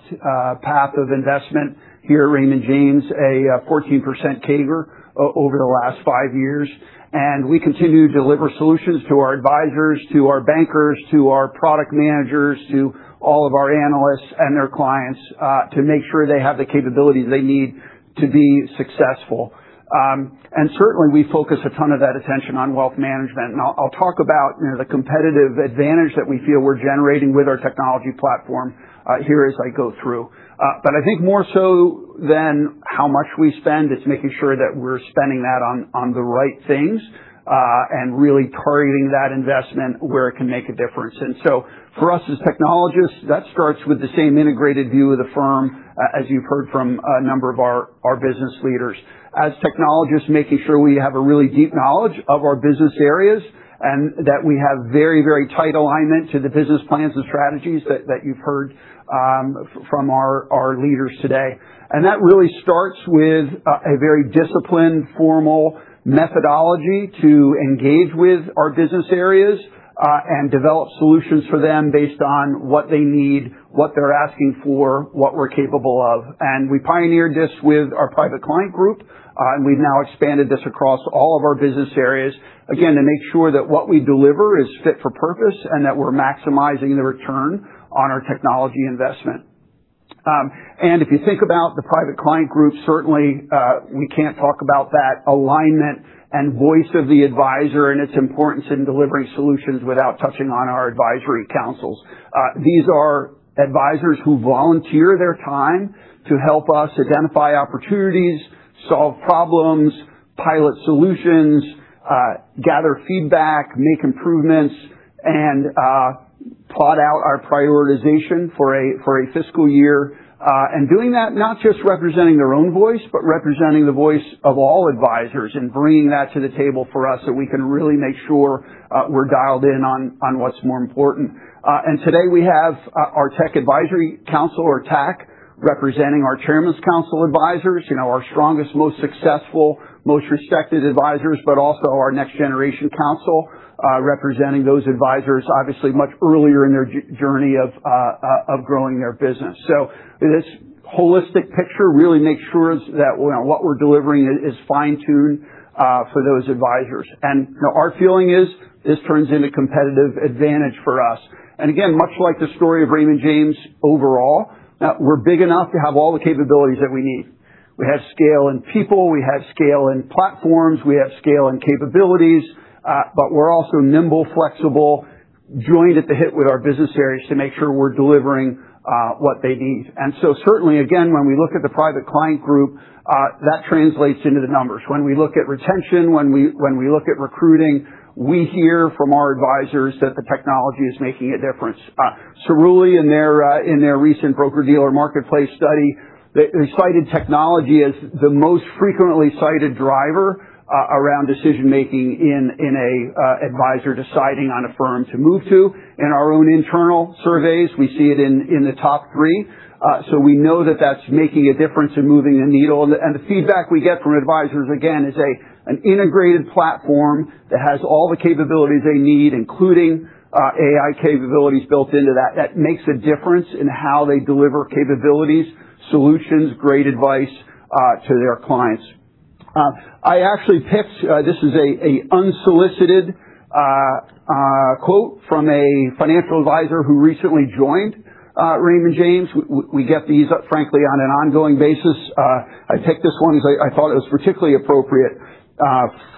path of investment here at Raymond James, a 14% CAGR over the last five years. We continue to deliver solutions to our advisors, to our bankers, to our product managers, to all of our analysts and their clients to make sure they have the capabilities they need to be successful. Certainly, we focus a ton of that attention on wealth management. I'll talk about the competitive advantage that we feel we're generating with our technology platform here as I go through. I think more so than how much we spend, it's making sure that we're spending that on the right things, and really targeting that investment where it can make a difference. For us as technologists, that starts with the same integrated view of the firm as you've heard from a number of our business leaders. As technologists, making sure we have a really deep knowledge of our business areas, and that we have very tight alignment to the business plans and strategies that you've heard from our leaders today. That really starts with a very disciplined, formal methodology to engage with our business areas, and develop solutions for them based on what they need, what they're asking for, what we're capable of. We pioneered this with our Private Client Group, and we've now expanded this across all of our business areas, again, to make sure that what we deliver is fit for purpose and that we're maximizing the return on our technology investment. If you think about the Private Client Group, certainly, we can't talk about that alignment and Voice of the Advisor and its importance in delivering solutions without touching on our advisory councils. These are advisors who volunteer their time to help us identify opportunities, solve problems, pilot solutions, gather feedback, make improvements, and plot out our prioritization for a fiscal year. Doing that, not just representing their own voice, but representing the voice of all advisors and bringing that to the table for us so we can really make sure we're dialed in on what's more important. Today we have our Tech Advisory Council, or TAC, representing our Chairman's Council advisors, our strongest, most successful, most respected advisors, but also our Next Generation Council, representing those advisors obviously much earlier in their journey of growing their business. This holistic picture really makes sure that what we're delivering is fine-tuned for those advisors. Our feeling is this turns into competitive advantage for us. Again, much like the story of Raymond James overall, we're big enough to have all the capabilities that we need. We have scale in people, we have scale in platforms, we have scale in capabilities, but we're also nimble, flexible, joined at the hip with our business areas to make sure we're delivering what they need. Certainly, again, when we look at the Private Client Group, that translates into the numbers. When we look at retention, when we look at recruiting, we hear from our advisors that the technology is making a difference. Cerulli in their recent broker-dealer marketplace study, they cited technology as the most frequently cited driver around decision-making in a advisor deciding on a firm to move to. In our own internal surveys, we see it in the top three. We know that that's making a difference in moving the needle. The feedback we get from advisors, again, is an integrated platform that has all the capabilities they need, including AI capabilities built into that makes a difference in how they deliver capabilities, solutions, great advice to their clients. I actually picked, this is a unsolicited quote from a financial advisor who recently joined Raymond James. We get these, frankly, on an ongoing basis. I picked this one because I thought it was particularly appropriate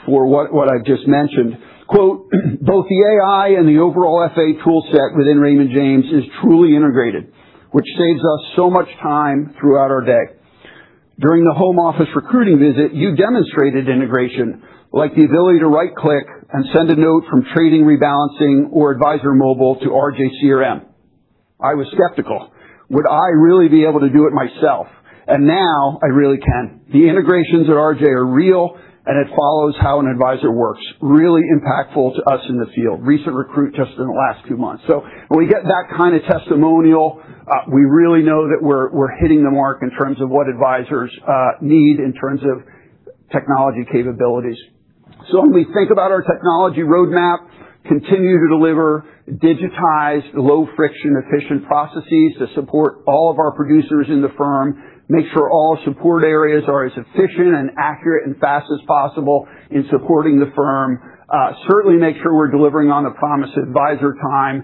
for what I just mentioned. Quote, "Both the AI and the overall FA tool set within Raymond James is truly integrated, which saves us so much time throughout our day. During the home office recruiting visit, you demonstrated integration, like the ability to right-click and send a note from trading, rebalancing, or Advisor Mobile to RJ CRM. I was skeptical. Would I really be able to do it myself? Now I really can. The integrations at RJ are real, and it follows how an advisor works. Really impactful to us in the field." Recent recruit just in the last two months. When we get that kind of testimonial, we really know that we're hitting the mark in terms of what advisors need in terms of technology capabilities. When we think about our technology roadmap, continue to deliver digitized, low-friction, efficient processes to support all of our producers in the firm. Make sure all support areas are as efficient and accurate and fast as possible in supporting the firm. Certainly, make sure we're delivering on the promise, Advisor Time.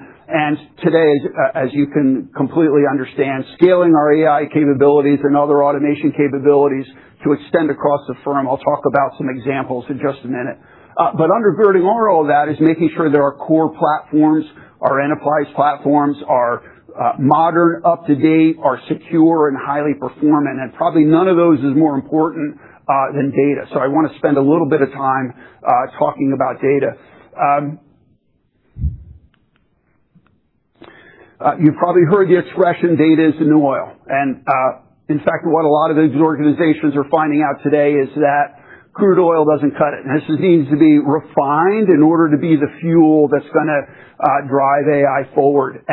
Today, as you can completely understand, scaling our AI capabilities and other automation capabilities to extend across the firm. I'll talk about some examples in just a minute. Undergirding all of that is making sure that our core platforms, our enterprise platforms are modern, up-to-date, are secure, and highly performant. Probably none of those is more important than data. I want to spend a little bit of time talking about data. You've probably heard the expression, "Data is the new oil." In fact, what a lot of these organizations are finding out today is that crude oil doesn't cut it. This needs to be refined in order to be the fuel that's going to drive AI forward.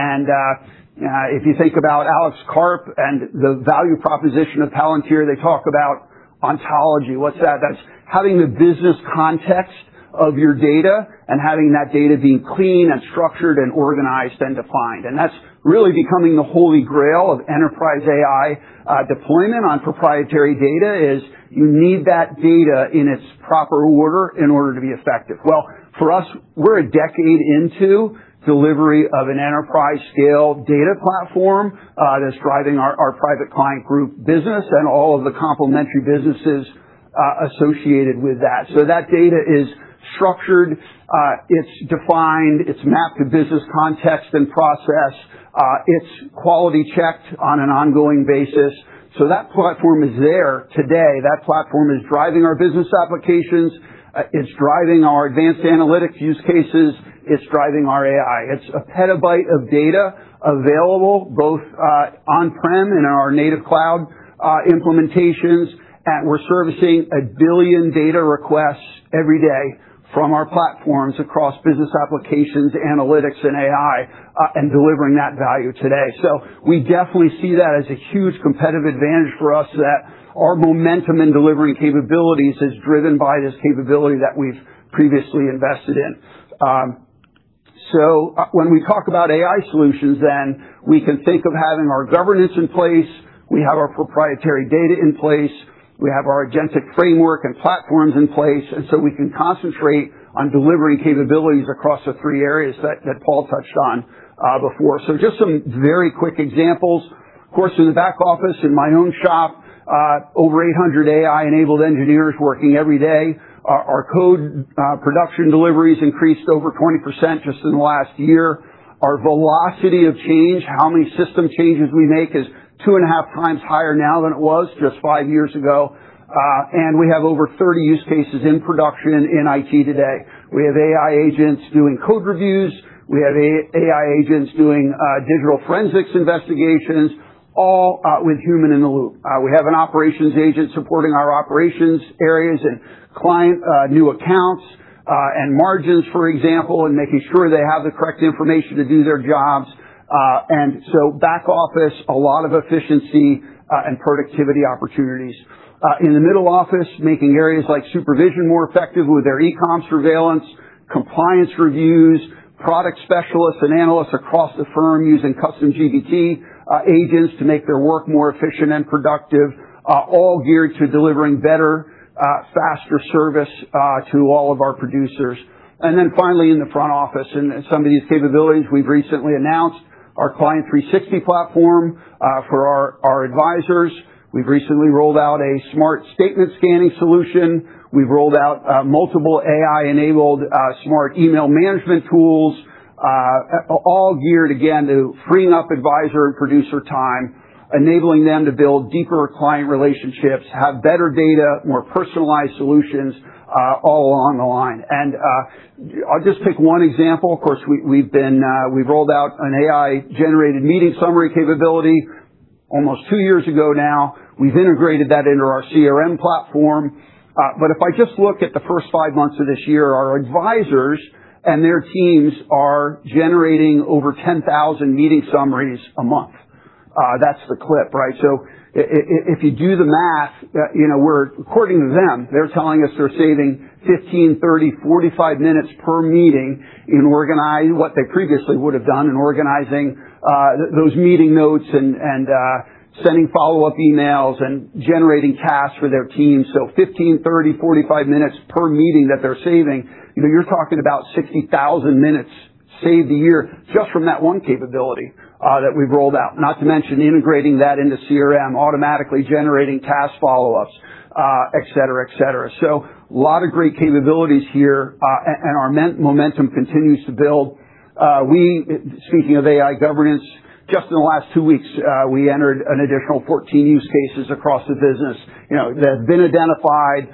If you think about Alex Karp and the value proposition of Palantir, they talk about ontology. What's that? That's having the business context of your data and having that data being clean and structured and organized and defined. That's really becoming the holy grail of enterprise AI deployment on proprietary data, is you need that data in its proper order in order to be effective. Well, for us, we're a decade into delivery of an enterprise-scale data platform that's driving our Private Client Group business and all of the complementary businesses associated with that. That data is structured, it's defined, it's mapped to business context and process, it's quality checked on an ongoing basis. That platform is there today. That platform is driving our business applications, it's driving our advanced analytics use cases, it's driving our AI. It's a petabyte of data available both on-prem and in our native cloud implementations. We're servicing 1 billion data requests every day from our platforms across business applications, analytics, and AI, and delivering that value today. We definitely see that as a huge competitive advantage for us, that our momentum in delivering capabilities is driven by this capability that we've previously invested in. When we talk about AI solutions, then, we can think of having our governance in place, we have our proprietary data in place, we have our agentic framework and platforms in place, we can concentrate on delivering capabilities across the three areas that Paul touched on before. Just some very quick examples. Of course, in the back office, in my own shop, over 800 AI-enabled engineers working every day. Our code production deliveries increased over 20% just in the last year. Our velocity of change, how many system changes we make, is two and a half times higher now than it was just five years ago. We have over 30 use cases in production in IT today. We have AI agents doing code reviews. We have AI agents doing digital forensics investigations, all with human in the loop. We have an operations agent supporting our operations areas and client new accounts, and margins, for example, and making sure they have the correct information to do their jobs. Back office, a lot of efficiency and productivity opportunities. In the middle office, making areas like supervision more effective with their e-com surveillance, compliance reviews, product specialists and analysts across the firm using custom GPT agents to make their work more efficient and productive, all geared to delivering better, faster service to all of our producers. Finally, in the front office, some of these capabilities we've recently announced, our Client 360 platform for our advisors. We've recently rolled out a smart statement scanning solution. We've rolled out multiple AI-enabled smart email management tools. All geared, again, to freeing up advisor and producer time, enabling them to build deeper client relationships, have better data, more personalized solutions, all along the line. I'll just pick one example. Of course, we've rolled out an AI-generated meeting summary capability almost two years ago now. We've integrated that into our CRM platform. If I just look at the first five months of this year, our advisors and their teams are generating over 10,000 meeting summaries a month. That's the clip, right? If you do the math, according to them, they're telling us they're saving 15, 30, 45 minutes per meeting in what they previously would have done in organizing those meeting notes and sending follow-up emails and generating tasks for their team. 15, 30, 45 minutes per meeting that they're saving. You're talking about 60,000 minutes saved a year just from that one capability that we've rolled out. Not to mention integrating that into CRM, automatically generating task follow-ups, etc. A lot of great capabilities here, and our momentum continues to build. Speaking of AI governance, just in the last two weeks, we entered an additional 14 use cases across the business that have been identified,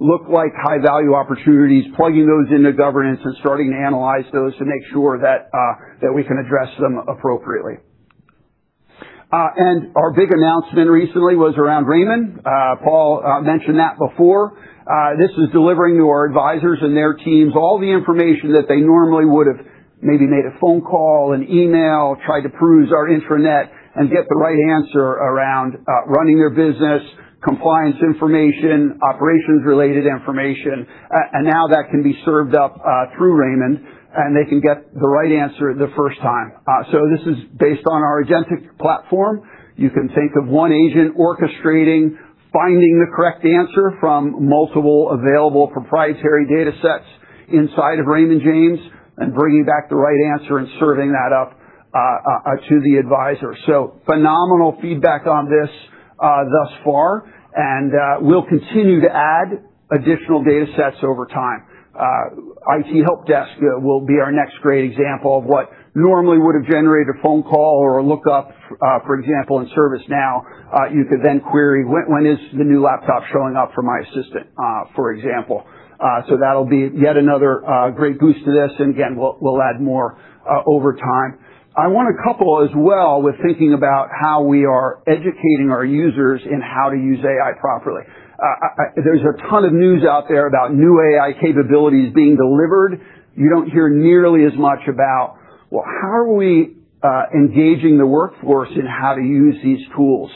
look like high-value opportunities, plugging those into governance and starting to analyze those to make sure that we can address them appropriately. Our big announcement recently was around Raimond. Paul mentioned that before. This is delivering to our advisors and their teams all the information that they normally would have maybe made a phone call, an email, tried to peruse our intranet and get the right answer around running their business, compliance information, operations-related information. Now that can be served up through Raimond, and they can get the right answer the first time. This is based on our agentic platform. You can think of one agent orchestrating, finding the correct answer from multiple available proprietary data sets inside of Raymond James, and bringing back the right answer and serving that up to the advisor. Phenomenal feedback on this thus far, and we'll continue to add additional data sets over time. IT helpdesk will be our next great example of what normally would have generated a phone call. Look up, for example, in ServiceNow, you could then query, "When is the new laptop showing up for my assistant?" for example. That'll be yet another great boost to this, and again, we'll add more over time. I want to couple as well with thinking about how we are educating our users in how to use AI properly. There's a ton of news out there about new AI capabilities being delivered. You don't hear nearly as much about, well, how are we engaging the workforce in how to use these tools?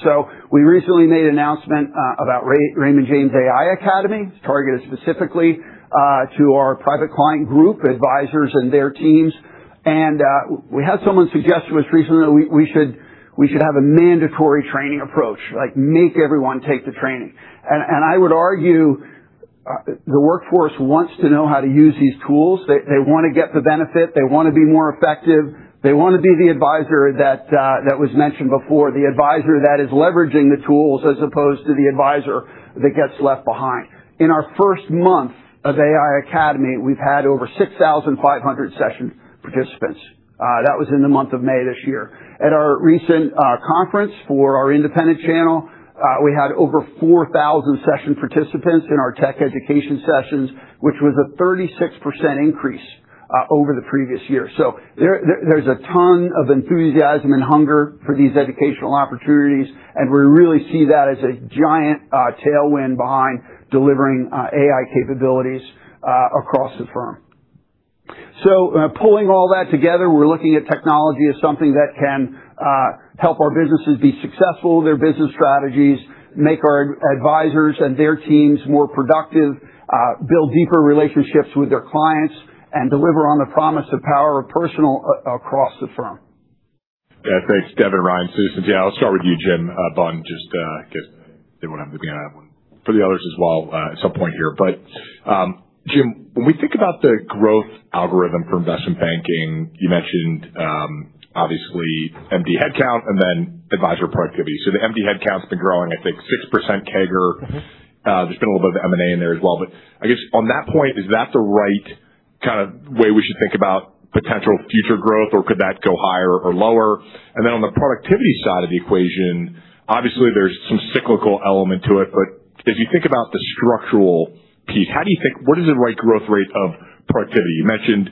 We recently made an announcement about Raymond James AI Academy. It's targeted specifically to our Private Client Group, advisors and their teams. We had someone suggest to us recently we should have a mandatory training approach, like make everyone take the training. I would argue the workforce wants to know how to use these tools. They want to get the benefit. They want to be more effective. They want to be the advisor that was mentioned before, the advisor that is leveraging the tools as opposed to the advisor that gets left behind. In our first month of AI Academy, we've had over 6,500 session participants. That was in the month of May this year. At our recent conference for our independent channel, we had over 4,000 session participants in our tech education sessions, which was a 36% increase over the previous year. There's a ton of enthusiasm and hunger for these educational opportunities, and we really see that as a giant tailwind behind delivering AI capabilities across the firm. Pulling all that together, we're looking at technology as something that can help our businesses be successful with their business strategies, make our advisors and their teams more productive, build deeper relationships with their clients, and deliver on the promise of power of personal across the firm. Yeah. Thanks, Devin Ryan. I'll start with you, Jim Bunn, just because they won't have me again for the others as well at some point here. Jim, when we think about the growth algorithm for investment banking, you mentioned obviously MD headcount and then advisor productivity. The MD headcount's been growing, I think, 6% CAGR. There's been a little bit of M&A in there as well. I guess on that point, is that the right kind of way we should think about potential future growth, or could that go higher or lower? On the productivity side of the equation, obviously there's some cyclical element to it, but as you think about the structural piece, what is the right growth rate of productivity? You mentioned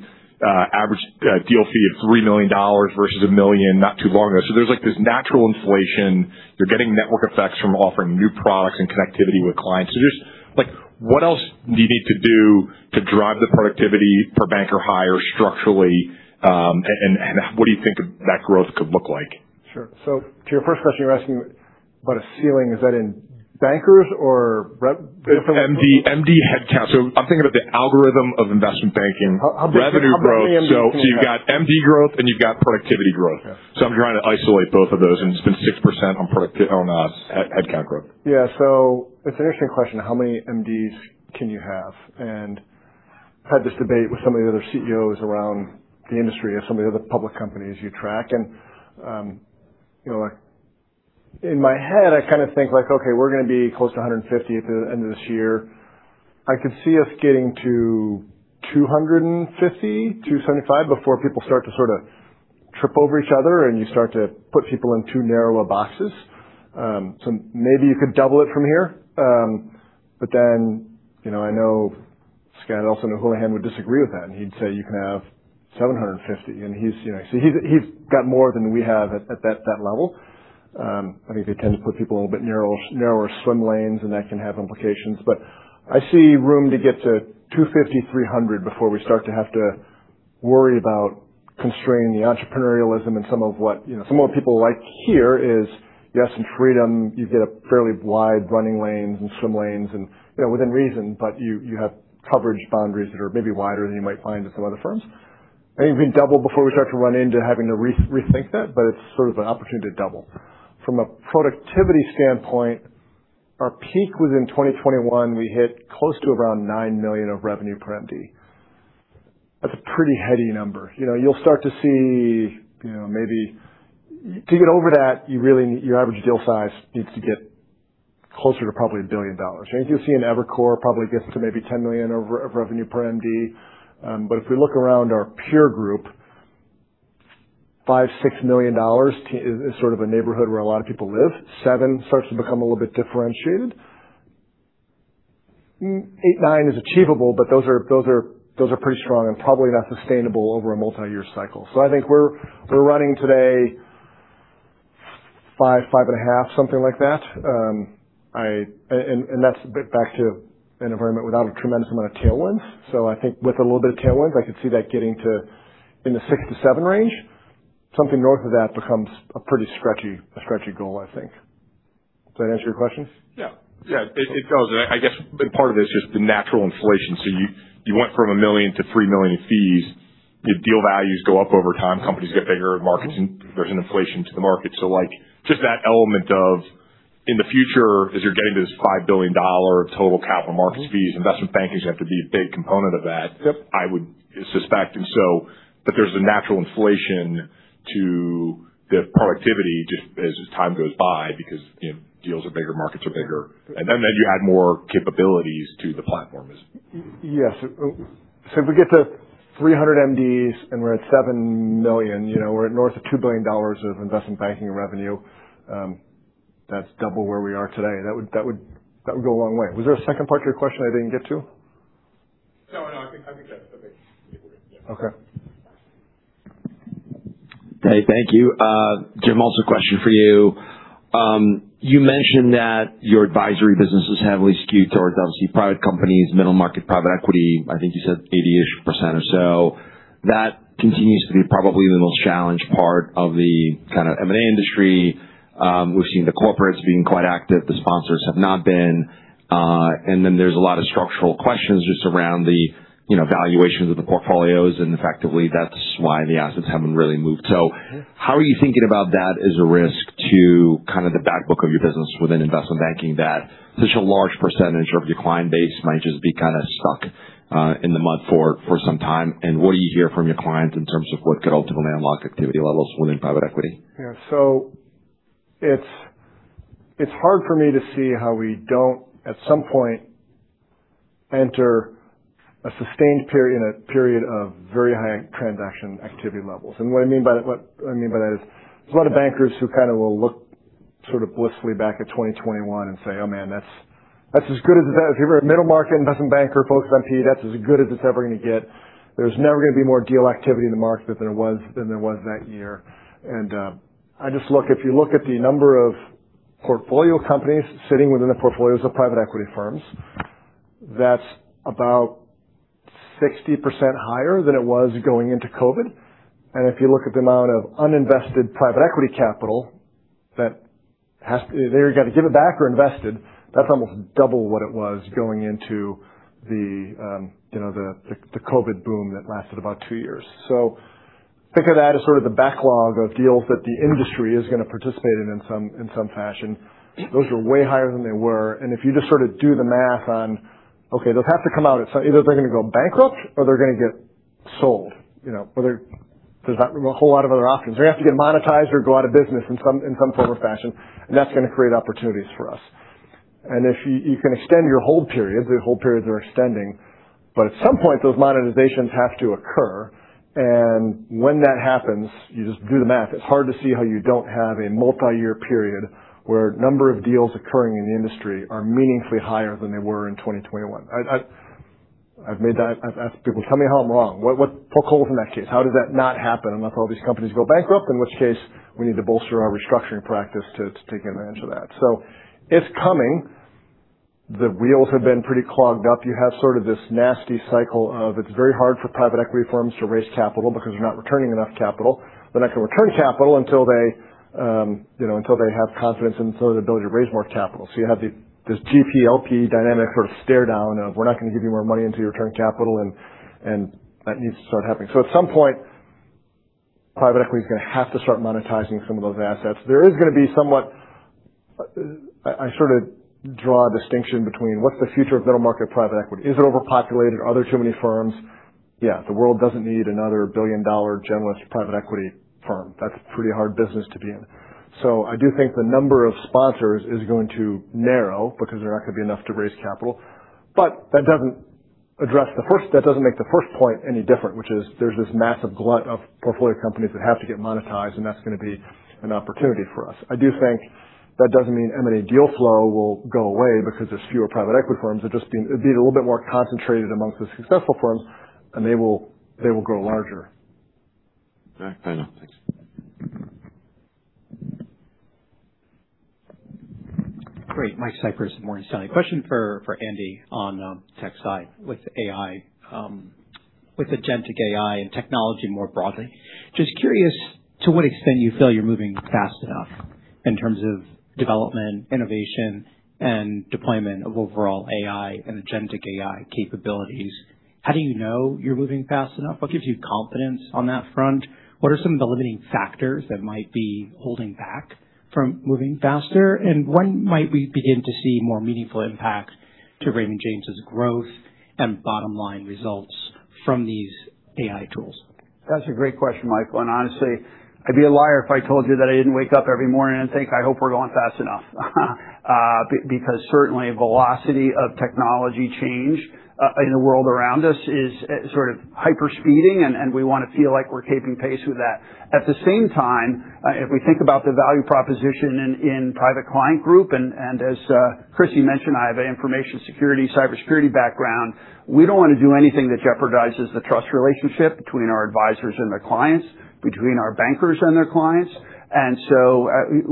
average deal fee of $3 million versus $1 million not too long ago. There's this natural inflation. You're getting network effects from offering new products and connectivity with clients. Just what else do you need to do to drive the productivity per banker higher structurally? What do you think that growth could look like? Sure. To your first question, you're asking about a ceiling. Is that in bankers or? MD headcount. I'm thinking about the algorithm of investment banking. How many MDs can you have? Revenue growth. You've got MD growth, and you've got productivity growth. I'm trying to isolate both of those, and it's been 6% on headcount growth. Yeah. It's an interesting question. How many MDs can you have? Had this debate with some of the other CEOs around the industry and some of the other public companies you track. In my head, I kind of think, "Okay, we're going to be close to 150 at the end of this year." I could see us getting to 250, 275 before people start to sort of trip over each other and you start to put people in too narrow a boxes. Maybe you could double it from here. I know Scott also know Houlihan would disagree with that, and he'd say, "You can have 750." He's got more than we have at that level. I think they tend to put people in a little bit narrower swim lanes, and that can have implications. I see room to get to 250, 300 before we start to have to worry about constraining the entrepreneurialism and some of what people like here is you have some freedom. You get a fairly wide running lanes and swim lanes and within reason. You have coverage boundaries that are maybe wider than you might find at some other firms. I think we can double before we start to run into having to rethink that, but it's sort of an opportunity to double. From a productivity standpoint, our peak was in 2021. We hit close to around $9 million of revenue per MD. That's a pretty heady number. You'll start to see maybe to get over that, your average deal size needs to get closer to probably $1 billion. I think you'll see in Evercore probably gets to maybe $10 million of revenue per MD. If we look around our peer group, $5 million, $6 million is sort of a neighborhood where a lot of people live. $7 million starts to become a little bit differentiated. $8 million, $9 million is achievable, but those are pretty strong and probably not sustainable over a multi-year cycle. I think we're running today $5 million, $5.5 million, something like that. That's a bit back to an environment without a tremendous amount of tailwinds. I think with a little bit of tailwinds, I could see that getting to in the $6 million-$7 million range. Something north of that becomes a pretty stretchy goal, I think. Does that answer your question? Yeah. It does. I guess part of it is just the natural inflation. You went from $1 million-$3 million in fees. Your deal values go up over time. Companies get bigger and there's an inflation to the market. Just that element of in the future, as you're getting to this $5 billion total Capital Markets fees, investment banking's going to be a big component of that. Yep I would suspect. There's a natural inflation to the productivity just as time goes by because deals are bigger, markets are bigger. You add more capabilities to the platform. Yes. If we get to 300 MDs and we're at $7 million, we're at north of $2 billion of investment banking revenue. That's double where we are today. That would go a long way. Was there a second part to your question I didn't get to? I think that's okay. Okay. Hey, thank you. Jim, also a question for you. You mentioned that your advisory business is heavily skewed towards, obviously, private companies, middle market private equity, I think you said 80% or so. That continues to be probably the most challenged part of the M&A industry. We've seen the corporates being quite active. The sponsors have not been. There's a lot of structural questions just around the valuations of the portfolios, and effectively, that's why the assets haven't really moved. How are you thinking about that as a risk to kind of the back book of your business within investment banking that such a large percentage of your client base might just be kind of stuck in the mud for some time? What do you hear from your clients in terms of what could ultimately unlock activity levels within private equity? Yeah. It's hard for me to see how we don't, at some point, enter a sustained period of very high transaction activity levels. What I mean by that is there's a lot of bankers who kind of will look sort of blissfully back at 2021 and say, "Oh, man, that's as good as it's ever." If you're a middle market investment banker focused on PE, that's as good as it's ever going to get. There's never going to be more deal activity in the market than there was that year. If you look at the number of portfolio companies sitting within the portfolios of private equity firms, that's about 60% higher than it was going into COVID. If you look at the amount of uninvested private equity capital, they either got to give it back or invest it. That's almost double what it was going into the COVID boom that lasted about two years. Think of that as sort of the backlog of deals that the industry is going to participate in some fashion. Those are way higher than they were. If you just sort of do the math on, okay, they'll have to come out. Either they're going to go bankrupt or they're going to get sold. There's not a whole lot of other options. They have to get monetized or go out of business in some form or fashion, and that's going to create opportunities for us. If you can extend your hold period, the hold periods are extending. At some point, those monetizations have to occur. When that happens, you just do the math. It's hard to see how you don't have a multi-year period where number of deals occurring in the industry are meaningfully higher than they were in 2021. I've asked people, "Tell me how I'm wrong. Poke holes in that case. How does that not happen?" Unless all these companies go bankrupt, in which case we need to bolster our restructuring practice to take advantage of that. It's coming. The wheels have been pretty clogged up. You have sort of this nasty cycle of it's very hard for private equity firms to raise capital because they're not returning enough capital. They're not going to return capital until they have confidence in sort of the ability to raise more capital. You have this GP-LP dynamic sort of stare down of, we're not going to give you more money until you return capital, and that needs to start happening. At some point, private equity is going to have to start monetizing some of those assets. I sort of draw a distinction between what's the future of middle market private equity. Is it overpopulated? Are there too many firms? Yeah. The world doesn't need another billion-dollar generalist private equity firm. That's pretty hard business to be in. I do think the number of sponsors is going to narrow because they're not going to be enough to raise capital. That doesn't make the first point any different, which is there's this massive glut of portfolio companies that have to get monetized, and that's going to be an opportunity for us. I do think that doesn't mean M&A deal flow will go away because there's fewer private equity firms. It'd be a little bit more concentrated amongst the successful firms, and they will grow larger. All right. Fair enough. Thanks. Great. Michael Cyprys, Morgan Stanley. Question for Andy on tech side with AI. With the agentic AI and technology more broadly, just curious to what extent you feel you're moving fast enough in terms of development, innovation, and deployment of overall AI and agentic AI capabilities. How do you know you're moving fast enough? What gives you confidence on that front? What are some of the limiting factors that might be holding back from moving faster? When might we begin to see more meaningful impact to Raymond James' growth and bottom-line results from these AI tools? That's a great question, Michael. Honestly, I'd be a liar if I told you that I didn't wake up every morning and think, "I hope we're going fast enough." Certainly, velocity of technology change in the world around us is sort of hyper-speeding, and we want to feel like we're keeping pace with that. At the same time, if we think about the value proposition in Private Client Group, and as Kristie mentioned, I have an information security, cybersecurity background. We don't want to do anything that jeopardizes the trust relationship between our advisors and their clients, between our bankers and their clients.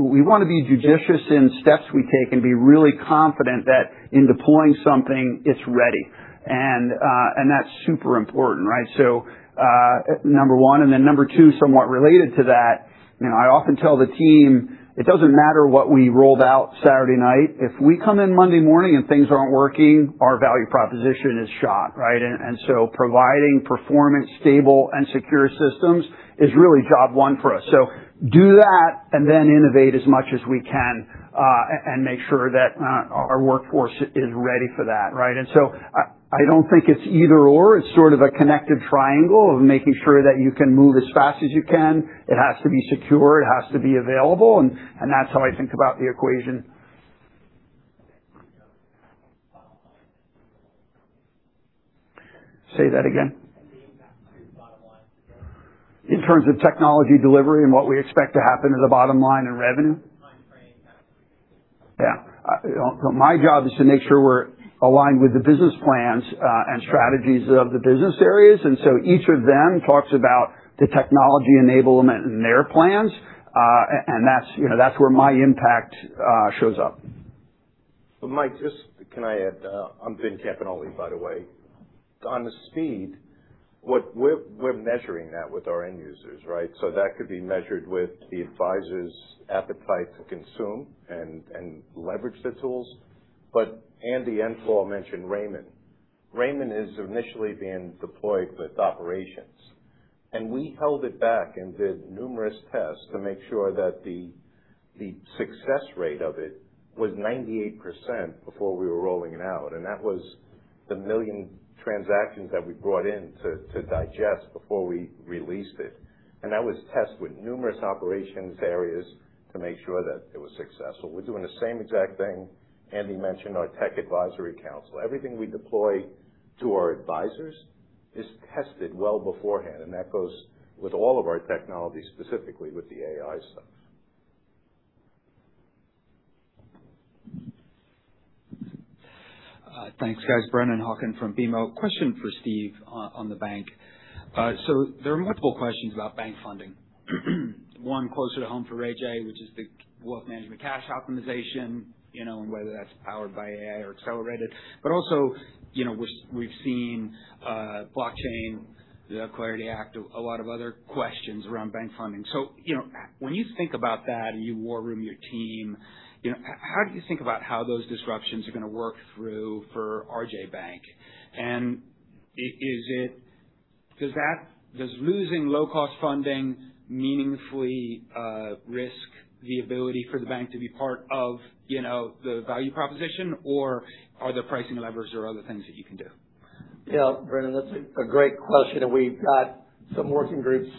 We want to be judicious in steps we take and be really confident that in deploying something, it's ready. That's super important, right? Number one. Number two, somewhat related to that, I often tell the team, it doesn't matter what we rolled out Saturday night. If we come in Monday morning and things aren't working, our value proposition is shot, right? Providing performance stable and secure systems is really job one for us. Do that and innovate as much as we can, and make sure that our workforce is ready for that, right? I don't think it's either/or. It's sort of a connected triangle of making sure that you can move as fast as you can. It has to be secure, it has to be available, and that's how I think about the equation. Say that again. The impact to your bottom line. In terms of technology delivery and what we expect to happen to the bottom line in revenue? Timeframe that would be. Yeah. My job is to make sure we're aligned with the business plans, and strategies of the business areas. Each of them talks about the technology enablement and their plans. That's where my impact shows up. Mike, just can I add? I'm Vin Campagnoli, by the way. On the speed, we're measuring that with our end users, right? That could be measured with the advisor's appetite to consume and leverage the tools. Andy and Paul mentioned Raimond. Raimond is initially being deployed with operations. We held it back and did numerous tests to make sure that the success rate of it was 98% before we were rolling it out. That was the million transactions that we brought in to digest before we released it. That was tested with numerous operations areas to make sure that it was successful. We're doing the same exact thing. Andy mentioned our tech advisory council. Everything we deploy to our advisors is tested well beforehand, and that goes with all of our technology, specifically with the AI stuff. Thanks, guys. Brennan Hawken from BMO. Question for Steve on the bank. There are multiple questions about bank funding. One closer to home for RJ, which is the wealth management cash optimization, and whether that's powered by AI or accelerated. Also, we've seen blockchain, the Clarity Act, a lot of other questions around bank funding. When you think about that and you war room your team, how do you think about how those disruptions are going to work through for Raymond James Bank? Does losing low-cost funding meaningfully risk the ability for the bank to be part of the value proposition or are there pricing levers or other things that you can do? Yeah. Brennan, that's a great question. We've got some working groups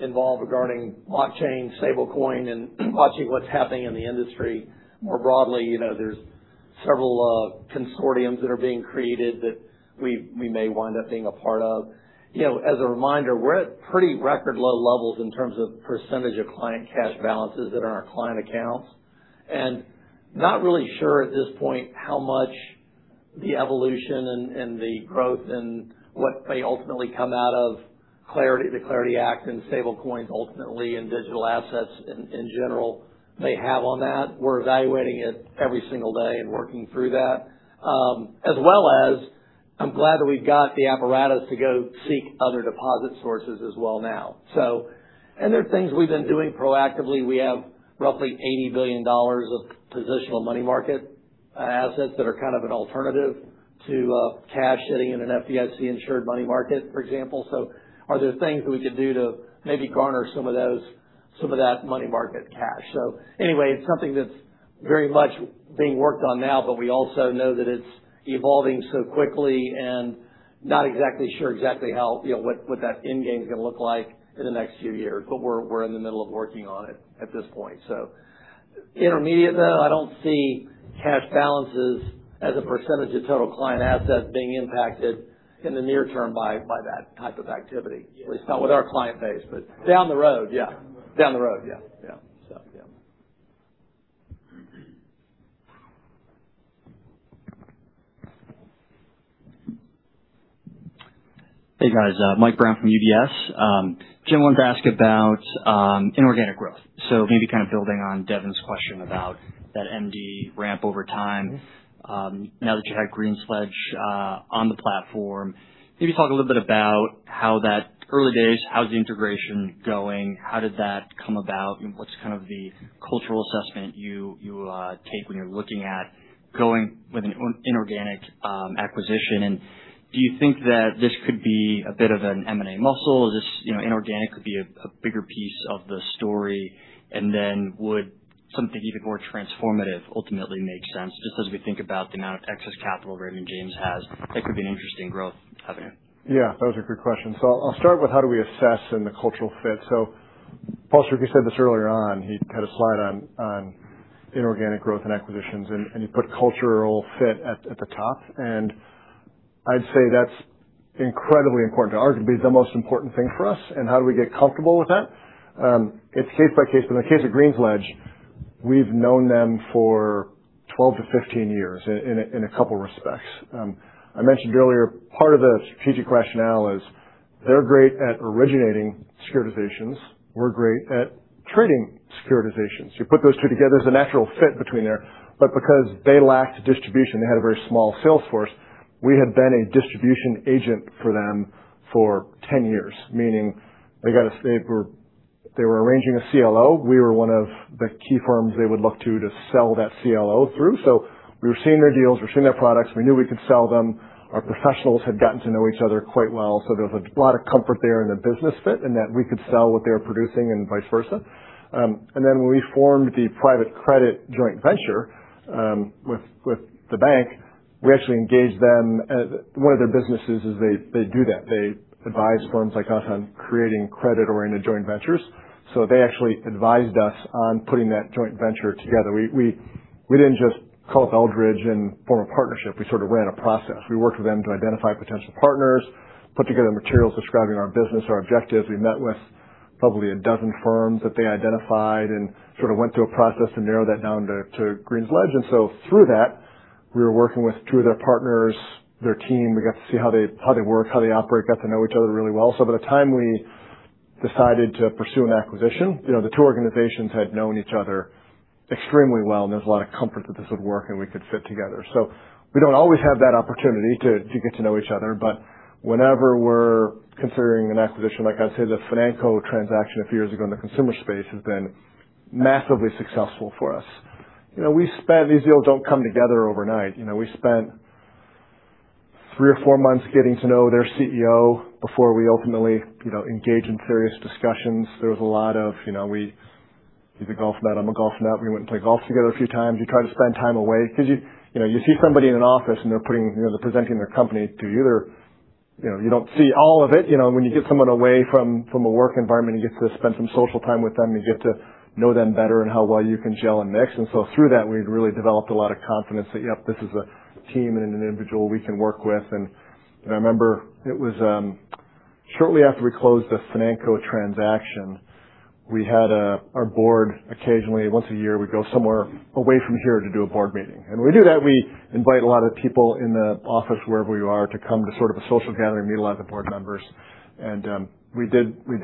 involved regarding blockchain, Stablecoin, and watching what's happening in the industry more broadly. There's several consortiums that are being created that we may wind up being a part of. As a reminder, we're at pretty record low levels in terms of percentage of client cash balances that are in our client accounts. Not really sure at this point how much the evolution and the growth and what may ultimately come out of the Clarity Act and Stablecoins ultimately and digital assets in general may have on that. We're evaluating it every single day and working through that. I'm glad that we've got the apparatus to go seek other deposit sources as well now. There are things we've been doing proactively. We have roughly $80 billion of positional money market assets that are kind of an alternative to cash sitting in an FDIC-insured money market, for example. Are there things that we could do to maybe garner some of that money market cash? Anyway, it's something that's very much being worked on now, but we also know that it's evolving so quickly and not exactly sure what that end game is going to look like in the next few years. We're in the middle of working on it at this point. Intermediate, though, I don't see cash balances as a percentage of total client assets being impacted in the near term by that type of activity. At least not with our client base. Down the road, yeah. Down the road. Yeah. Yeah. Hey, guys. Michael Brown from UBS. Jim Bunn, wanted to ask about inorganic growth. Maybe kind of building on Devin Ryan's question about that MD ramp over time. Now that you have GreensLedge on the platform, maybe talk a little bit about how that early days, how's the integration going? How did that come about? What's kind of the cultural assessment you take when you're looking at going with an inorganic acquisition? Do you think that this could be a bit of an M&A muscle? Is this inorganic could be a bigger piece of the story? Would something even more transformative ultimately make sense? Just as we think about the amount of excess capital Raymond James has, that could be an interesting growth avenue. Yeah, those are good questions. I'll start with how do we assess and the cultural fit. Paul Shoukry said this earlier on. He had a slide on inorganic growth and acquisitions, and he put cultural fit at the top. I'd say that's incredibly important to arguably the most important thing for us and how do we get comfortable with that. It's case by case, but in the case of GreensLedge, we've known them for 12-15 years in a couple respects. I mentioned earlier, part of the strategic rationale is they're great at originating securitizations. We're great at trading securitizations. You put those two together, there's a natural fit between there. Because they lacked distribution, they had a very small sales force. We had been a distribution agent for them for 10 years, meaning if they were arranging a CLO, we were one of the key firms they would look to to sell that CLO through. We were seeing their deals, we were seeing their products. We knew we could sell them. Our professionals had gotten to know each other quite well. There was a lot of comfort there in the business fit and that we could sell what they were producing and vice versa. When we formed the private credit joint venture with the bank, we actually engaged them. One of their businesses is they do that. They advise firms like us on creating credit or in a joint ventures. They actually advised us on putting that joint venture together. We didn't just call up Eldridge and form a partnership. We sort of ran a process. We worked with them to identify potential partners, put together materials describing our business, our objectives. We met with probably a dozen firms that they identified and sort of went through a process to narrow that down to GreensLedge. Through that, we were working with two of their partners, their team. We got to see how they work, how they operate, got to know each other really well. By the time we decided to pursue an acquisition, the two organizations had known each other extremely well, and there was a lot of comfort that this would work and we could fit together. We don't always have that opportunity to get to know each other, but whenever we're considering an acquisition, like I say, the Financo transaction a few years ago in the consumer space has been massively successful for us. These deals don't come together overnight. We spent three or four months getting to know their CEO before we ultimately engaged in serious discussions. He's a golf nut, I'm a golf nut. We went and played golf together a few times. You try to spend time away because you see somebody in an office and they're presenting their company to you. You don't see all of it. When you get someone away from a work environment, you get to spend some social time with them, you get to know them better and how well you can gel and mix. Through that, we'd really developed a lot of confidence that, yep, this is a team and an individual we can work with. I remember it was shortly after we closed the Financo transaction. Our board occasionally, once a year, would go somewhere away from here to do a board meeting. When we do that, we invite a lot of people in the office, wherever we are, to come to sort of a social gathering, meet a lot of the board members. We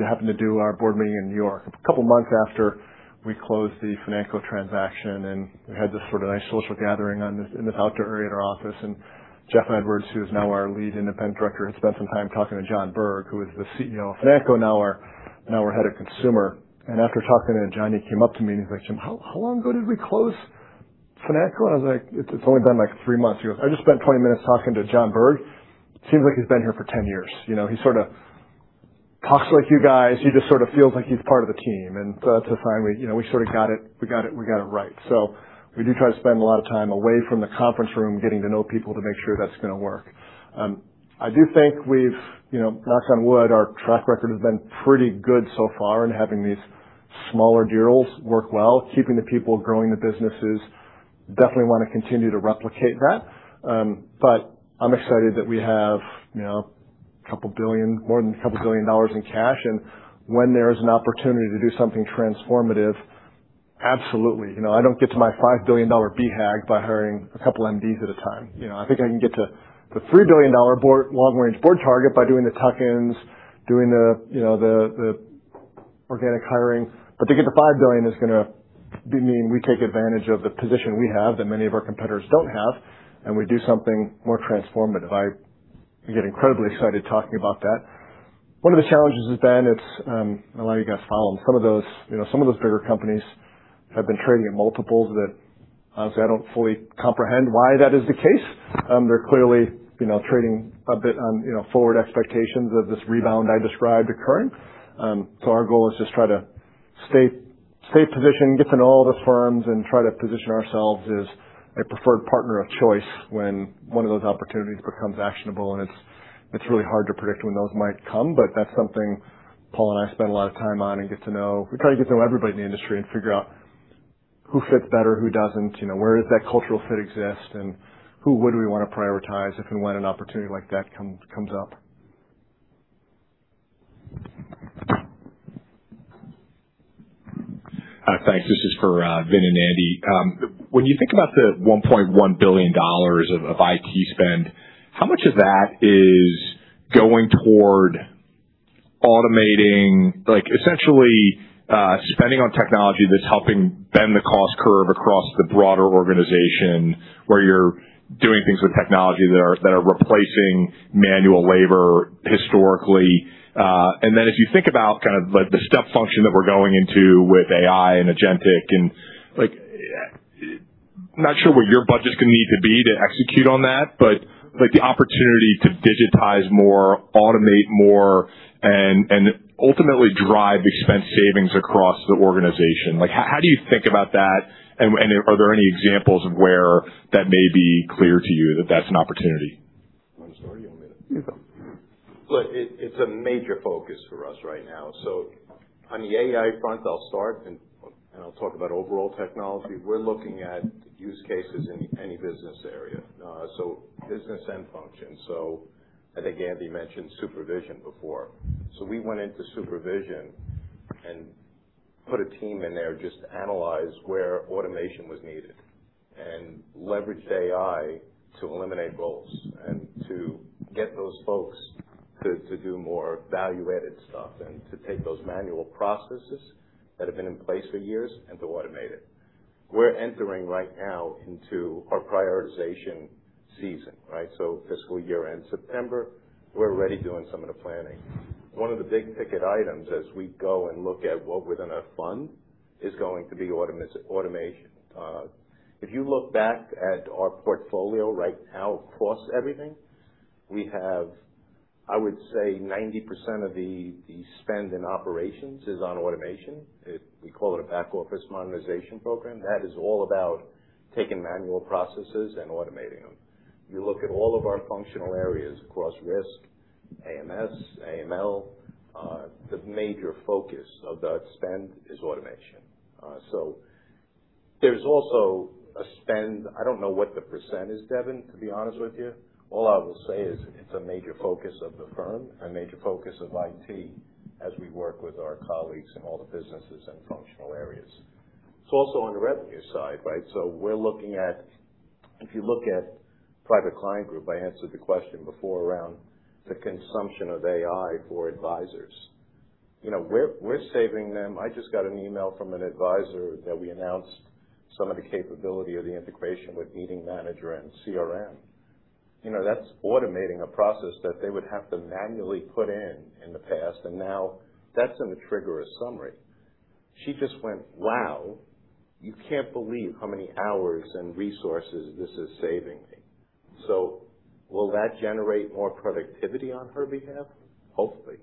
happened to do our board meeting in New York a couple of months after we closed the Financo transaction, and we had this sort of nice social gathering in this outdoor area at our office. Jeff Edwards, who is now our Lead Independent Director, had spent some time talking to John Berg, who was the CEO of Financo, now our Head of Consumer. After talking to John, he came up to me and he's like, "Jim, how long ago did we close Financo?" I was like, "It's only been like three months." He goes, "I just spent 20 minutes talking to John Berg. Seems like he's been here for 10 years. He sort of talks like you guys. He just sort of feels like he's part of the team." That's a sign we sort of got it right. We do try to spend a lot of time away from the conference room getting to know people to make sure that's going to work. I do think we've, knock on wood, our track record has been pretty good so far in having these smaller deals work well, keeping the people, growing the businesses. Definitely want to continue to replicate that. I'm excited that we have more than a couple billion dollars in cash, and when there is an opportunity to do something transformative, absolutely. I don't get to my $5 billion BHAG by hiring a couple MDs at a time. I think I can get to the $3 billion long-range board target by doing the tuck-ins, doing the organic hiring. To get to $5 billion is going to mean we take advantage of the position we have that many of our competitors don't have, and we do something more transformative. I get incredibly excited talking about that. One of the challenges has been, I know a lot of you guys follow them. Some of those bigger companies have been trading at multiples that, honestly, I don't fully comprehend why that is the case. They're clearly trading a bit on forward expectations of this rebound I described occurring. Our goal is just try to stay positioned, get to know all the firms, and try to position ourselves as a preferred partner of choice when one of those opportunities becomes actionable, and it's really hard to predict when those might come. That's something Paul and I spend a lot of time on and get to know. We try to get to know everybody in the industry and figure out who fits better, who doesn't, where does that cultural fit exist, and who would we want to prioritize if and when an opportunity like that comes up. Hi, thanks. This is for Vin and Andy. When you think about the $1.1 billion of IT spend, how much of that is going toward automating, essentially spending on technology that's helping bend the cost curve across the broader organization, where you're doing things with technology that are replacing manual labor historically. As you think about kind of the step function that we're going into with AI and agentic, I'm not sure what your budget's going to need to be to execute on that, but the opportunity to digitize more, automate more, and ultimately drive expense savings across the organization. How do you think about that? Are there any examples of where that may be clear to you that that's an opportunity? You want to start or you want me to? You go. Look, it's a major focus for us right now. On the AI front, I'll start, and I'll talk about overall technology. We're looking at use cases in any business area. Business end function. I think Andy mentioned supervision before. We went into supervision and put a team in there just to analyze where automation was needed and leveraged AI to eliminate roles and to get those folks to do more value-added stuff and to take those manual processes that have been in place for years and to automate it. We're entering right now into our prioritization season, right? Fiscal year-end September, we're already doing some of the planning. One of the big-ticket items as we go and look at what we're going to fund is going to be automation. If you look back at our portfolio right now across everything, we have, I would say 90% of the spend in operations is on automation. We call it a Back-Office Modernization Program. That is all about taking manual processes and automating them. You look at all of our functional areas across risk, AMS, AML, the major focus of that spend is automation. There's also a spend. I don't know what the percentage is, Devin, to be honest with you. All I will say is it's a major focus of the firm, a major focus of IT as we work with our colleagues in all the businesses and functional areas. It's also on the revenue side, right? If you look at Private Client Group, I answered the question before around the consumption of AI for advisors. We're saving them. I just got an email from an advisor that we announced some of the capability of the integration with Meeting Manager and CRM. That's automating a process that they would have to manually put in in the past, and now that's going to trigger a summary. She just went, "Wow, you can't believe how many hours and resources this is saving me." Will that generate more productivity on her behalf? Hopefully.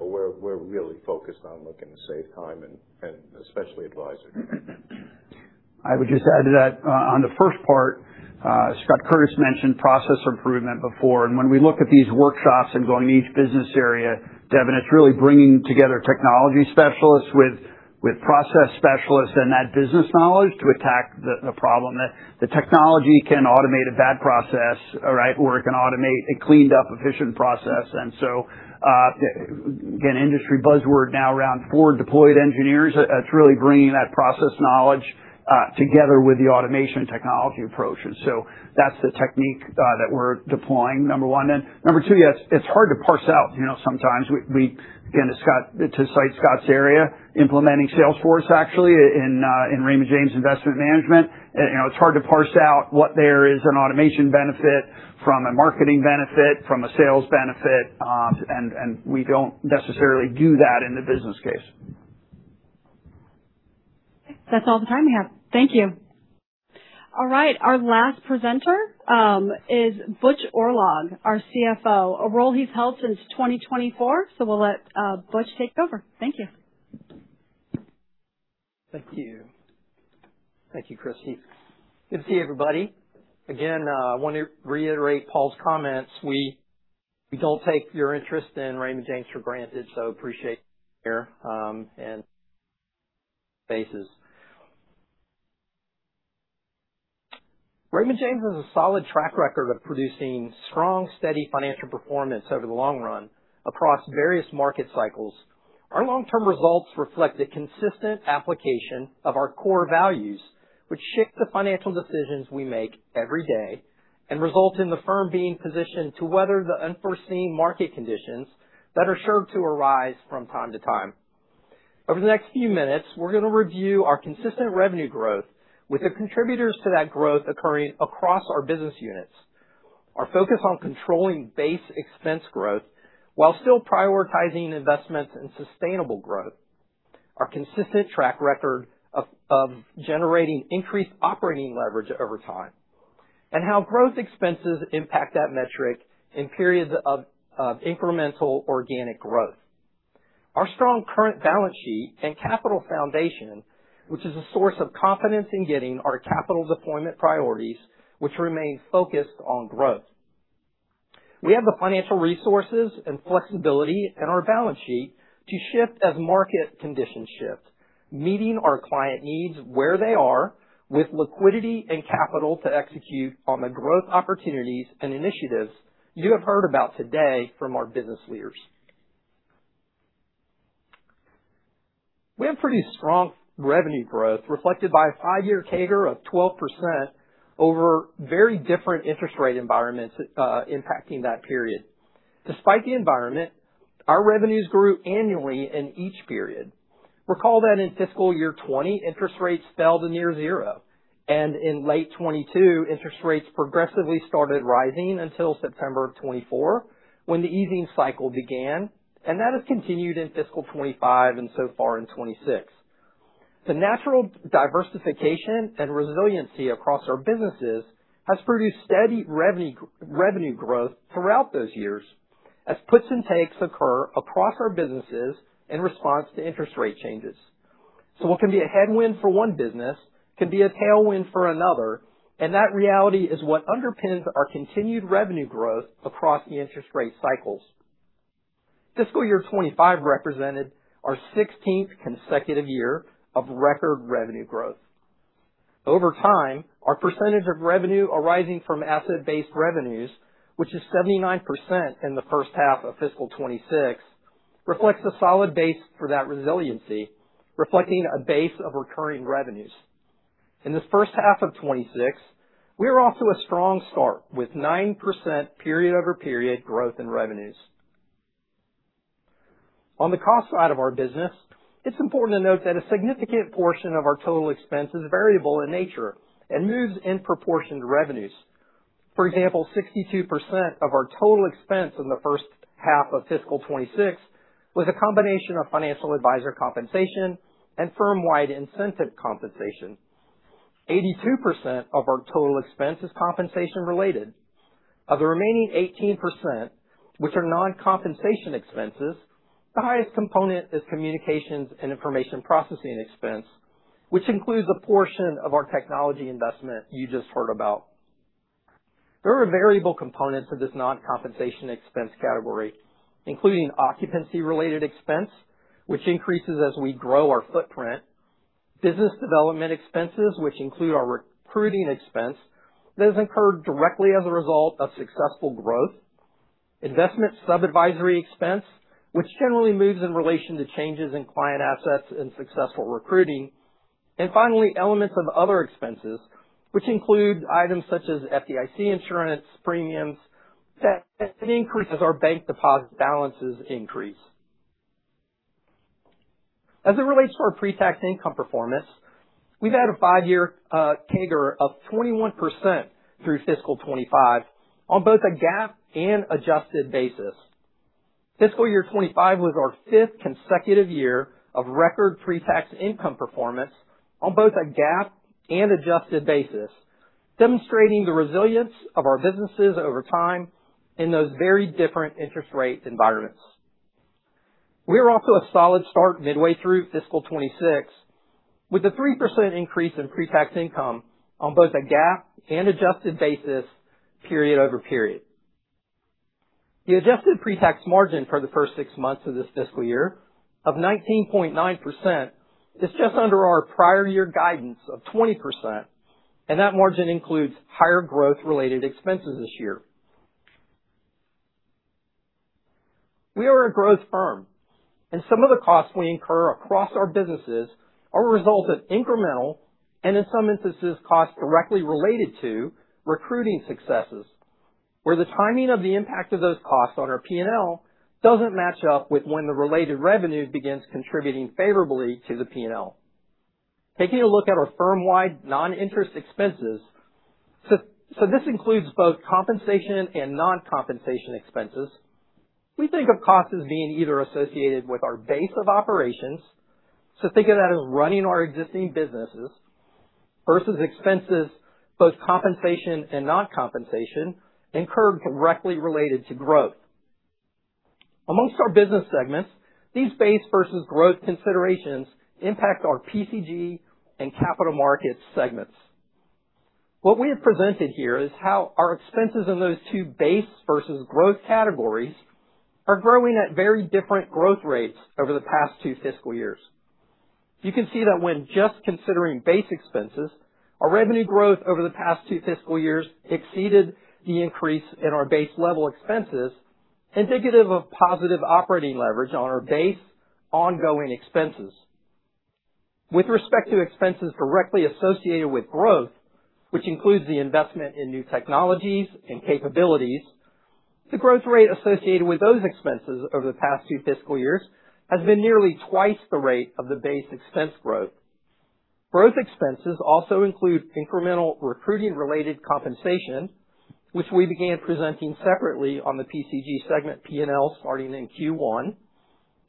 We're really focused on looking to save time, and especially advisors. I would just add to that, on the first part, Scott Curtis mentioned process improvement before, and when we look at these workshops and going to each business area, Devin, it's really bringing together technology specialists with process specialists and that business knowledge to attack the problem. The technology can automate a bad process, or it can automate a cleaned-up, efficient process. Again, industry buzzword now around floor-deployed engineers, it's really bringing that process knowledge together with the automation technology approaches. That's the technique that we're deploying, number one. Number two, yes, it's hard to parse out sometimes. Again, to cite Scott's area, implementing Salesforce, actually, in Raymond James Investment Management. It's hard to parse out what there is an automation benefit from a marketing benefit from a sales benefit, and we don't necessarily do that in the business case. That's all the time we have. Thank you. All right, our last presenter is Butch Oorlog, our CFO, a role he's held since 2024. We'll let Butch take over. Thank you. Thank you. Thank you, Kristie. Good to see everybody. Again, I want to reiterate Paul's comments. We don't take your interest in Raymond James for granted, so appreciate here and bases. Raymond James has a solid track record of producing strong, steady financial performance over the long run across various market cycles. Our long-term results reflect a consistent application of our core values, which shape the financial decisions we make every day and result in the firm being positioned to weather the unforeseen market conditions that are sure to arise from time to time. Over the next few minutes, we're going to review our consistent revenue growth with the contributors to that growth occurring across our business units, our focus on controlling base expense growth while still prioritizing investments in sustainable growth, our consistent track record of generating increased operating leverage over time, and how growth expenses impact that metric in periods of incremental organic growth. Our strong current balance sheet and capital foundation, which is a source of confidence in getting our capital deployment priorities, which remain focused on growth. We have the financial resources and flexibility in our balance sheet to shift as market conditions shift, meeting our client needs where they are with liquidity and capital to execute on the growth opportunities and initiatives you have heard about today from our business leaders. We have pretty strong revenue growth reflected by a five-year CAGR of 12% over very different interest rate environments impacting that period. Despite the environment, our revenues grew annually in each period. Recall that in fiscal year 2020, interest rates fell to near zero, and in late 2022, interest rates progressively started rising until September of 2024, when the easing cycle began, and that has continued in fiscal 2025 and so far in 2026. The natural diversification and resiliency across our businesses has produced steady revenue growth throughout those years as puts and takes occur across our businesses in response to interest rate changes. What can be a headwind for one business can be a tailwind for another, and that reality is what underpins our continued revenue growth across the interest rate cycles. Fiscal year 2025 represented our 16th consecutive year of record revenue growth. Over time, our percentage of revenue arising from asset-based revenues, which is 79% in the first half of fiscal 2026, reflects a solid base for that resiliency, reflecting a base of recurring revenues. In this first half of 2026, we are off to a strong start with 9% period-over-period growth in revenues. On the cost side of our business, it is important to note that a significant portion of our total expense is variable in nature and moves in proportion to revenues. For example, 62% of our total expense in the first half of fiscal 2026 was a combination of financial advisor compensation and firm-wide incentive compensation. 82% of our total expense is compensation-related. Of the remaining 18%, which are non-compensation expenses, the highest component is communications and information processing expense, which includes a portion of our technology investment you just heard about. There are variable components of this non-compensation expense category, including occupancy-related expense, which increases as we grow our footprint. Business development expenses, which include our recruiting expense, those incurred directly as a result of successful growth. Investment sub-advisory expense, which generally moves in relation to changes in client assets and successful recruiting. Finally, elements of other expenses, which include items such as FDIC insurance premiums that increases our bank deposit balances increase. As it relates to our pre-tax income performance, we've had a five-year CAGR of 21% through fiscal 2025 on both a GAAP and adjusted basis. Fiscal year 2025 was our fifth consecutive year of record pre-tax income performance on both a GAAP and adjusted basis, demonstrating the resilience of our businesses over time in those very different interest rate environments. We are off to a solid start midway through fiscal 2026 with a 3% increase in pre-tax income on both a GAAP and adjusted basis period over period. The adjusted pre-tax margin for the first six months of this fiscal year of 19.9% is just under our prior year guidance of 20%. That margin includes higher growth-related expenses this year. We are a growth firm. Some of the costs we incur across our businesses are a result of incremental, and in some instances, costs directly related to recruiting successes, where the timing of the impact of those costs on our P&L doesn't match up with when the related revenue begins contributing favorably to the P&L. Taking a look at our firm-wide non-interest expenses. This includes both compensation and non-compensation expenses. We think of cost as being either associated with our base of operations, Think of that as running our existing businesses, versus expenses, both compensation and non-compensation, incurred directly related to growth. Amongst our business segments, these base versus growth considerations impact our PCG and capital markets segments. What we have presented here is how our expenses in those two base versus growth categories are growing at very different growth rates over the past two fiscal years. You can see that when just considering base expenses, our revenue growth over the past two fiscal years exceeded the increase in our base level expenses, indicative of positive operating leverage on our base ongoing expenses. With respect to expenses directly associated with growth, which includes the investment in new technologies and capabilities, the growth rate associated with those expenses over the past two fiscal years has been nearly twice the rate of the base expense growth. Growth expenses also include incremental recruiting-related compensation, which we began presenting separately on the PCG segment P&L starting in Q1,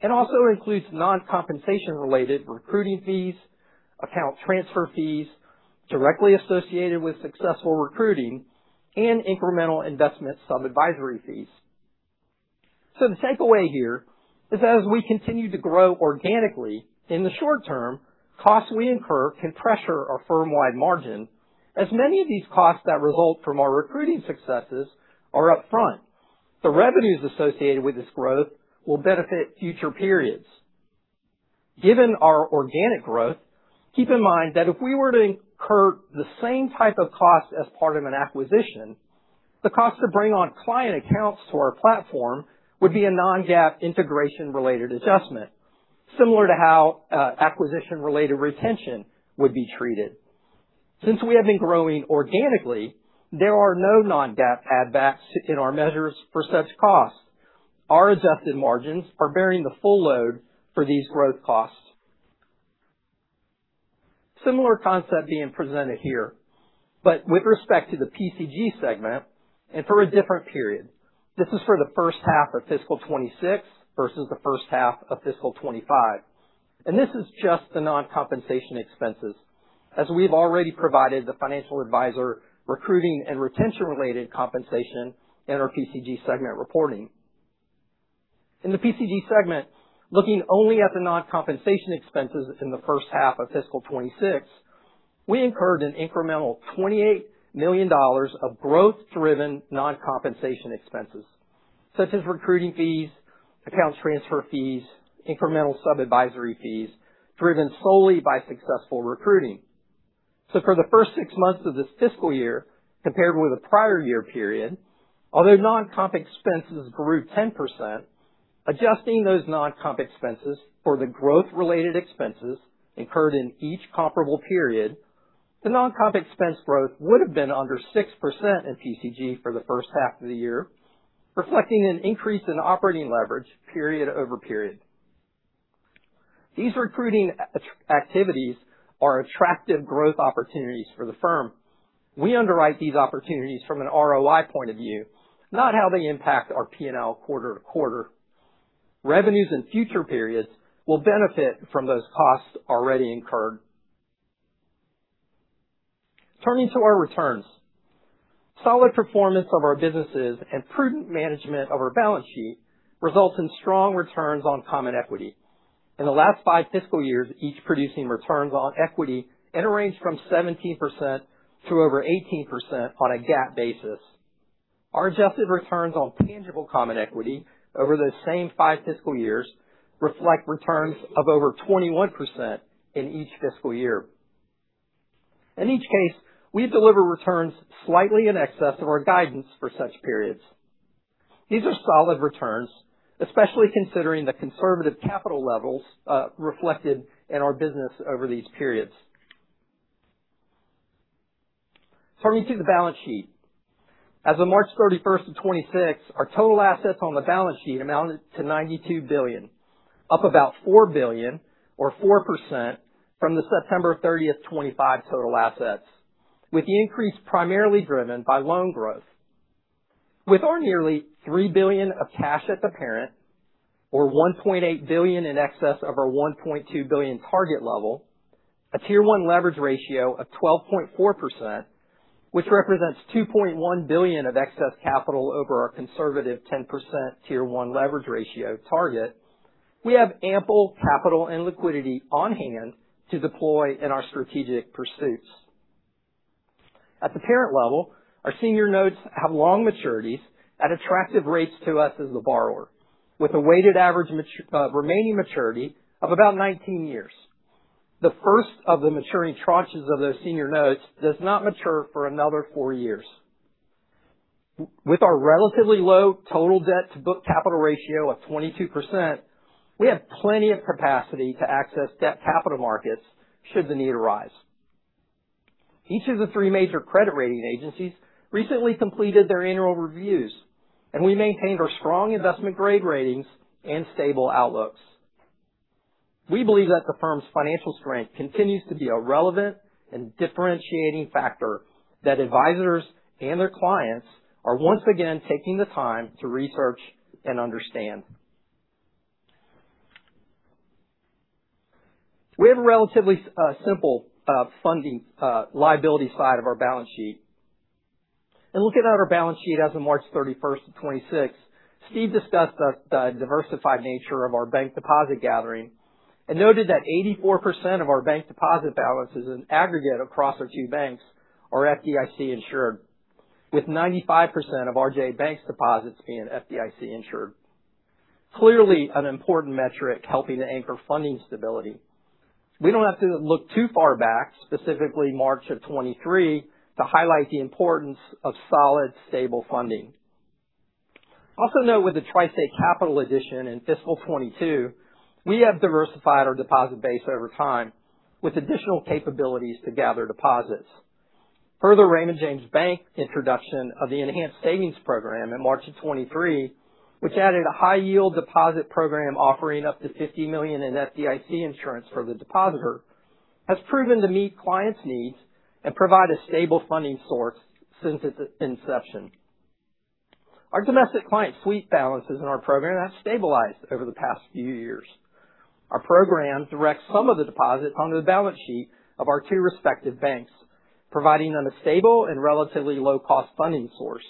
and also includes non-compensation related recruiting fees, account transfer fees directly associated with successful recruiting, and incremental investment sub-advisory fees. The takeaway here is, as we continue to grow organically in the short term, costs we incur can pressure our firm-wide margin, as many of these costs that result from our recruiting successes are upfront. The revenues associated with this growth will benefit future periods. Given our organic growth, keep in mind that if we were to incur the same type of cost as part of an acquisition, the cost to bring on client accounts to our platform would be a non-GAAP integration related adjustment, similar to how acquisition-related retention would be treated. Since we have been growing organically, there are no non-GAAP add backs in our measures for such costs. Our adjusted margins are bearing the full load for these growth costs. Similar concept being presented here, but with respect to the PCG segment and for a different period. This is for the first half of fiscal 2026 versus the first half of fiscal 2025. This is just the non-compensation expenses, as we've already provided the financial advisor recruiting and retention related compensation in our PCG segment reporting. In the PCG segment, looking only at the non-compensation expenses in the first half of fiscal 2026, we incurred an incremental $28 million of growth-driven non-compensation expenses, such as recruiting fees, accounts transfer fees, incremental sub-advisory fees, driven solely by successful recruiting. For the first six months of this fiscal year compared with the prior year period, although non-comp expenses grew 10%, adjusting those non-comp expenses for the growth-related expenses incurred in each comparable period, the non-comp expense growth would have been under 6% in PCG for the first half of the year, reflecting an increase in operating leverage period-over-period. These recruiting activities are attractive growth opportunities for the firm. We underwrite these opportunities from an ROI point of view, not how they impact our P&L quarter-to-quarter. Revenues in future periods will benefit from those costs already incurred. Turning to our returns. Solid performance of our businesses and prudent management of our balance sheet results in strong returns on common equity. In the last five fiscal years, each producing returns on equity in a range from 17% to over 18% on a GAAP basis. Our adjusted returns on tangible common equity over those same five fiscal years reflect returns of over 21% in each fiscal year. In each case, we deliver returns slightly in excess of our guidance for such periods. These are solid returns, especially considering the conservative capital levels reflected in our business over these periods. Turning to the balance sheet. As of March 31st, 2026, our total assets on the balance sheet amounted to $92 billion, up about $4 billion or 4% from the September 30th, 2025 total assets, with the increase primarily driven by loan growth. With our nearly $3 billion of cash at the parent or $1.8 billion in excess of our $1.2 billion target level, a Tier 1 leverage ratio of 12.4%, which represents $2.1 billion of excess capital over our conservative 10% Tier 1 leverage ratio target, we have ample capital and liquidity on hand to deploy in our strategic pursuits. At the parent level, our senior notes have long maturities at attractive rates to us as the borrower, with a weighted average remaining maturity of about 19 years. The first of the maturing tranches of those senior notes does not mature for another four years. With our relatively low total debt to book capital ratio of 22%, we have plenty of capacity to access debt capital markets should the need arise. Each of the three major credit rating agencies recently completed their annual reviews. We maintained our strong investment-grade ratings and stable outlooks. We believe that the firm's financial strength continues to be a relevant and differentiating factor that advisors and their clients are once again taking the time to research and understand. We have a relatively simple funding liability side of our balance sheet. In looking at our balance sheet as of March 31st of 2026, Steve Raney discussed the diversified nature of our bank deposit gathering and noted that 84% of our bank deposit balances in aggregate across our two banks are FDIC-insured, with 95% of Raymond James Bank's deposits being FDIC-insured. Clearly, an important metric helping to anchor funding stability. We don't have to look too far back, specifically March of 2023, to highlight the importance of solid, stable funding. Also note with the TriState Capital addition in fiscal 2022, we have diversified our deposit base over time with additional capabilities to gather deposits. Further, Raymond James Bank's introduction of the Enhanced Savings Program in March of 2023, which added a high yield deposit program offering up to $50 million in FDIC insurance for the depositor, has proven to meet clients' needs and provide a stable funding source since its inception. Our domestic client sweep balances in our program have stabilized over the past few years. Our program directs some of the deposits onto the balance sheet of our two respective banks, providing them a stable and relatively low-cost funding source.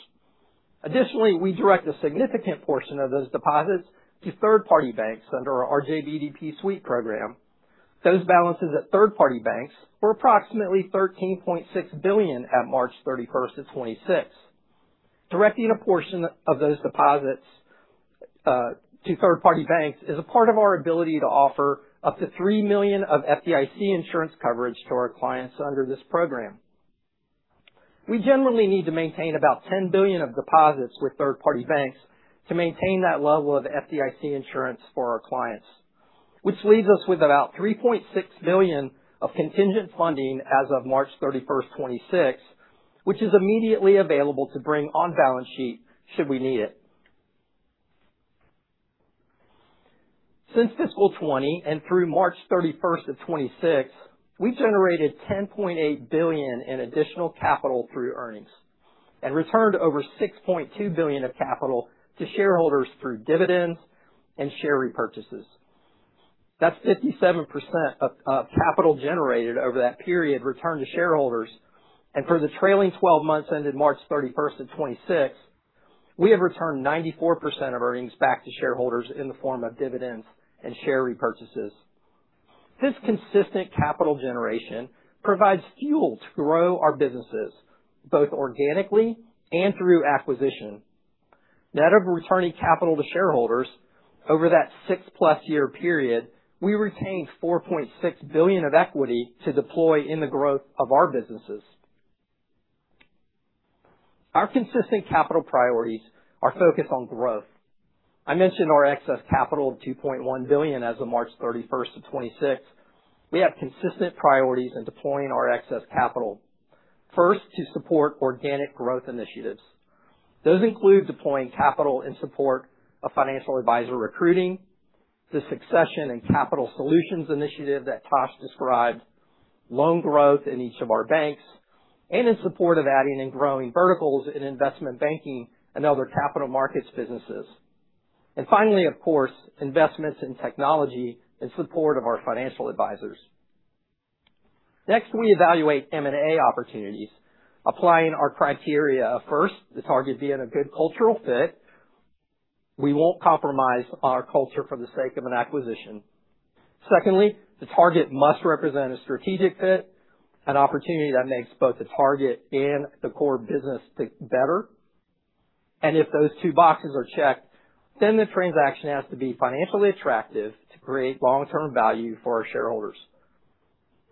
Additionally, we direct a significant portion of those deposits to third-party banks under our RJBDP sweep program. Those balances at third-party banks were approximately $13.6 billion at March 31st of 2026. Directing a portion of those deposits to third-party banks is a part of our ability to offer up to $3 million of FDIC insurance coverage to our clients under this program. We generally need to maintain about $10 billion of deposits with third-party banks to maintain that level of FDIC insurance for our clients, which leaves us with about $3.6 billion of contingent funding as of March 31st 2026, which is immediately available to bring on balance sheet should we need it. Since fiscal 2020 and through March 31st of 2026, we generated $10.8 billion in additional capital through earnings and returned over $6.2 billion of capital to shareholders through dividends and share repurchases. That's 57% of capital generated over that period returned to shareholders. For the trailing 12 months ended March 31st, 2026, we have returned 94% of earnings back to shareholders in the form of dividends and share repurchases. This consistent capital generation provides fuel to grow our businesses both organically and through acquisition. Net of returning capital to shareholders over that six-plus year period, we retained $4.6 billion of equity to deploy in the growth of our businesses. Our consistent capital priorities are focused on growth. I mentioned our excess capital of $2.1 billion as of March 31st, 2026. We have consistent priorities in deploying our excess capital, first to support organic growth initiatives. Those include deploying capital in support of financial advisor recruiting, the succession and capital solutions initiative that Tash described, loan growth in each of our banks, and in support of adding and growing verticals in investment banking and other capital markets businesses. Finally, of course, investments in technology in support of our financial advisors. Next, we evaluate M&A opportunities, applying our criteria. First, the target being a good cultural fit. We won't compromise our culture for the sake of an acquisition. Secondly, the target must represent a strategic fit, an opportunity that makes both the target and the core business better. If those two boxes are checked, then the transaction has to be financially attractive to create long-term value for our shareholders.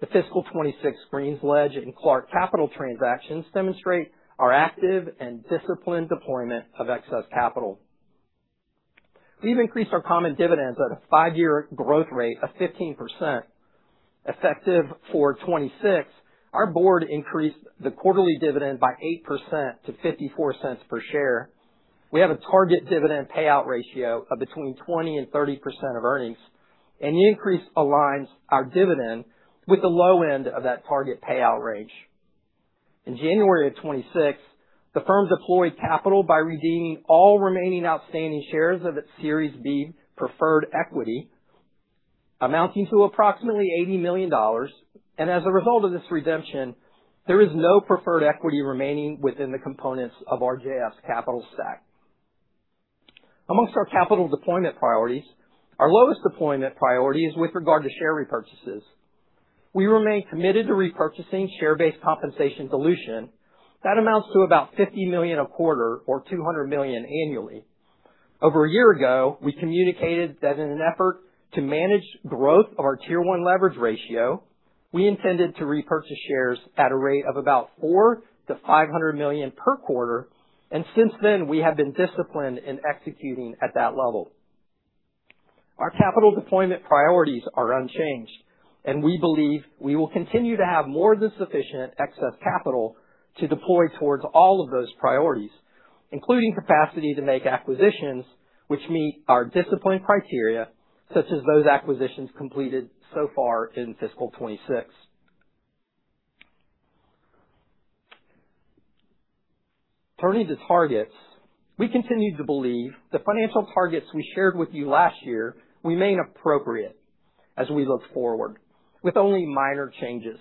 The fiscal 2026 GreensLedge and Clark Capital transactions demonstrate our active and disciplined deployment of excess capital. We've increased our common dividends at a five-year growth rate of 15%. Effective for 2026, our board increased the quarterly dividend by 8% to $0.54 per share. We have a target dividend payout ratio of between 20% and 30% of earnings. The increase aligns our dividend with the low end of that target payout range. In January of 2026, the firm deployed capital by redeeming all remaining outstanding shares of its Series B preferred equity, amounting to approximately $80 million. As a result of this redemption, there is no preferred equity remaining within the components of our JS's capital stack. Amongst our capital deployment priorities, our lowest deployment priority is with regard to share repurchases. We remain committed to repurchasing share-based compensation dilution. That amounts to about $50 million a quarter or $200 million annually. Over a year ago, we communicated that in an effort to manage growth of our Tier 1 leverage ratio, we intended to repurchase shares at a rate of about $4 million-$500 million per quarter. Since then, we have been disciplined in executing at that level. Our capital deployment priorities are unchanged. We believe we will continue to have more than sufficient excess capital to deploy towards all of those priorities, including capacity to make acquisitions which meet our disciplined criteria, such as those acquisitions completed so far in fiscal 2026. Turning to targets, we continue to believe the financial targets we shared with you last year remain appropriate as we look forward, with only minor changes,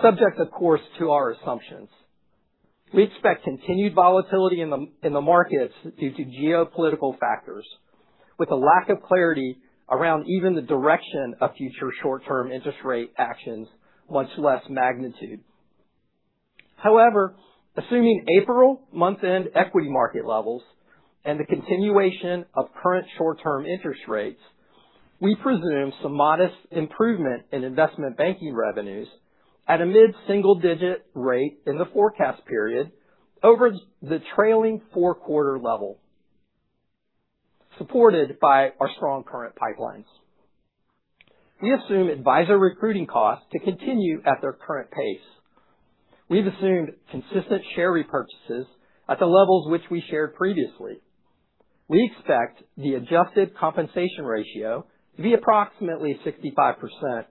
subject, of course, to our assumptions. We expect continued volatility in the markets due to geopolitical factors, with a lack of clarity around even the direction of future short-term interest rate actions, much less magnitude. Assuming April month-end equity market levels and the continuation of current short-term interest rates, we presume some modest improvement in investment banking revenues at a mid-single-digit rate in the forecast period over the trailing four-quarter level, supported by our strong current pipelines. We assume advisor recruiting costs to continue at their current pace. We've assumed consistent share repurchases at the levels which we shared previously. We expect the adjusted compensation ratio to be approximately 65%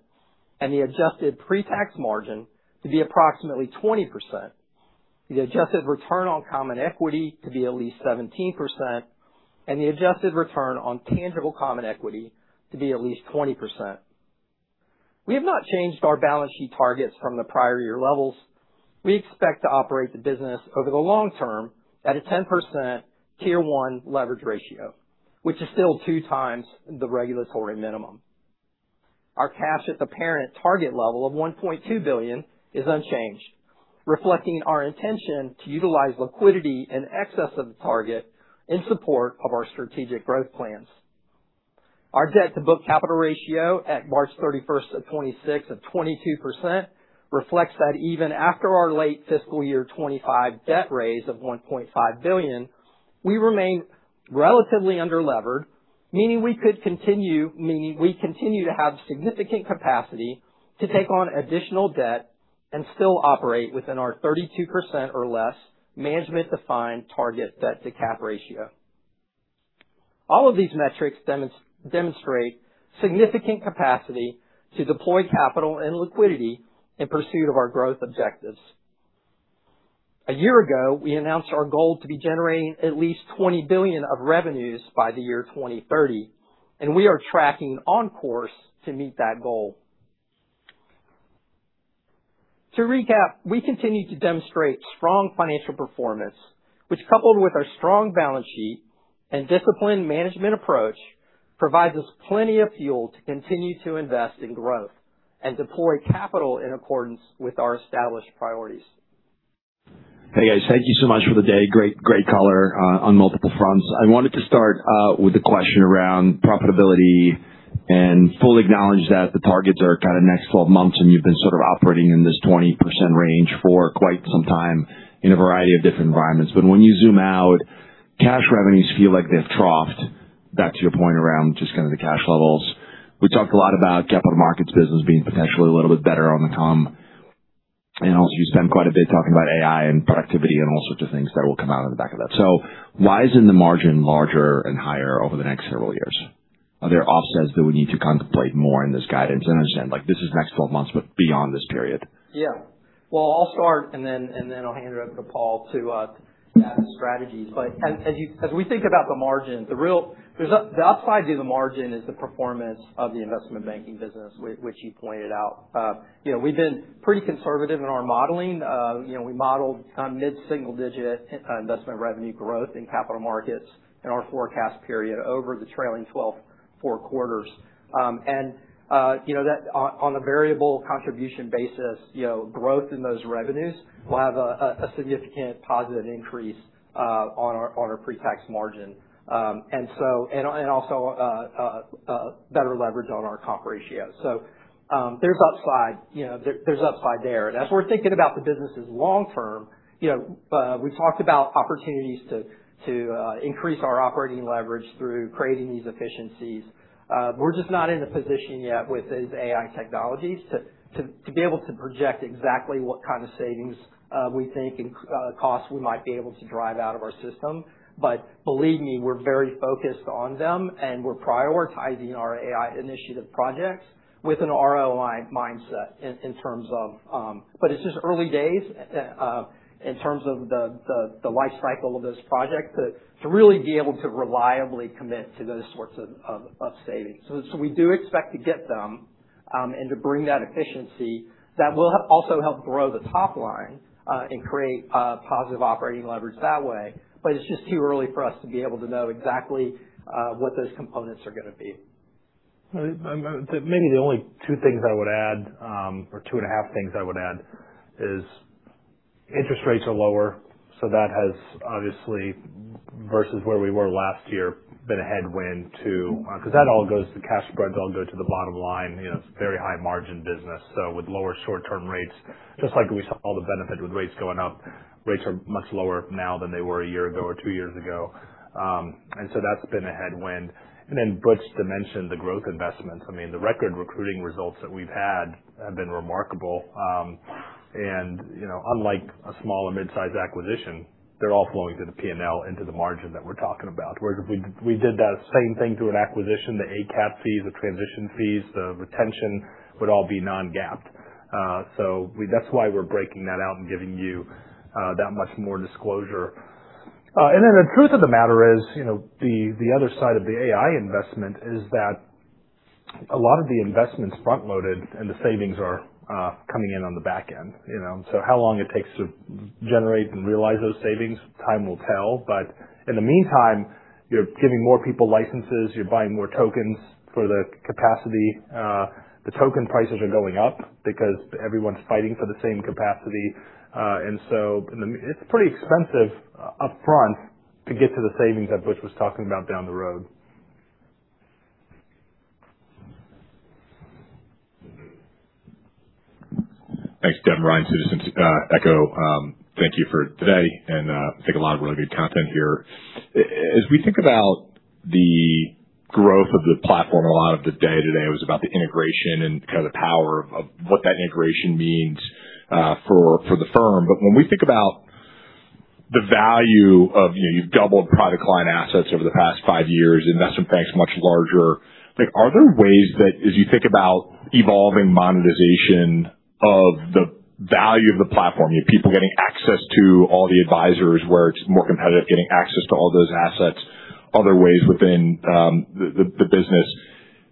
and the adjusted pre-tax margin to be approximately 20%, the adjusted return on common equity to be at least 17%, and the adjusted return on tangible common equity to be at least 20%. We have not changed our balance sheet targets from the prior year levels. We expect to operate the business over the long term at a 10% Tier 1 leverage ratio, which is still two times the regulatory minimum. Our cash at the parent target level of $1.2 billion is unchanged, reflecting our intention to utilize liquidity in excess of the target in support of our strategic growth plans. Our debt-to-book capital ratio at March 31st of 22% reflects that even after our late fiscal year 2025 debt raise of $1.5 billion, we remain relatively under-levered, meaning we continue to have significant capacity to take on additional debt and still operate within our 32% or less management-defined target debt-to-cap ratio. All of these metrics demonstrate significant capacity to deploy capital and liquidity in pursuit of our growth objectives. A year ago, we announced our goal to be generating at least $20 billion of revenues by the year 2030. We are tracking on course to meet that goal. To recap, we continue to demonstrate strong financial performance, which coupled with our strong balance sheet and disciplined management approach, provides us plenty of fuel to continue to invest in growth and deploy capital in accordance with our established priorities. Hey, guys. Thank you so much for the day. Great color on multiple fronts. I wanted to start with a question around profitability and fully acknowledge that the targets are kind of next 12 months, and you've been sort of operating in this 20% range for quite some time in a variety of different environments. When you zoom out, cash revenues feel like they've troughed back to your point around just kind of the cash levels. We talked a lot about capital markets business being potentially a little bit better on the comm. Also, you spent quite a bit talking about AI and productivity and all sorts of things that will come out of the back of that. Why isn't the margin larger and higher over the next several years? Are there offsets that we need to contemplate more in this guidance? I understand this is next 12 months, but beyond this period. Yeah. Well, I'll start, and then I'll hand it over to Paul to add strategies. As we think about the margin, the upside to the margin is the performance of the investment banking business, which you pointed out. We've been pretty conservative in our modeling. We modeled mid-single-digit investment revenue growth in capital markets in our forecast period over the trailing 12 four quarters. On a variable contribution basis, growth in those revenues will have a significant positive increase on our pre-tax margin. Also a better leverage on our comp ratio. There's upside there. As we're thinking about the business as long-term, we've talked about opportunities to increase our operating leverage through creating these efficiencies. We're just not in a position yet with these AI technologies to be able to project exactly what kind of savings we think and costs we might be able to drive out of our system. Believe me, we're very focused on them, and we're prioritizing our AI initiative projects with an ROI mindset, but it's just early days in terms of the life cycle of this project to really be able to reliably commit to those sorts of savings. We do expect to get them and to bring that efficiency that will also help grow the top line and create positive operating leverage that way. It's just too early for us to be able to know exactly what those components are going to be. Maybe the only two things I would add, or two and a half things I would add, is interest rates are lower. That has obviously, versus where we were last year, been a headwind too, because that all goes to cash spread, it all go to the bottom line. It's very high margin business. With lower short-term rates, just like we saw all the benefit with rates going up, rates are much lower now than they were a year ago or two years ago. That's been a headwind. Then Butch dimensioned the growth investments. I mean, the record recruiting results that we've had have been remarkable. Unlike a small or mid-size acquisition, they're all flowing to the P&L into the margin that we're talking about. Where if we did that same thing to an acquisition, the ACAT fees, the transition fees, the retention would all be non-GAAP. That's why we're breaking that out and giving you that much more disclosure. The truth of the matter is, the other side of the AI investment is that a lot of the investment's front-loaded and the savings are coming in on the back end. How long it takes to generate and realize those savings, time will tell. In the meantime, you're giving more people licenses, you're buying more tokens for the capacity. The token prices are going up because everyone's fighting for the same capacity. It's pretty expensive upfront to get to the savings that Butch was talking about down the road. Thanks. Devin Ryan, to echo. Thank you for today, and I think a lot of really good content here. As we think about the growth of the platform, a lot of the day today was about the integration and kind of the power of what that integration means for the firm. When we think about the value of, you've doubled private client assets over the past five years, investment bank's much larger. Are there ways that as you think about evolving monetization of the value of the platform, people getting access to all the advisors where it's more competitive, getting access to all those assets, other ways within the business?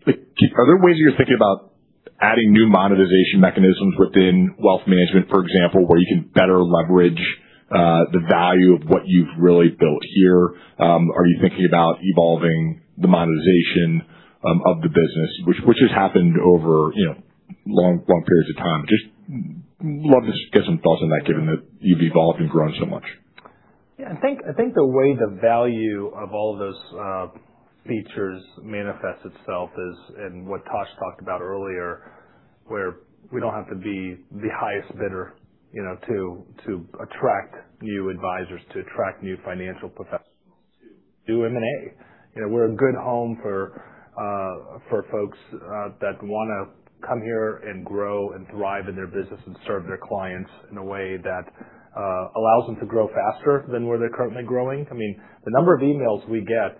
Are there ways you're thinking about adding new monetization mechanisms within wealth management, for example, where you can better leverage the value of what you've really built here? Are you thinking about evolving the monetization of the business, which has happened over long periods of time? Just love to get some thoughts on that, given that you've evolved and grown so much. Yeah, I think the way the value of all those features manifests itself is, and what Tash talked about earlier, where we don't have to be the highest bidder to attract new advisors, to attract new financial professionals to do M&A. We're a good home for folks that want to come here and grow and thrive in their business and serve their clients in a way that allows them to grow faster than where they're currently growing. I mean, the number of emails we get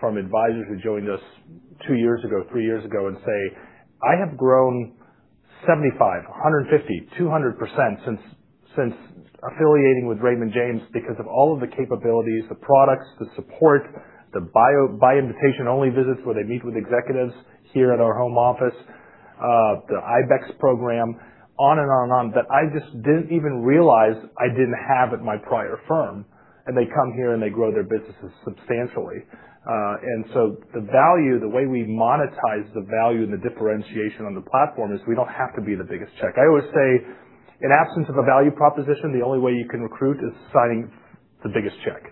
from advisors who joined us two years ago, three years ago and say, "I have grown 75%, 150%, 200% since affiliating with Raymond James because of all of the capabilities, the products, the support, the by-invitation-only visits where they meet with executives here at our home office, the IBEX program, on and on and on, that I just didn't even realize I didn't have at my prior firm." They come here and they grow their businesses substantially. The value, the way we monetize the value and the differentiation on the platform is we don't have to be the biggest check. I always say, in absence of a value proposition, the only way you can recruit is signing the biggest check.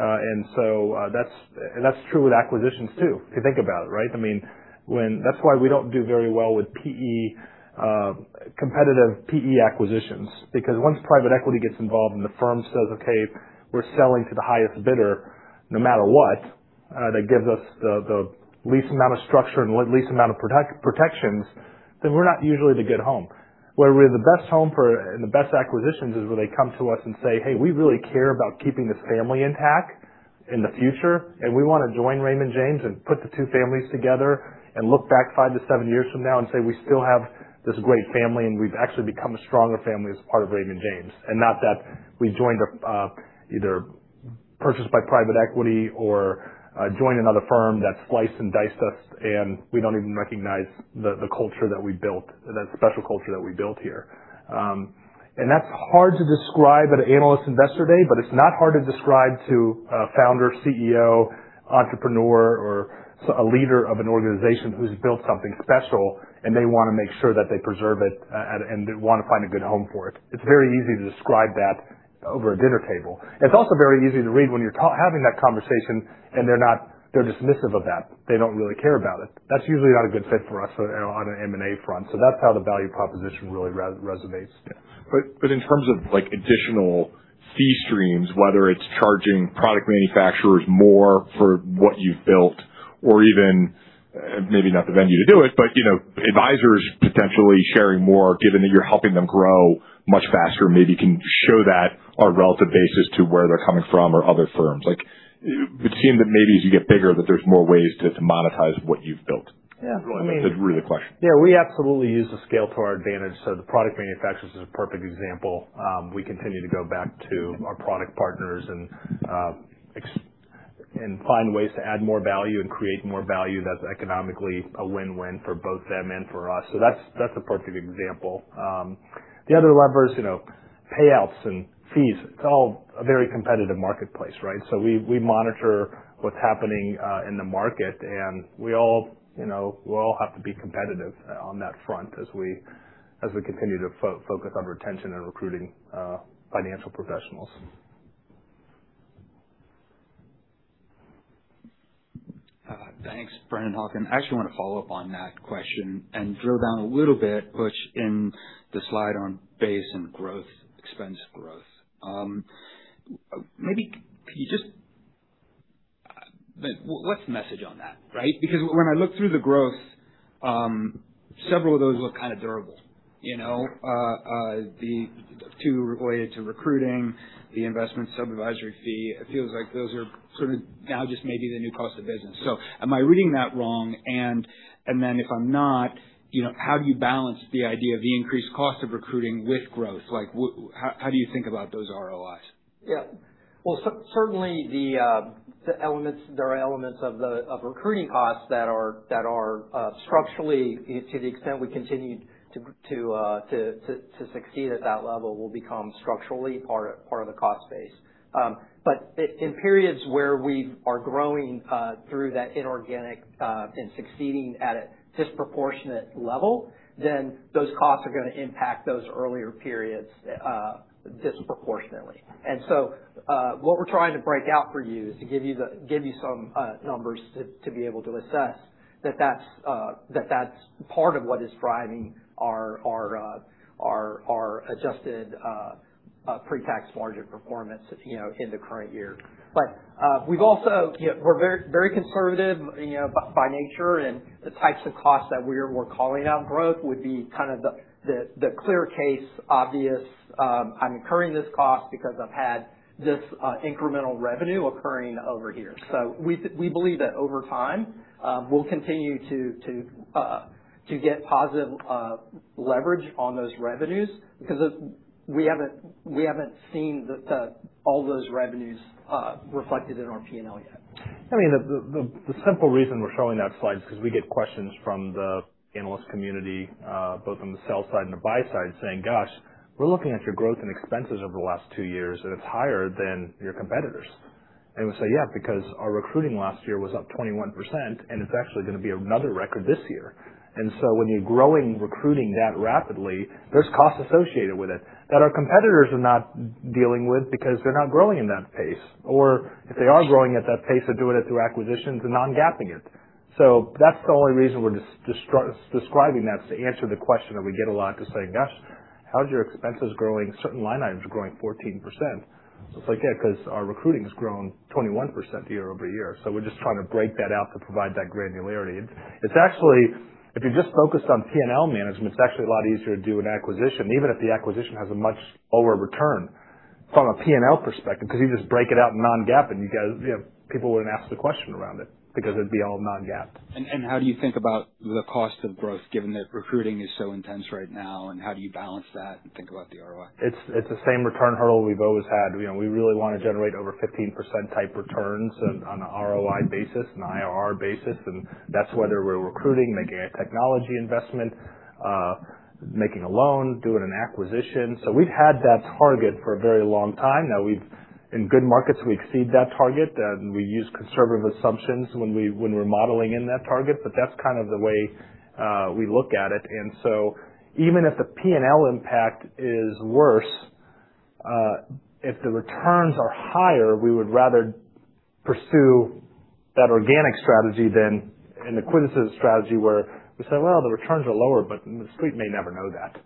That's true with acquisitions too, if you think about it. That's why we don't do very well with competitive PE acquisitions, because once private equity gets involved and the firm says, "Okay, we're selling to the highest bidder no matter what." That gives us the least amount of structure and least amount of protections. We're not usually the good home. Where we're the best home and the best acquisitions is where they come to us and say, "Hey, we really care about keeping this family intact in the future, and we want to join Raymond James and put the two families together and look back five to seven years from now and say, we still have this great family, and we've actually become a stronger family as part of Raymond James." Not that we joined either purchased by private equity or joined another firm that sliced and diced us, and we don't even recognize the culture that we built, that special culture that we built here. That's hard to describe at an analyst investor day, but it's not hard to describe to a founder, CEO, entrepreneur, or a leader of an organization who's built something special and they want to make sure that they preserve it and they want to find a good home for it. It's very easy to describe that over a dinner table. It's also very easy to read when you're having that conversation and they're dismissive of that. They don't really care about it. That's usually not a good fit for us on an M&A front. That's how the value proposition really resonates. In terms of additional fee streams, whether it's charging product manufacturers more for what you've built or even, maybe not the venue to do it, but advisors potentially sharing more, given that you're helping them grow much faster, maybe can show that on a relative basis to where they're coming from or other firms. It would seem that maybe as you get bigger, that there's more ways to monetize what you've built. Yeah. That's really the question. We absolutely use the scale to our advantage. The product manufacturers is a perfect example. We continue to go back to our product partners and find ways to add more value and create more value that's economically a win-win for both them and for us. That's a perfect example. The other levers, payouts and fees, it's all a very competitive marketplace, right? We monitor what's happening in the market, and we all have to be competitive on that front as we continue to focus on retention and recruiting financial professionals. Thanks, Brennan Hawken. I actually want to follow up on that question and drill down a little bit, Butch, in the slide on base and growth, expense growth. What's the message on that, right? When I look through the growth, several of those look kind of durable. The two related to recruiting, the investment supervisory fee, it feels like those are sort of now just maybe the new cost of business. Am I reading that wrong? If I'm not, how do you balance the idea of the increased cost of recruiting with growth? How do you think about those ROIs? Well, certainly, there are elements of recruiting costs that are structurally, to the extent we continue to succeed at that level, will become structurally part of the cost base. In periods where we are growing through that inorganic and succeeding at a disproportionate level, those costs are going to impact those earlier periods disproportionately. What we're trying to break out for you is to give you some numbers to be able to assess that that's part of what is driving our adjusted pre-tax margin performance in the current year. We're very conservative by nature, and the types of costs that we're calling out growth would be kind of the clear case obvious, I'm incurring this cost because I've had this incremental revenue occurring over here. We believe that over time, we'll continue to get positive leverage on those revenues because we haven't seen all those revenues reflected in our P&L yet. The simple reason we're showing that slide is because we get questions from the analyst community, both on the sell side and the buy side, saying, "Gosh, we're looking at your growth and expenses over the last two years, and it's higher than your competitors." We say, "Yeah, because our recruiting last year was up 21%, and it's actually going to be another record this year." When you're growing recruiting that rapidly, there's costs associated with it that our competitors are not dealing with because they're not growing in that pace. If they are growing at that pace, they're doing it through acquisitions and non-GAAPing it. That's the only reason we're describing that, to answer the question that we get a lot to say, "Gosh, how's your expenses growing? Certain line items are growing 14%." It's like, yeah, because our recruiting has grown 21% year-over-year. We're just trying to break that out to provide that granularity. If you're just focused on P&L management, it's actually a lot easier to do an acquisition, even if the acquisition has a much lower return from a P&L perspective, because you just break it out and non-GAAP, and people wouldn't ask the question around it because it'd be all non-GAAP. How do you think about the cost of growth, given that recruiting is so intense right now, and how do you balance that and think about the ROI? It's the same return hurdle we've always had. We really want to generate over 15%-type returns on an ROI basis, an IRR basis, and that's whether we're recruiting, making a technology investment, making a loan, doing an acquisition. We've had that target for a very long time. In good markets, we exceed that target, and we use conservative assumptions when we're modeling in that target, but that's kind of the way we look at it. Even if the P&L impact is worse, if the returns are higher, we would rather pursue that organic strategy than an acquisition strategy where we say, "Well, the returns are lower," but the Street may never know that,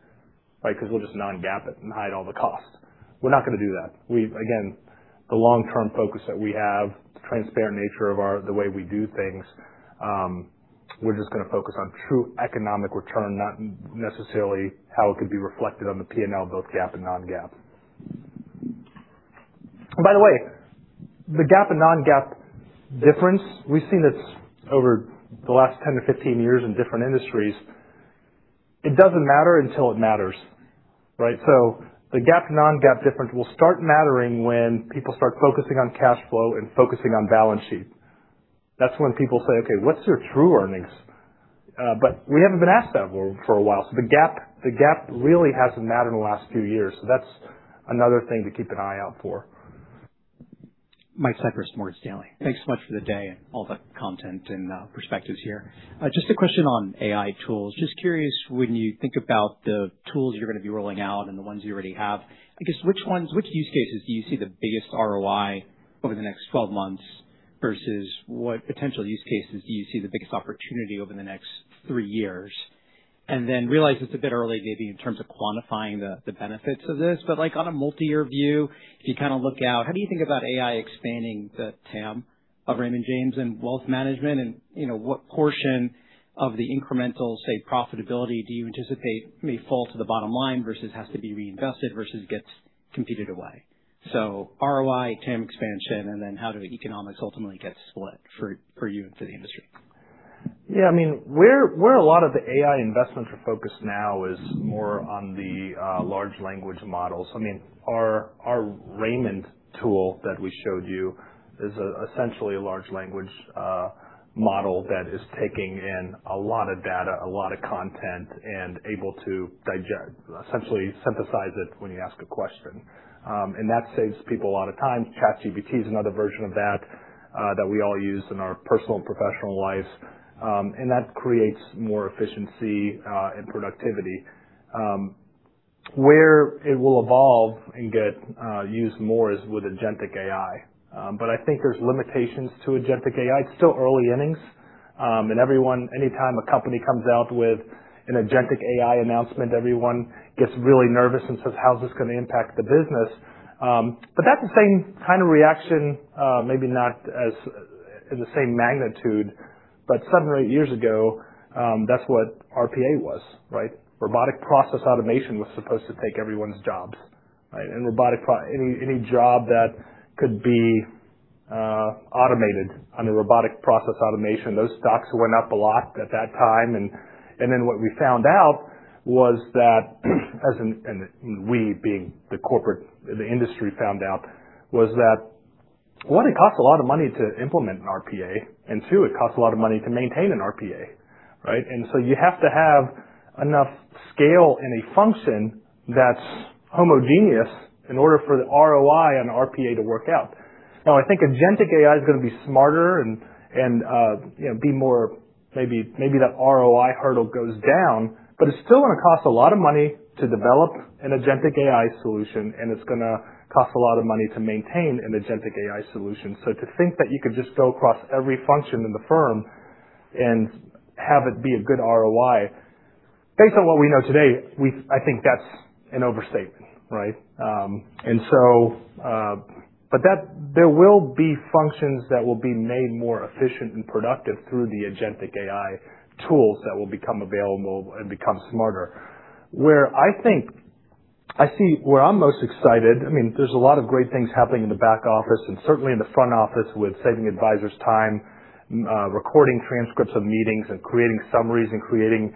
because we'll just non-GAAP it and hide all the costs. We're not going to do that. The long-term focus that we have, the transparent nature of the way we do things, we're just going to focus on true economic return, not necessarily how it could be reflected on the P&L, both GAAP and non-GAAP. By the way the GAAP and non-GAAP difference, we've seen this over the last 10-15 years in different industries. It doesn't matter until it matters. The GAAP, non-GAAP difference will start mattering when people start focusing on cash flow and focusing on balance sheet. That's when people say, "Okay, what's your true earnings?" We haven't been asked that for a while. The GAAP really hasn't mattered in the last few years. That's another thing to keep an eye out for. Thanks so much for the day and all the content and perspectives here. A question on AI tools. When you think about the tools you're going to be rolling out and the ones you already have, which use cases do you see the biggest ROI over the next 12 months versus what potential use cases do you see the biggest opportunity over the next three years? Realize it's a bit early maybe in terms of quantifying the benefits of this, but on a multi-year view, if you look out, how do you think about AI expanding the TAM of Raymond James and wealth management? What portion of the incremental, say, profitability do you anticipate may fall to the bottom line versus has to be reinvested versus gets competed away? ROI, TAM expansion, and then how do the economics ultimately get split for you and for the industry? Where a lot of the AI investments are focused now is more on the large language models. Our Raimond tool that we showed you is essentially a large language model that is taking in a lot of data, a lot of content, and able to digest, essentially synthesize it when you ask a question. That saves people a lot of time. ChatGPT is another version of that we all use in our personal and professional lives. That creates more efficiency and productivity. Where it will evolve and get used more is with agentic AI. I think there's limitations to agentic AI. It's still early innings. Anytime a company comes out with an agentic AI announcement, everyone gets really nervous and says: How is this going to impact the business? That's the same kind of reaction, maybe not in the same magnitude, but seven or eight years ago, that's what RPA was. Robotic Process Automation was supposed to take everyone's jobs. Any job that could be automated under Robotic Process Automation. Those stocks went up a lot at that time. Then what we found out was that, we being the corporate, the industry found out was that, one, it costs a lot of money to implement an RPA, and two, it costs a lot of money to maintain an RPA. So you have to have enough scale in a function that's homogeneous in order for the ROI on RPA to work out. I think agentic AI is going to be smarter and be more. Maybe that ROI hurdle goes down, but it's still going to cost a lot of money to develop an agentic AI solution, and it's going to cost a lot of money to maintain an agentic AI solution. To think that you could just go across every function in the firm and have it be a good ROI, based on what we know today, I think that's an overstatement. There will be functions that will be made more efficient and productive through the agentic AI tools that will become available and become smarter. Where I'm most excited, there's a lot of great things happening in the back office and certainly in the front office with saving advisors time, recording transcripts of meetings, and creating summaries, and creating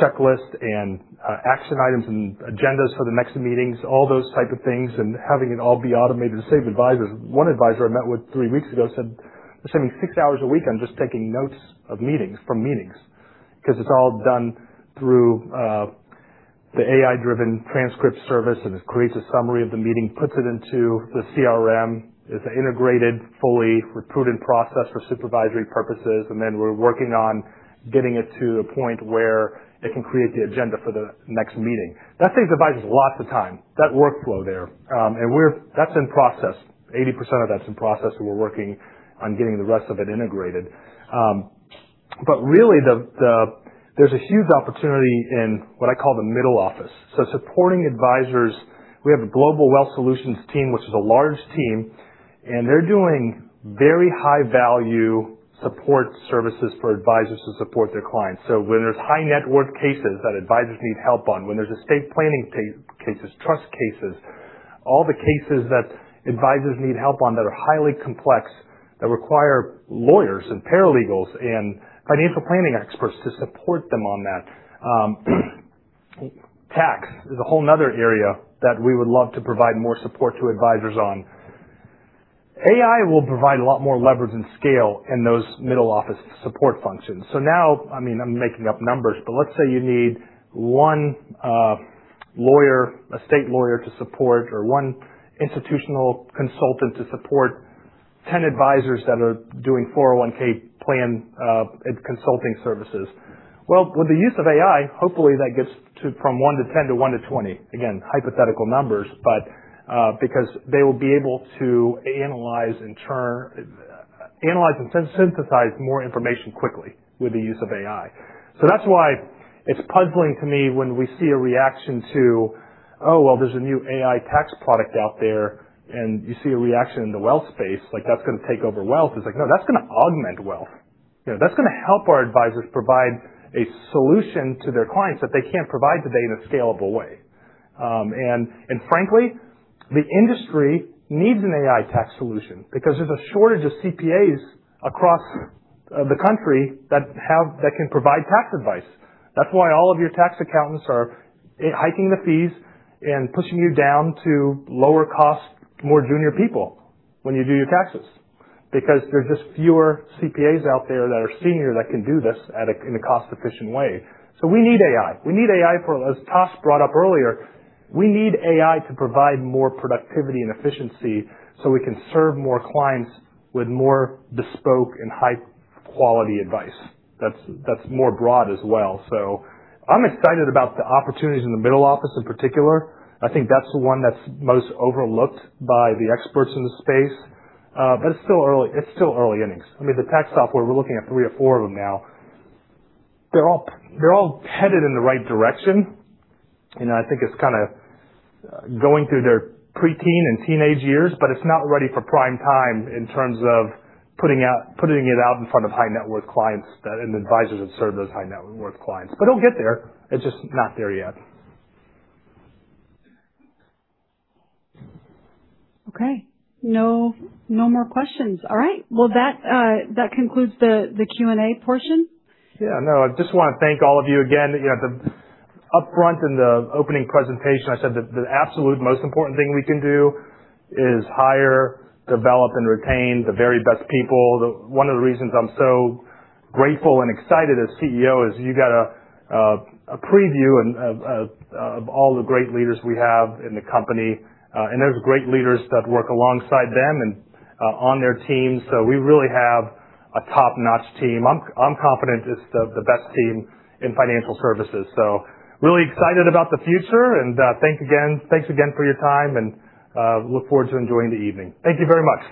checklists, and action items, and agendas for the next meetings, all those type of things, and having it all be automated to save advisors. One advisor I met with three weeks ago said, "I'm spending six hours a week on just taking notes from meetings." It's all done through the AI-driven transcript service, and it creates a summary of the meeting, puts it into the CRM. It's an integrated, fully recruited process for supervisory purposes, and then we're working on getting it to the point where it can create the agenda for the next meeting. That saves advisors lots of time, that workflow there. That's in process. 80% of that's in process, we're working on getting the rest of it integrated. Really, there's a huge opportunity in what I call the middle office. Supporting advisors. We have a Global Wealth Solutions team, which is a large team, and they're doing very high-value support services for advisors to support their clients. When there's high net worth cases that advisors need help on, when there's estate planning cases, trust cases, all the cases that advisors need help on that are highly complex that require lawyers and paralegals and financial planning experts to support them on that. Tax is a whole another area that we would love to provide more support to advisors on. AI will provide a lot more leverage and scale in those middle office support functions. Now, I'm making up numbers, but let's say you need one estate lawyer to support or one institutional consultant to support 10 advisors that are doing 401(k) plan consulting services. With the use of AI, hopefully that gets from one to 10 to one to 20. Hypothetical numbers, but because they will be able to analyze and synthesize more information quickly with the use of AI. That's why it's puzzling to me when we see a reaction to, oh, well, there's a new AI tax product out there, and you see a reaction in the wealth space like that's going to take over wealth. It's like, no, that's going to augment wealth. That's going to help our advisors provide a solution to their clients that they can't provide today in a scalable way. Frankly, the industry needs an AI tax solution because there's a shortage of CPAs across the country that can provide tax advice. That's why all of your tax accountants are hiking the fees and pushing you down to lower-cost, more junior people when you do your taxes. There's just fewer CPAs out there that are senior that can do this in a cost-efficient way. We need AI. We need AI, as Tash brought up earlier, we need AI to provide more productivity and efficiency so we can serve more clients with more bespoke and high-quality advice. That's more broad as well. I'm excited about the opportunities in the middle office in particular. I think that's the one that's most overlooked by the experts in the space. It's still early innings. The tax software, we're looking at three or four of them now. They're all headed in the right direction. I think it's going through their preteen and teenage years, but it's not ready for prime time in terms of putting it out in front of high-net-worth clients and the advisors that serve those high-net-worth clients. It'll get there. It's just not there yet. Okay. No more questions. All right. Well, that concludes the Q&A portion. Yeah. No, I just want to thank all of you again. Up front in the opening presentation, I said that the absolute most important thing we can do is hire, develop, and retain the very best people. One of the reasons I'm so grateful and excited as CEO is you got a preview of all the great leaders we have in the company. There's great leaders that work alongside them and on their team. We really have a top-notch team. I'm confident it's the best team in financial services. Really excited about the future, and thanks again for your time, and look forward to enjoying the evening. Thank you very much